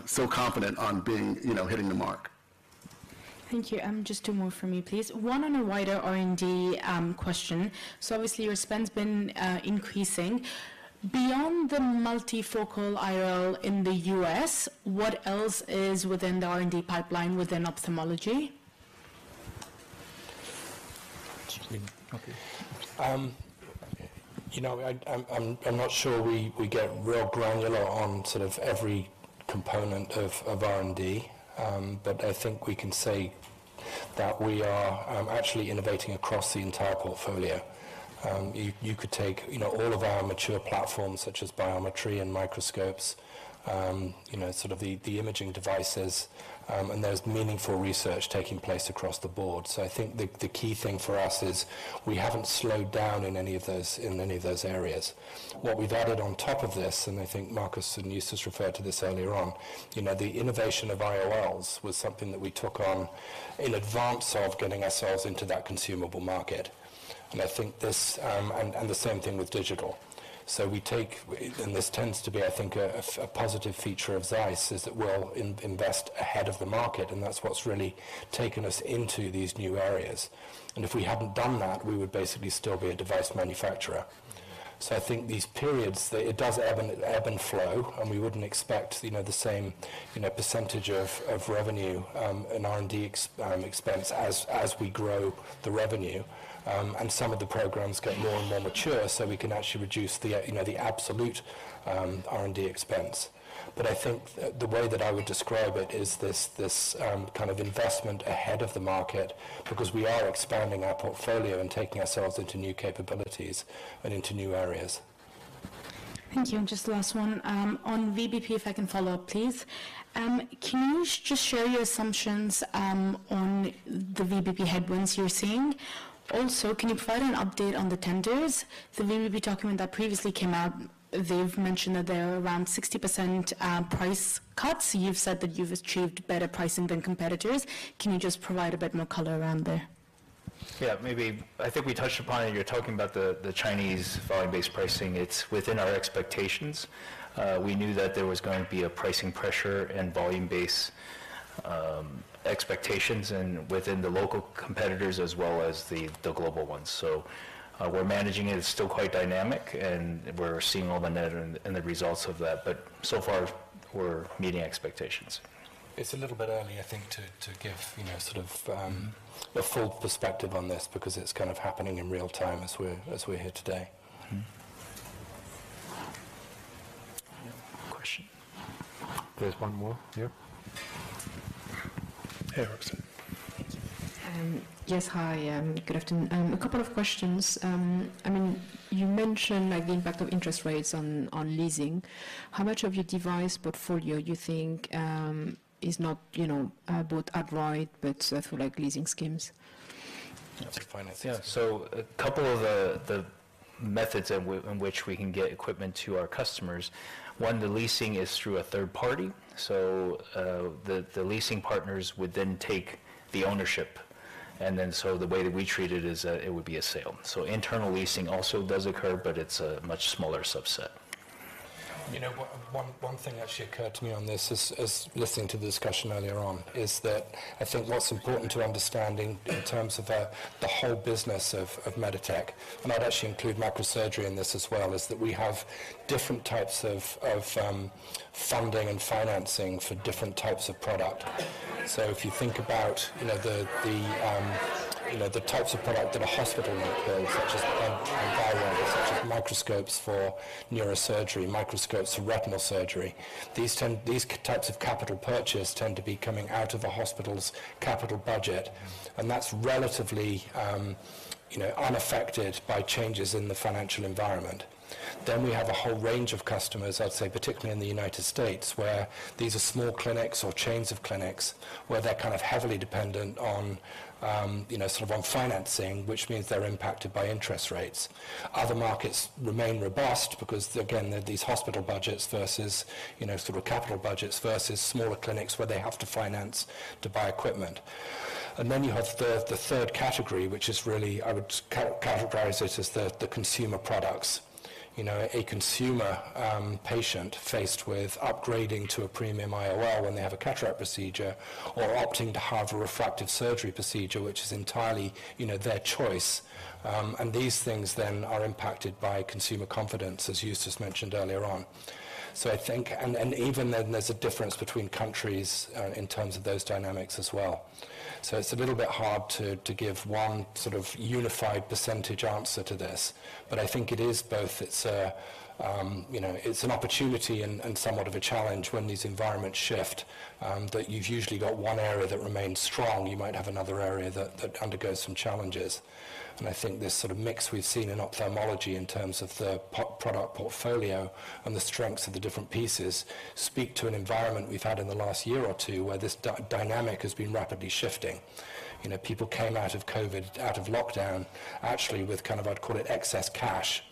so confident on being, you know, hitting the mark. Thank you. Just two more from me, please. One on a wider R&D question. So obviously, your spend's been increasing. Beyond the multifocal IOL in the U.S., what else is within the R&D pipeline within ophthalmology? Excuse me. Okay. You know, I'm not sure we get real granular on sort of every component of R&D, but I think we can say that we are actually innovating across the entire portfolio. You could take, you know, all of our mature platforms, such as biometry and microscopes, you know, sort of the imaging devices, and there's meaningful research taking place across the board. So I think the key thing for us is we haven't slowed down in any of those areas. What we've added on top of this, and I think Markus and Euan referred to this earlier on, you know, the innovation of IOLs was something that we took on in advance of getting ourselves into that consumable market. And I think this... and the same thing with digital. So we take and this tends to be, I think, a positive feature of ZEISS, is that we'll invest ahead of the market, and that's what's really taken us into these new areas. And if we hadn't done that, we would basically still be a device manufacturer. So I think these periods, it does ebb and flow, and we wouldn't expect, you know, the same, you know, percentage of revenue and R&D expense as we grow the revenue. And some of the programs get more and more mature, so we can actually reduce the, you know, the absolute R&D expense. But I think the way that I would describe it is this kind of investment ahead of the market, because we are expanding our portfolio and taking ourselves into new capabilities and into new areas. Thank you. And just the last one, on VBP, if I can follow up, please. Can you just share your assumptions, on the VBP headwinds you're seeing? Also, can you provide an update on the tenders? The VBP document that previously came out, they've mentioned that there are around 60% price cuts. You've said that you've achieved better pricing than competitors. Can you just provide a bit more color around there? Yeah, maybe. I think we touched upon it. You're talking about the Chinese volume-based pricing. It's within our expectations. We knew that there was going to be a pricing pressure and volume-based expectations, and within the local competitors as well as the global ones. So, we're managing it. It's still quite dynamic, and we're seeing all the net and the results of that. But so far, we're meeting expectations. It's a little bit early, I think, to give, you know, sort of, a full perspective on this because it's kind of happening in real time as we're here today. Mm-hmm. Question. There's one more? Yeah. Yeah, Roxanne. Thank you. Yes, hi, good afternoon. A couple of questions. I mean, you mentioned, like, the impact of interest rates on, on leasing. How much of your device portfolio do you think is not, you know, bought outright, but through, like, leasing schemes? Yeah, so a couple of the methods that we in which we can get equipment to our customers. One, the leasing is through a third party, so the leasing partners would then take the ownership, and then so the way that we treat it is that it would be a sale. So internal leasing also does occur, but it's a much smaller subset. You know, one thing actually occurred to me on this as listening to the discussion earlier on is that I think what's important to understanding in terms of the whole business of Meditec, and I'd actually include microsurgery in this as well, is that we have different types of funding and financing for different types of product. So if you think about, you know, the types of product that a hospital might buy, such as microscopes for neurosurgery, microscopes for retinal surgery, these types of capital purchase tend to be coming out of a hospital's capital budget, and that's relatively, you know, unaffected by changes in the financial environment. Then we have a whole range of customers, I'd say, particularly in the United States, where these are small clinics or chains of clinics, where they're kind of heavily dependent on, you know, sort of on financing, which means they're impacted by interest rates. Other markets remain robust because, again, these hospital budgets versus, you know, sort of capital budgets versus smaller clinics, where they have to finance to buy equipment. And then you have the third category, which is really I would categorize it as the consumer products. You know, a consumer patient faced with upgrading to a premium IOL when they have a cataract procedure, or opting to have a refractive surgery procedure, which is entirely, you know, their choice, and these things then are impacted by consumer confidence, as Euan mentioned earlier on. So I think... Even then, there's a difference between countries in terms of those dynamics as well. So it's a little bit hard to give one sort of unified percentage answer to this, but I think it is both. It's you know, it's an opportunity and somewhat of a challenge when these environments shift, that you've usually got one area that remains strong, you might have another area that undergoes some challenges. And I think this sort of mix we've seen in ophthalmology in terms of the product portfolio and the strengths of the different pieces speak to an environment we've had in the last year or two, where this dynamic has been rapidly shifting. You know, people came out of COVID, out of lockdown, actually with kind of, I'd call it, excess cash,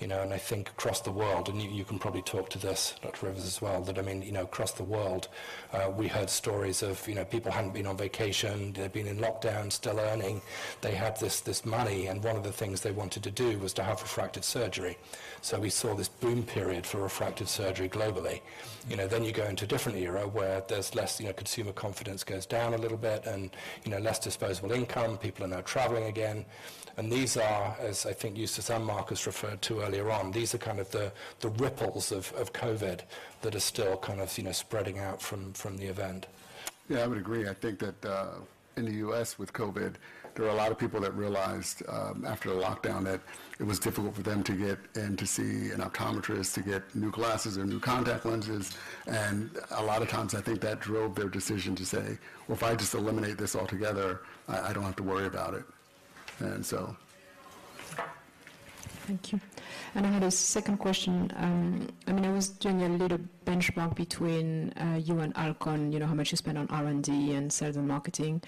you know, and I think across the world, and you, you can probably talk to this, Dr. Rivers, as well, that, I mean, you know, across the world, we heard stories of, you know, people hadn't been on vacation. They'd been in lockdown, still earning. They had this, this money, and one of the things they wanted to do was to have refractive surgery. So we saw this boom period for refractive surgery globally. You know, then you go into a different era where there's less, you know, consumer confidence goes down a little bit and, you know, less disposable income. People are now traveling again. These are, as I think Euan and Markus referred to earlier on, kind of the ripples of COVID that are still kind of, you know, spreading out from the event. Yeah, I would agree. I think that in the U.S., with COVID, there were a lot of people that realized after the lockdown that it was difficult for them to get in to see an optometrist to get new glasses or new contact lenses, and a lot of times I think that drove their decision to say, "Well, if I just eliminate this altogether, I don't have to worry about it." And so... Thank you. I had a second question. I mean, I was doing a little benchmark between you and Alcon, you know, how much you spend on R&D and sales and marketing.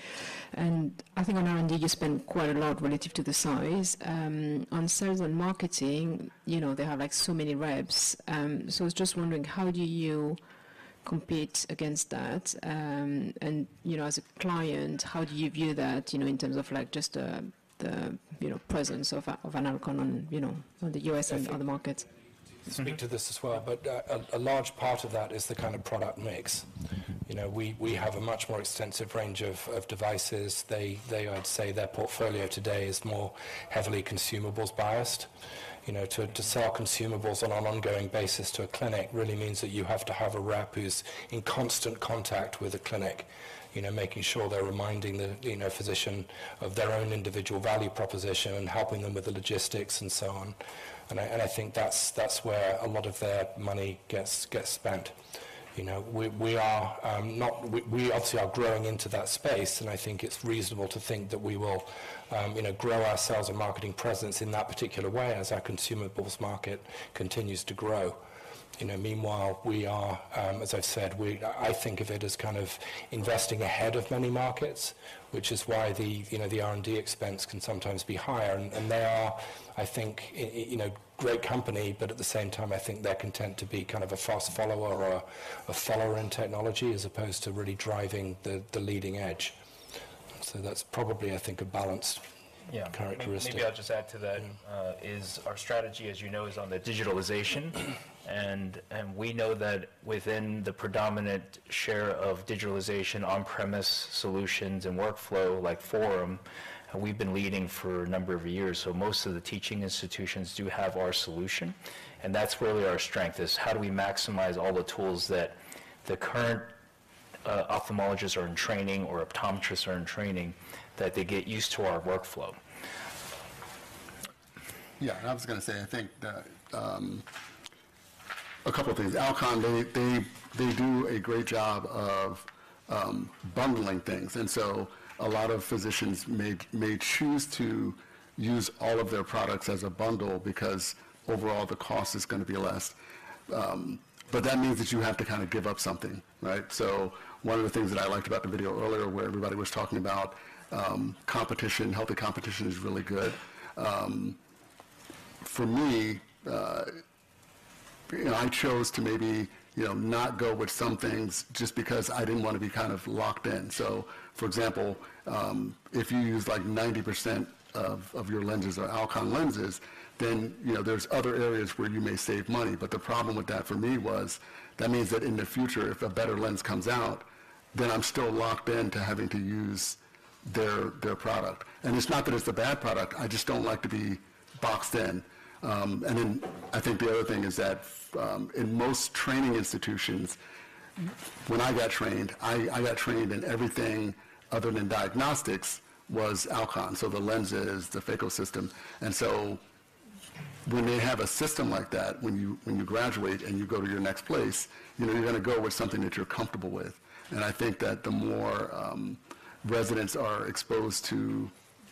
I think on R&D, you spend quite a lot relative to the size. On sales and marketing, you know, they have, like, so many reps. I was just wondering, how do you compete against that? You know, as a client, how do you view that, you know, in terms of, like, just the presence of an Alcon on, you know, on the U.S. and other markets? Speak to this as well, but a large part of that is the kind of product mix. You know, we have a much more extensive range of devices. They... I'd say their portfolio today is more heavily consumables biased. You know, to sell consumables on an ongoing basis to a clinic really means that you have to have a rep who's in constant contact with the clinic. You know, making sure they're reminding the, you know, physician of their own individual value proposition and helping them with the logistics and so on. And I think that's where a lot of their money gets spent. You know, we obviously are growing into that space, and I think it's reasonable to think that we will, you know, grow our sales and marketing presence in that particular way as our consumables market continues to grow. You know, meanwhile, we are, as I've said, I think of it as kind of investing ahead of many markets, which is why, you know, the R&D expense can sometimes be higher. And they are, I think, you know, great company, but at the same time, I think they're content to be kind of a fast follower or a follower in technology, as opposed to really driving the leading edge. So that's probably, I think, a balanced- Yeah... characteristic. Maybe I'll just add to that, is our strategy, as you know, is on the digitalization. And we know that within the predominant share of digitalization, on-premise solutions and workflow like FORUM, and we've been leading for a number of years. So most of the teaching institutions do have our solution, and that's really our strength, is how do we maximize all the tools that the current ophthalmologists are in training or optometrists are in training, that they get used to our workflow? Yeah, and I was going to say, I think that, a couple of things. Alcon, they do a great job of bundling things, and so a lot of physicians may choose to use all of their products as a bundle because overall the cost is going to be less. But that means that you have to kind of give up something, right? So one of the things that I liked about the video earlier, where everybody was talking about competition, healthy competition is really good. For me, you know, I chose to maybe, you know, not go with some things just because I didn't want to be kind of locked in. So, for example, if you use like 90% of your lenses are Alcon lenses, then, you know, there's other areas where you may save money. But the problem with that for me was, that means that in the future, if a better lens comes out, then I'm still locked in to having to use their, their product. And it's not that it's a bad product, I just don't like to be boxed in. And then I think the other thing is that, in most training institutions, when I got trained, I got trained in everything other than diagnostics was Alcon. So the lens is the phaco system. And so when they have a system like that, when you graduate and you go to your next place, you know you're gonna go with something that you're comfortable with. I think that the more residents are exposed to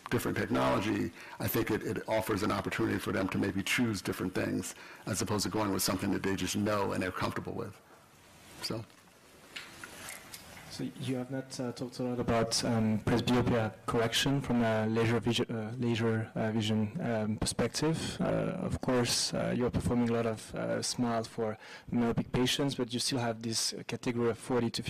different technology, I think it offers an opportunity for them to maybe choose different things, as opposed to going with something that they just know and they're comfortable with. So. So you have not talked a lot about presbyopia correction from a laser vision perspective. Of course, you're performing a lot of SMILEs for myopic patients, but you still have this category of 40- to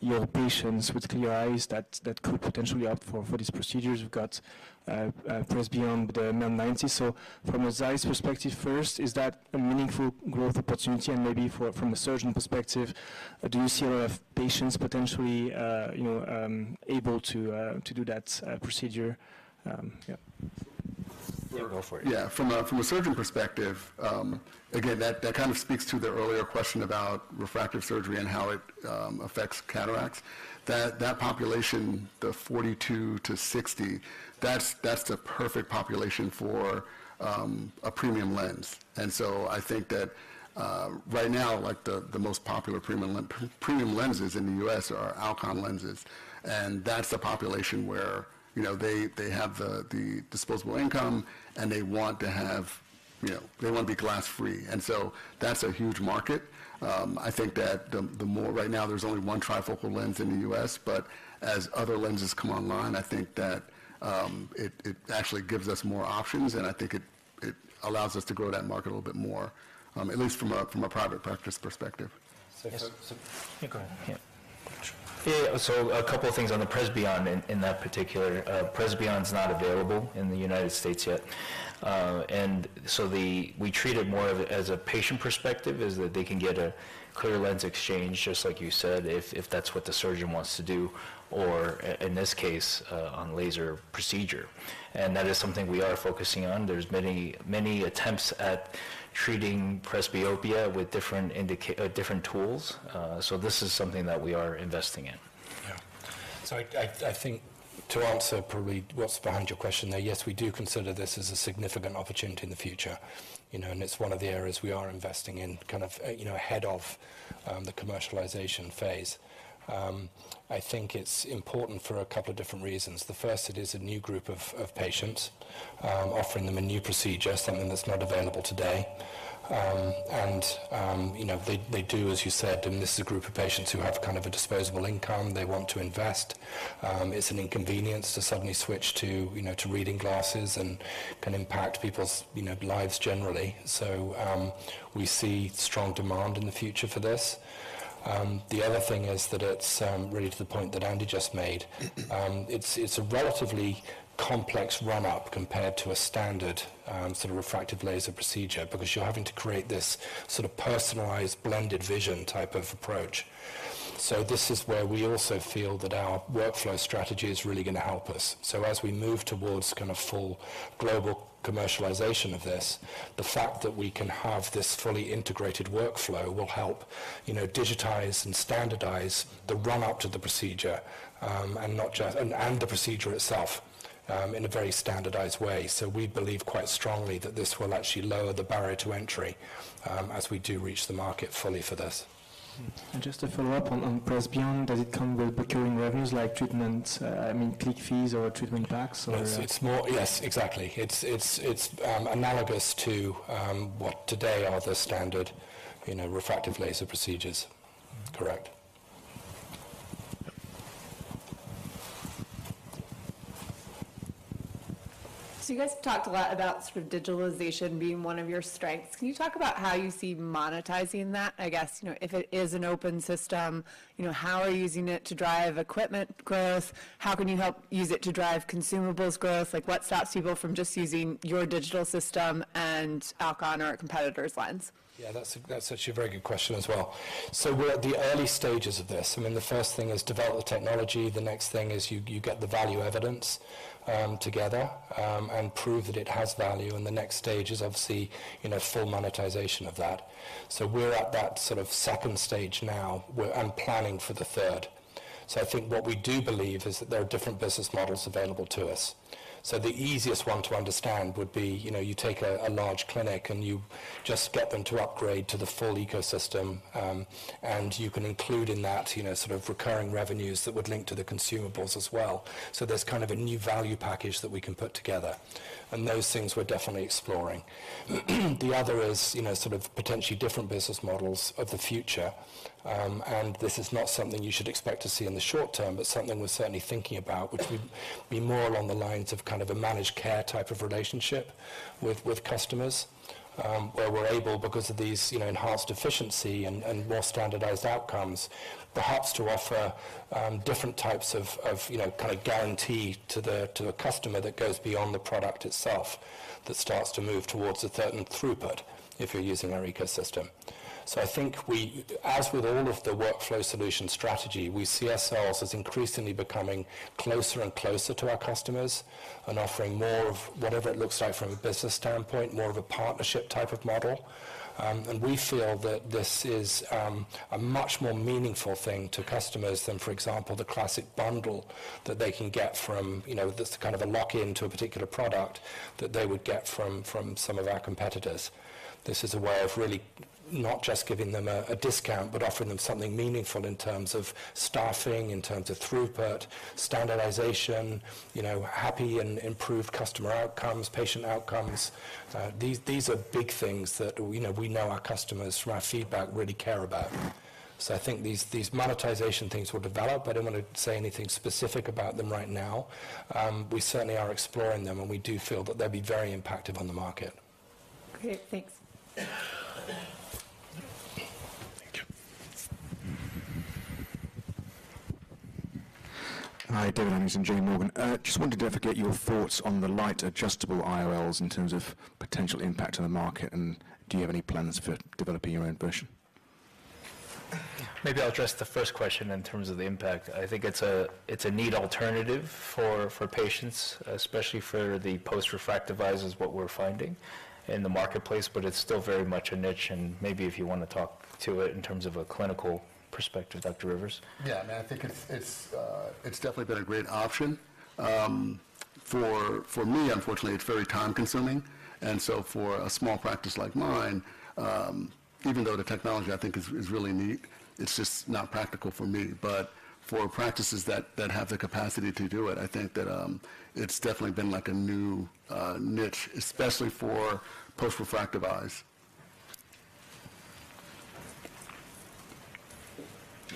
55-year-old patients with clear eyes that could potentially opt for these procedures. We've got PRESBYOND, the MEL 90. So from a ZEISS perspective first, is that a meaningful growth opportunity? And maybe from a surgeon perspective, do you see a lot of patients potentially, you know, able to do that procedure? Yeah. Yeah, go for it. Yeah. From a surgeon perspective, again, that kind of speaks to the earlier question about refractive surgery and how it affects cataracts. That population, the 42-60, that's the perfect population for a premium lens. And so I think that right now, like the most popular premium lenses in the U.S. are Alcon lenses, and that's the population where, you know, they have the disposable income, and they want to have... you know, they want to be glasses-free. And so that's a huge market. I think that right now, there's only one trifocal lens in the U.S., but as other lenses come online, I think that it actually gives us more options, and I think it allows us to grow that market a little bit more, at least from a private practice perspective. So, so- Yeah, go ahead. Yeah. Yeah, so a couple of things on the PRESBYOND in, in that particular. PRESBYOND's not available in the United States yet. And so we treat it more of as a patient perspective, is that they can get a clear lens exchange, just like you said, if, if that's what the surgeon wants to do, or in this case, on laser procedure. And that is something we are focusing on. There's many, many attempts at treating presbyopia with different tools. So this is something that we are investing in. Yeah. So I think to answer probably what's behind your question there, yes, we do consider this as a significant opportunity in the future, you know, and it's one of the areas we are investing in, kind of, you know, ahead of the commercialization phase. I think it's important for a couple of different reasons. The first, it is a new group of patients, offering them a new procedure, something that's not available today. And, you know, they do, as you said, and this is a group of patients who have kind of a disposable income, they want to invest. It's an inconvenience to suddenly switch to, you know, to reading glasses and can impact people's, you know, lives generally. So, we see strong demand in the future for this. The other thing is that it's really to the point that Andy just made. It's a relatively complex run-up compared to a standard sort of refractive laser procedure, because you're having to create this sort of personalized, blended vision type of approach. So this is where we also feel that our workflow strategy is really gonna help us. So as we move towards kind of full global commercialization of this, the fact that we can have this fully integrated workflow will help, you know, digitize and standardize the run-up to the procedure, and not just the procedure itself, in a very standardized way. So we believe quite strongly that this will actually lower the barrier to entry, as we do reach the market fully for this. Just to follow up on PRESBYOND, does it come with recurring revenues like treatment, I mean, pack fees or treatment packs or- Yes, it's more. Yes, exactly. It's analogous to what today are the standard, you know, refractive laser procedures. Correct. So you guys talked a lot about sort of digitalization being one of your strengths. Can you talk about how you see monetizing that? I guess, you know, if it is an open system, you know, how are you using it to drive equipment growth? How can you help use it to drive consumables growth? Like, what stops people from just using your digital system and Alcon or a competitor's lens? Yeah, that's actually a very good question as well. So we're at the early stages of this. I mean, the first thing is develop the technology. The next thing is you get the value evidence together and prove that it has value, and the next stage is obviously, you know, full monetization of that. So we're at that sort of second stage now. We're and planning for the third. So I think what we do believe is that there are different business models available to us. So the easiest one to understand would be, you know, you take a large clinic, and you just get them to upgrade to the full ecosystem, and you can include in that, you know, sort of recurring revenues that would link to the consumables as well. So there's kind of a new value package that we can put together, and those things we're definitely exploring. The other is, you know, sort of potentially different business models of the future. And this is not something you should expect to see in the short term, but something we're certainly thinking about, which would be more along the lines of kind of a managed care type of relationship with customers. Where we're able, because of these, you know, enhanced efficiency and more standardized outcomes, perhaps to offer different types of, you know, kind of guarantee to the customer that goes beyond the product itself, that starts to move towards a certain throughput if you're using our ecosystem. So I think we—as with all of the workflow solution strategy, we see ourselves as increasingly becoming closer and closer to our customers and offering more of whatever it looks like from a business standpoint, more of a partnership type of model. And we feel that this is a much more meaningful thing to customers than, for example, the classic bundle that they can get from, you know, just kind of a lock-in to a particular product that they would get from some of our competitors. This is a way of really not just giving them a discount, but offering them something meaningful in terms of staffing, in terms of throughput, standardization, you know, happy and improved customer outcomes, patient outcomes. These are big things that we know, we know our customers, from our feedback, really care about. So I think these, these monetization things will develop. I don't want to say anything specific about them right now. We certainly are exploring them, and we do feel that they'll be very impactive on the market. Great. Thanks. Thank you. Hi, David Hannings from J.P. Morgan. Just wanted to get your thoughts on the light adjustable IOLs in terms of potential impact on the market, and do you have any plans for developing your own version? Maybe I'll address the first question in terms of the impact. I think it's a neat alternative for patients, especially for the post-refractive eyes, is what we're finding in the marketplace, but it's still very much a niche, and maybe if you want to talk to it in terms of a clinical perspective, Dr. Rivers? Yeah, I mean, I think it's definitely been a great option. For me, unfortunately, it's very time-consuming, and so for a small practice like mine, even though the technology I think is really neat, it's just not practical for me. But for practices that have the capacity to do it, I think that it's definitely been like a new niche, especially for post-refractive eyes.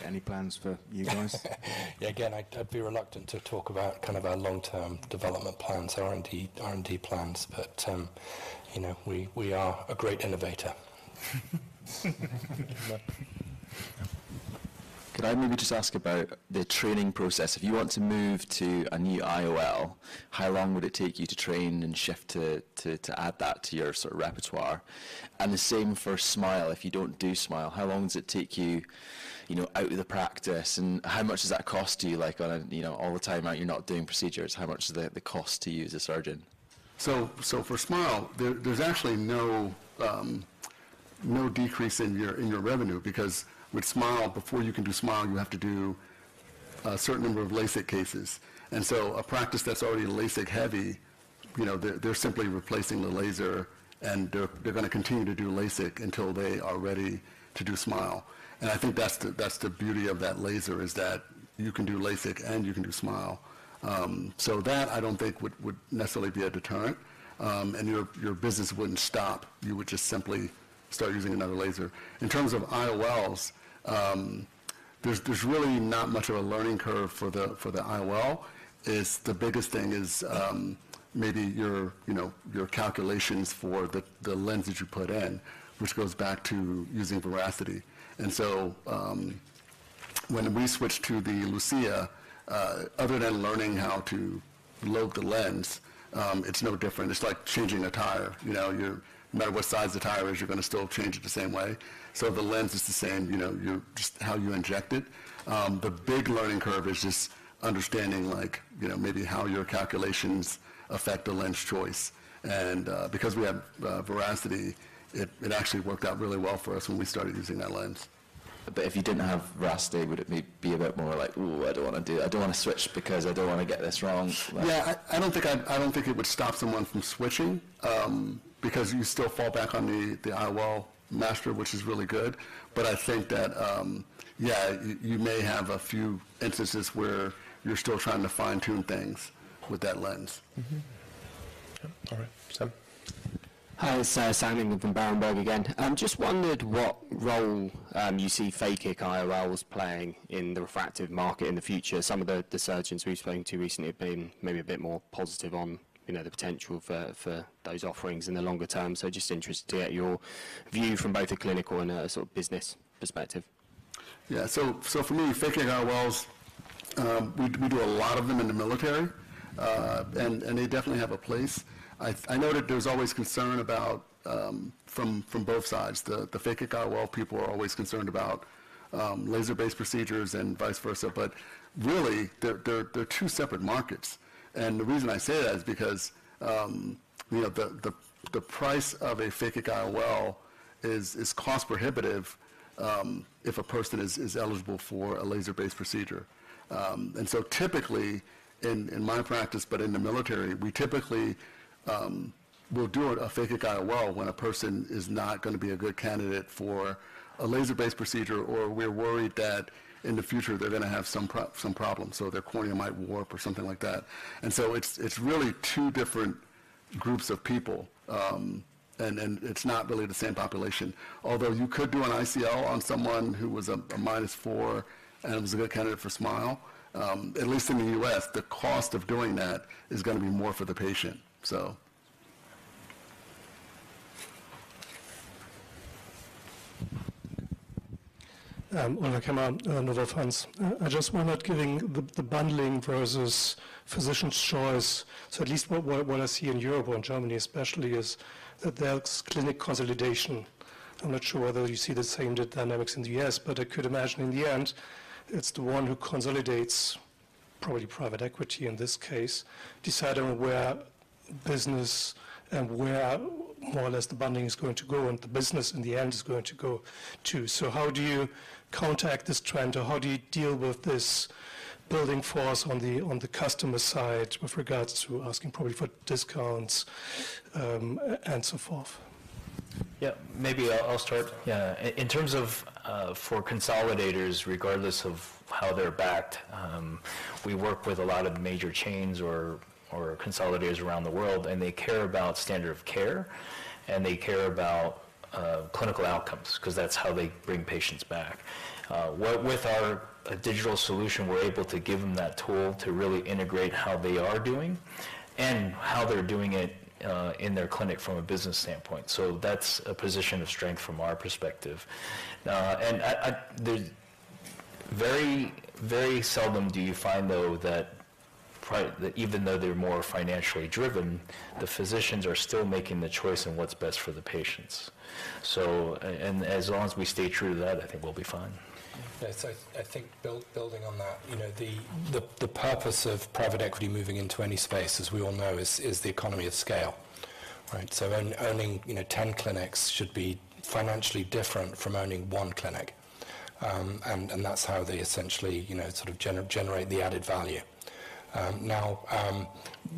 Any plans for you guys? Yeah, again, I'd be reluctant to talk about kind of our long-term development plans, R&D plans, but, you know, we are a great innovator. Could I maybe just ask about the training process? If you want to move to a new IOL, how long would it take you to train and shift to to add that to your sort of repertoire? And the same for SMILE. If you don't do SMILE, how long does it take you, you know, out of the practice, and how much does that cost you, like, on a, you know, all the time that you're not doing procedures, how much does that cost to you as a surgeon? So for SMILE, there's actually no decrease in your revenue, because with SMILE, before you can do SMILE, you have to do a certain number of LASIK cases. And so a practice that's already LASIK heavy, you know, they're simply replacing the laser, and they're going to continue to do LASIK until they are ready to do SMILE. And I think that's the beauty of that laser, is that you can do LASIK and you can do SMILE. So that I don't think would necessarily be a deterrent, and your business wouldn't stop. You would just simply start using another laser. In terms of IOLs, there's really not much of a learning curve for the IOL. It's the biggest thing is, maybe your, you know, your calculations for the lens that you put in, which goes back to using VERACITY. And so, when we switched to the Lucia, other than learning how to load the lens, it's no different. It's like changing a tire. You know, no matter what size the tire is, you're going to still change it the same way. So the lens is the same, you know, you just how you inject it. The big learning curve is just understanding like, you know, maybe how your calculations affect the lens choice. And, because we have VERACITY, it actually worked out really well for us when we started using that lens. But if you didn't have VERACITY, would it maybe be a bit more like, "Ooh, I don't want to do it. I don't want to switch because I don't want to get this wrong? Yeah, I don't think it would stop someone from switching, because you still fall back on the IOLMaster, which is really good. But I think that you may have a few instances where you're still trying to fine-tune things with that lens. Mm-hmm. All right. Sam. Hi, it's Sam England from Berenberg again. Just wondered what role you see phakic IOLs playing in the refractive market in the future. Some of the surgeons we've spoken to recently have been maybe a bit more positive on, you know, the potential for those offerings in the longer term. So just interested to get your view from both a clinical and a sort of business perspective. Yeah. So for me, phakic IOLs, we do a lot of them in the military, and they definitely have a place. I know that there's always concern about, from both sides. The phakic IOL people are always concerned about laser-based procedures and vice versa, but really, they're two separate markets. And the reason I say that is because, you know, the price of a phakic IOL is cost prohibitive if a person is eligible for a laser-based procedure. Typically in my practice, but in the military, we typically will do a phakic IOL when a person is not going to be a good candidate for a laser-based procedure, or we're worried that in the future they're going to have some problems, so their cornea might warp or something like that. It's really two different-... groups of people, and then it's not really the same population. Although you could do an ICL on someone who was a -4 and was a good candidate for SMILE, at least in the U.S., the cost of doing that is gonna be more for the patient, so. Well, I comment on another front. I just wonder, given the bundling versus physician's choice. So at least what I see in Europe or in Germany especially, is that there's clinic consolidation. I'm not sure whether you see the same dynamics in the U.S., but I could imagine in the end, it's the one who consolidates, probably private equity in this case, deciding where business and where more or less the bundling is going to go, and the business in the end is going to go, too. So how do you counter this trend, or how do you deal with this bargaining force on the customer side with regards to asking probably for discounts, and so forth? Yeah, maybe I'll start. Yeah. In terms of for consolidators, regardless of how they're backed, we work with a lot of major chains or consolidators around the world, and they care about standard of care, and they care about clinical outcomes because that's how they bring patients back. With our digital solution, we're able to give them that tool to really integrate how they are doing and how they're doing it in their clinic from a business standpoint. So that's a position of strength from our perspective. And very, very seldom do you find, though, that even though they're more financially driven, the physicians are still making the choice on what's best for the patients. So and as long as we stay true to that, I think we'll be fine. Yes, I think building on that, you know, the purpose of private equity moving into any space, as we all know, is the economy of scale, right? So owning, you know, 10 clinics should be financially different from owning 1 clinic. And that's how they essentially, you know, sort of generate the added value. Now,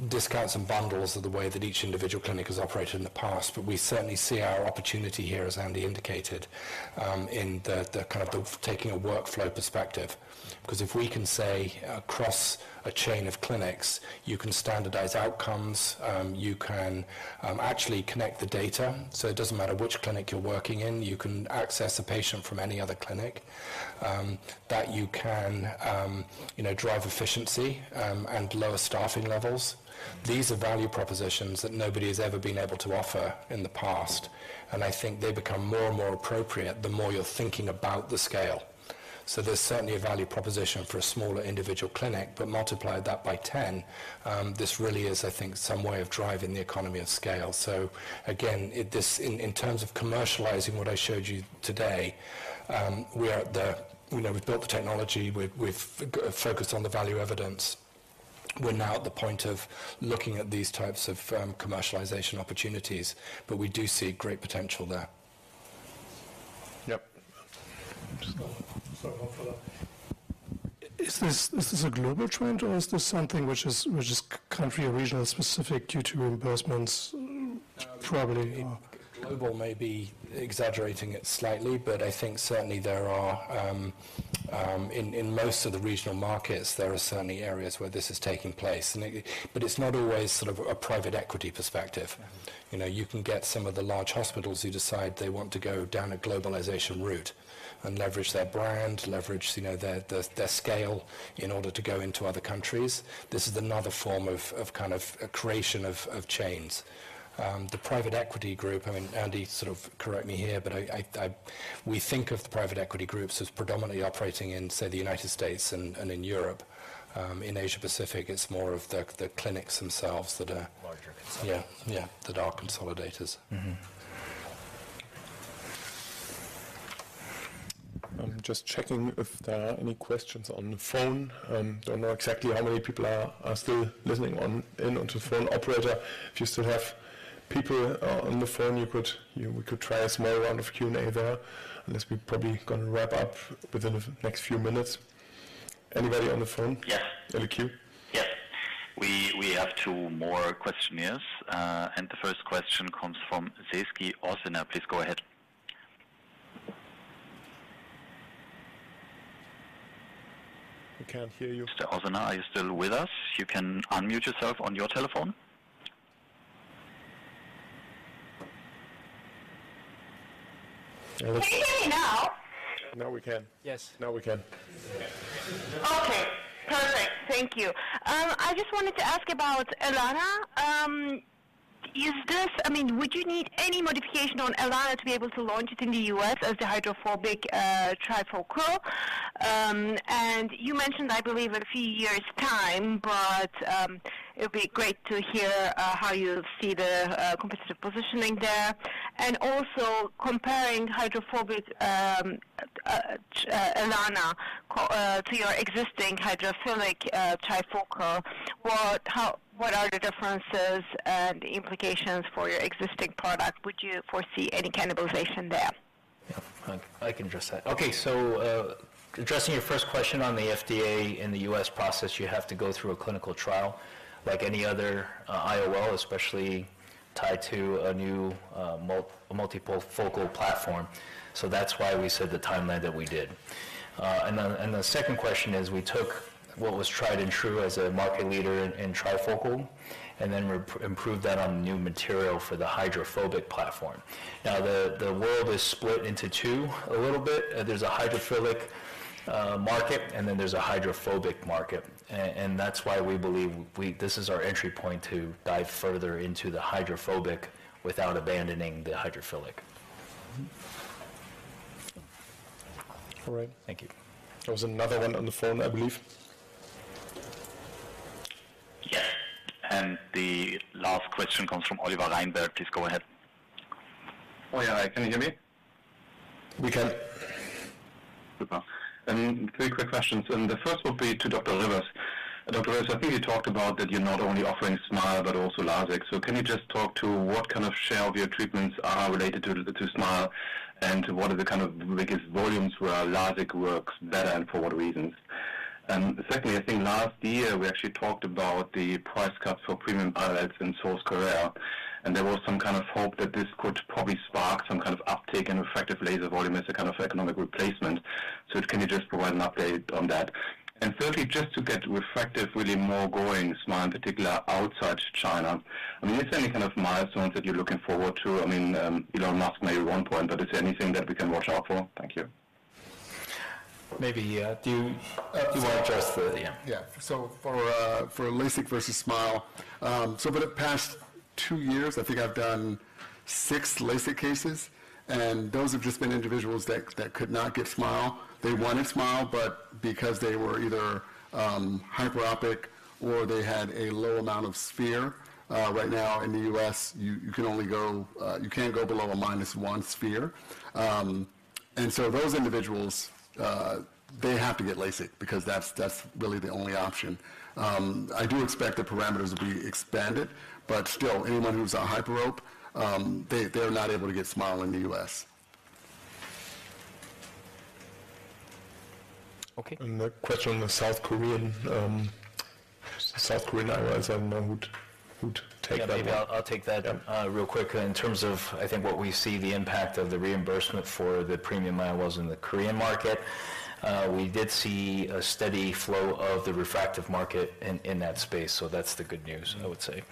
discounts and bundles are the way that each individual clinic has operated in the past, but we certainly see our opportunity here, as Andy indicated, in the kind of taking a workflow perspective. Because if we can say, across a chain of clinics, you can standardize outcomes, you can actually connect the data, so it doesn't matter which clinic you're working in, you can access a patient from any other clinic. That you can, you know, drive efficiency, and lower staffing levels. These are value propositions that nobody has ever been able to offer in the past, and I think they become more and more appropriate the more you're thinking about the scale. So there's certainly a value proposition for a smaller individual clinic, but multiply that by ten, this really is, I think, some way of driving the economy of scale. So again, this, in terms of commercializing what I showed you today, we are at the... You know, we've built the technology, we've focused on the value evidence. We're now at the point of looking at these types of commercialization opportunities, but we do see great potential there. Yep. Just sorry, one follow-up. Is this a global trend or is this something which is country or regional specific due to reimbursements? Probably. Global may be exaggerating it slightly, but I think certainly there are, in most of the regional markets, there are certainly areas where this is taking place. And it-- but it's not always sort of a private equity perspective. You know, you can get some of the large hospitals who decide they want to go down a globalization route and leverage their brand, leverage, you know, their, their, their scale in order to go into other countries. This is another form of, of kind of a creation of, of chains. The private equity group, I mean, Andy, sort of correct me here, but I, I, I-- we think of the private equity groups as predominantly operating in, say, the United States and, and in Europe. In Asia Pacific, it's more of the, the clinics themselves that are- Larger. Yeah, yeah, that are consolidators. Mm-hmm. I'm just checking if there are any questions on the phone. Don't know exactly how many people are still listening in on the phone. Operator, if you still have people on the phone, you could, you know, we could try a small round of Q&A there, unless we're probably gonna wrap up within the next few minutes. Anybody on the phone? Yes. Any queue? Yes. We have two more questioners. And the first question comes from Sezgi Oezener. Please go ahead. We can't hear you. Mr. Osina, are you still with us? You can unmute yourself on your telephone. Can you hear me now? Now we can. Yes. Now we can. Okay, perfect. Thank you. I just wanted to ask about AT ELANA. I mean, would you need any modification on AT ELANA to be able to launch it in the U.S. as the hydrophobic trifocal? And you mentioned, I believe, a few years' time, but it would be great to hear how you see the competitive positioning there. And also comparing hydrophobic AT ELANA to your existing hydrophilic trifocal, what, how, what are the differences and implications for your existing product? Would you foresee any cannibalization there? Yeah, I can address that. Okay, so, addressing your first question on the FDA in the US process, you have to go through a clinical trial like any other IOL, especially tied to a new, a multifocal platform. So that's why we said the timeline that we did. And the second question is, we took what was tried and true as a market leader in trifocal, and then improved that on new material for the hydrophobic platform. Now, the world is split into two a little bit. There's a hydrophilic market, and then there's a hydrophobic market. And that's why we believe this is our entry point to dive further into the hydrophobic without abandoning the hydrophilic. All right. Thank you. There was another one on the phone, I believe. Yes, and the last question comes from Oliver Reinberg. Please go ahead. Oh, yeah. Can you hear me? We can. Super. I mean, three quick questions, and the first will be to Dr. Rivers. Dr. Rivers, I think you talked about that you're not only offering SMILE but also LASIK. So can you just talk to what kind of share of your treatments are related to, to SMILE, and what are the kind of biggest volumes where our LASIK works better and for what reasons? And secondly, I think last year we actually talked about the price cuts for premium IOLs in South Korea, and there was some kind of hope that this could probably spark some kind of uptake in refractive laser volume as a kind of economic replacement. So can you just provide an update on that? And thirdly, just to get refractive really more going, SMILE in particular, outside China, I mean, is there any kind of milestones that you're looking forward to? I mean, Elon Musk may at one point, but is there anything that we can watch out for? Thank you. Maybe, do you- Uh- Do you want to address the... Yeah. Yeah. So for LASIK versus SMILE, so for the past two years, I think I've done six LASIK cases, and those have just been individuals that could not get SMILE. They wanted SMILE, but because they were either hyperopic or they had a low amount of sphere, right now in the U.S., you can only go—you can't go below a -1 sphere. And so those individuals, they have to get LASIK because that's really the only option. I do expect the parameters will be expanded, but still, anyone who's a hyperope, they’re not able to get SMILE in the U.S. Okay. The question on the South Korean, South Korean IOLs, I don't know who'd, who'd take that one. Yeah, maybe I'll take that- Yeah... real quick. In terms of, I think, what we see the impact of the reimbursement for the premium IOLs in the Korean market, we did see a steady flow of the refractive market in that space, so that's the good news, I would say.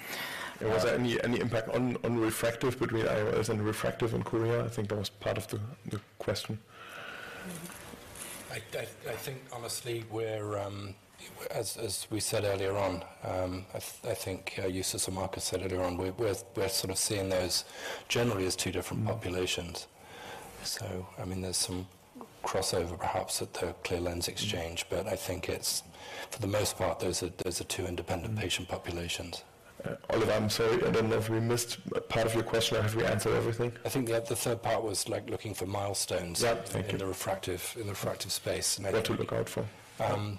Was there any impact on refractive between IOLs and refractive in Korea? I think that was part of the question. I think honestly, we're as we said earlier on, I think Justus and Markus said earlier on, we're sort of seeing those generally as two different populations. So, I mean, there's some crossover perhaps at the clear lens exchange, but I think it's... For the most part, those are two independent patient populations. Oliver, I'm sorry, I don't know if we missed a part of your question, or have we answered everything? I think the third part was like looking for milestones- Yeah. Thank you... in the refractive space, maybe. What to look out for.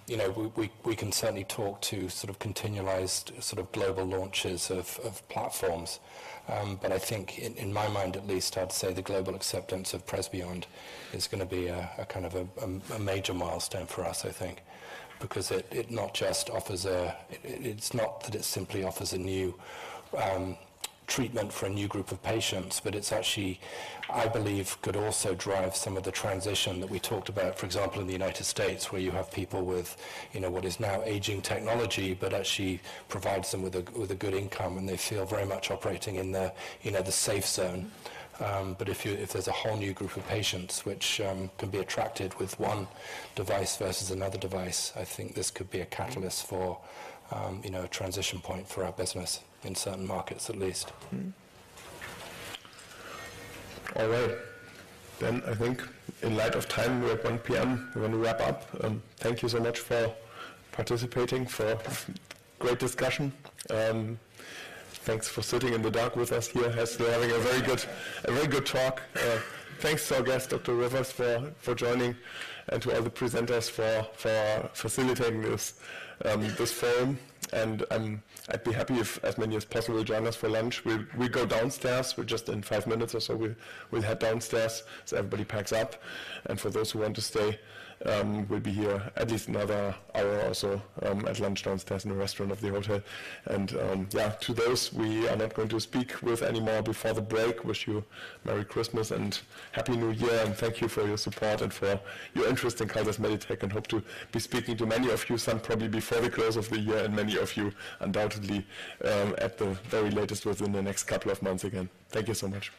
You know, we can certainly talk to sort of continualized, sort of global launches of platforms. But I think in my mind at least, I'd say the global acceptance of PRESBYOND is gonna be a kind of a major milestone for us, I think. Because it not just offers a, it's not that it simply offers a new treatment for a new group of patients, but it's actually, I believe, could also drive some of the transition that we talked about, for example, in the United States, where you have people with, you know, what is now aging technology, but actually provides them with a good income, and they feel very much operating in the safe zone. But if there's a whole new group of patients which can be attracted with one device versus another device, I think this could be a catalyst for, you know, a transition point for our business in certain markets at least. Mm-hmm. All right. Then, I think in light of time, we're at 1:00 P.M., we're going to wrap up. Thank you so much for participating, for great discussion. Thanks for sitting in the dark with us here, as we're having a very good, a very good talk. Thanks to our guest, Dr. Rivers, for joining and to other presenters for facilitating this forum. I'd be happy if as many as possible join us for lunch. We'll go downstairs. We're just in five minutes or so, we'll head downstairs, so everybody packs up. For those who want to stay, we'll be here at least another hour or so at lunch downstairs in the restaurant of the hotel. Yeah, to those we are not going to speak with anymore before the break, wish you Merry Christmas and Happy New Year, and thank you for your support and for your interest in Carl Zeiss Meditec, and hope to be speaking to many of you, some probably before the close of the year, and many of you undoubtedly, at the very latest, within the next couple of months again. Thank you so much.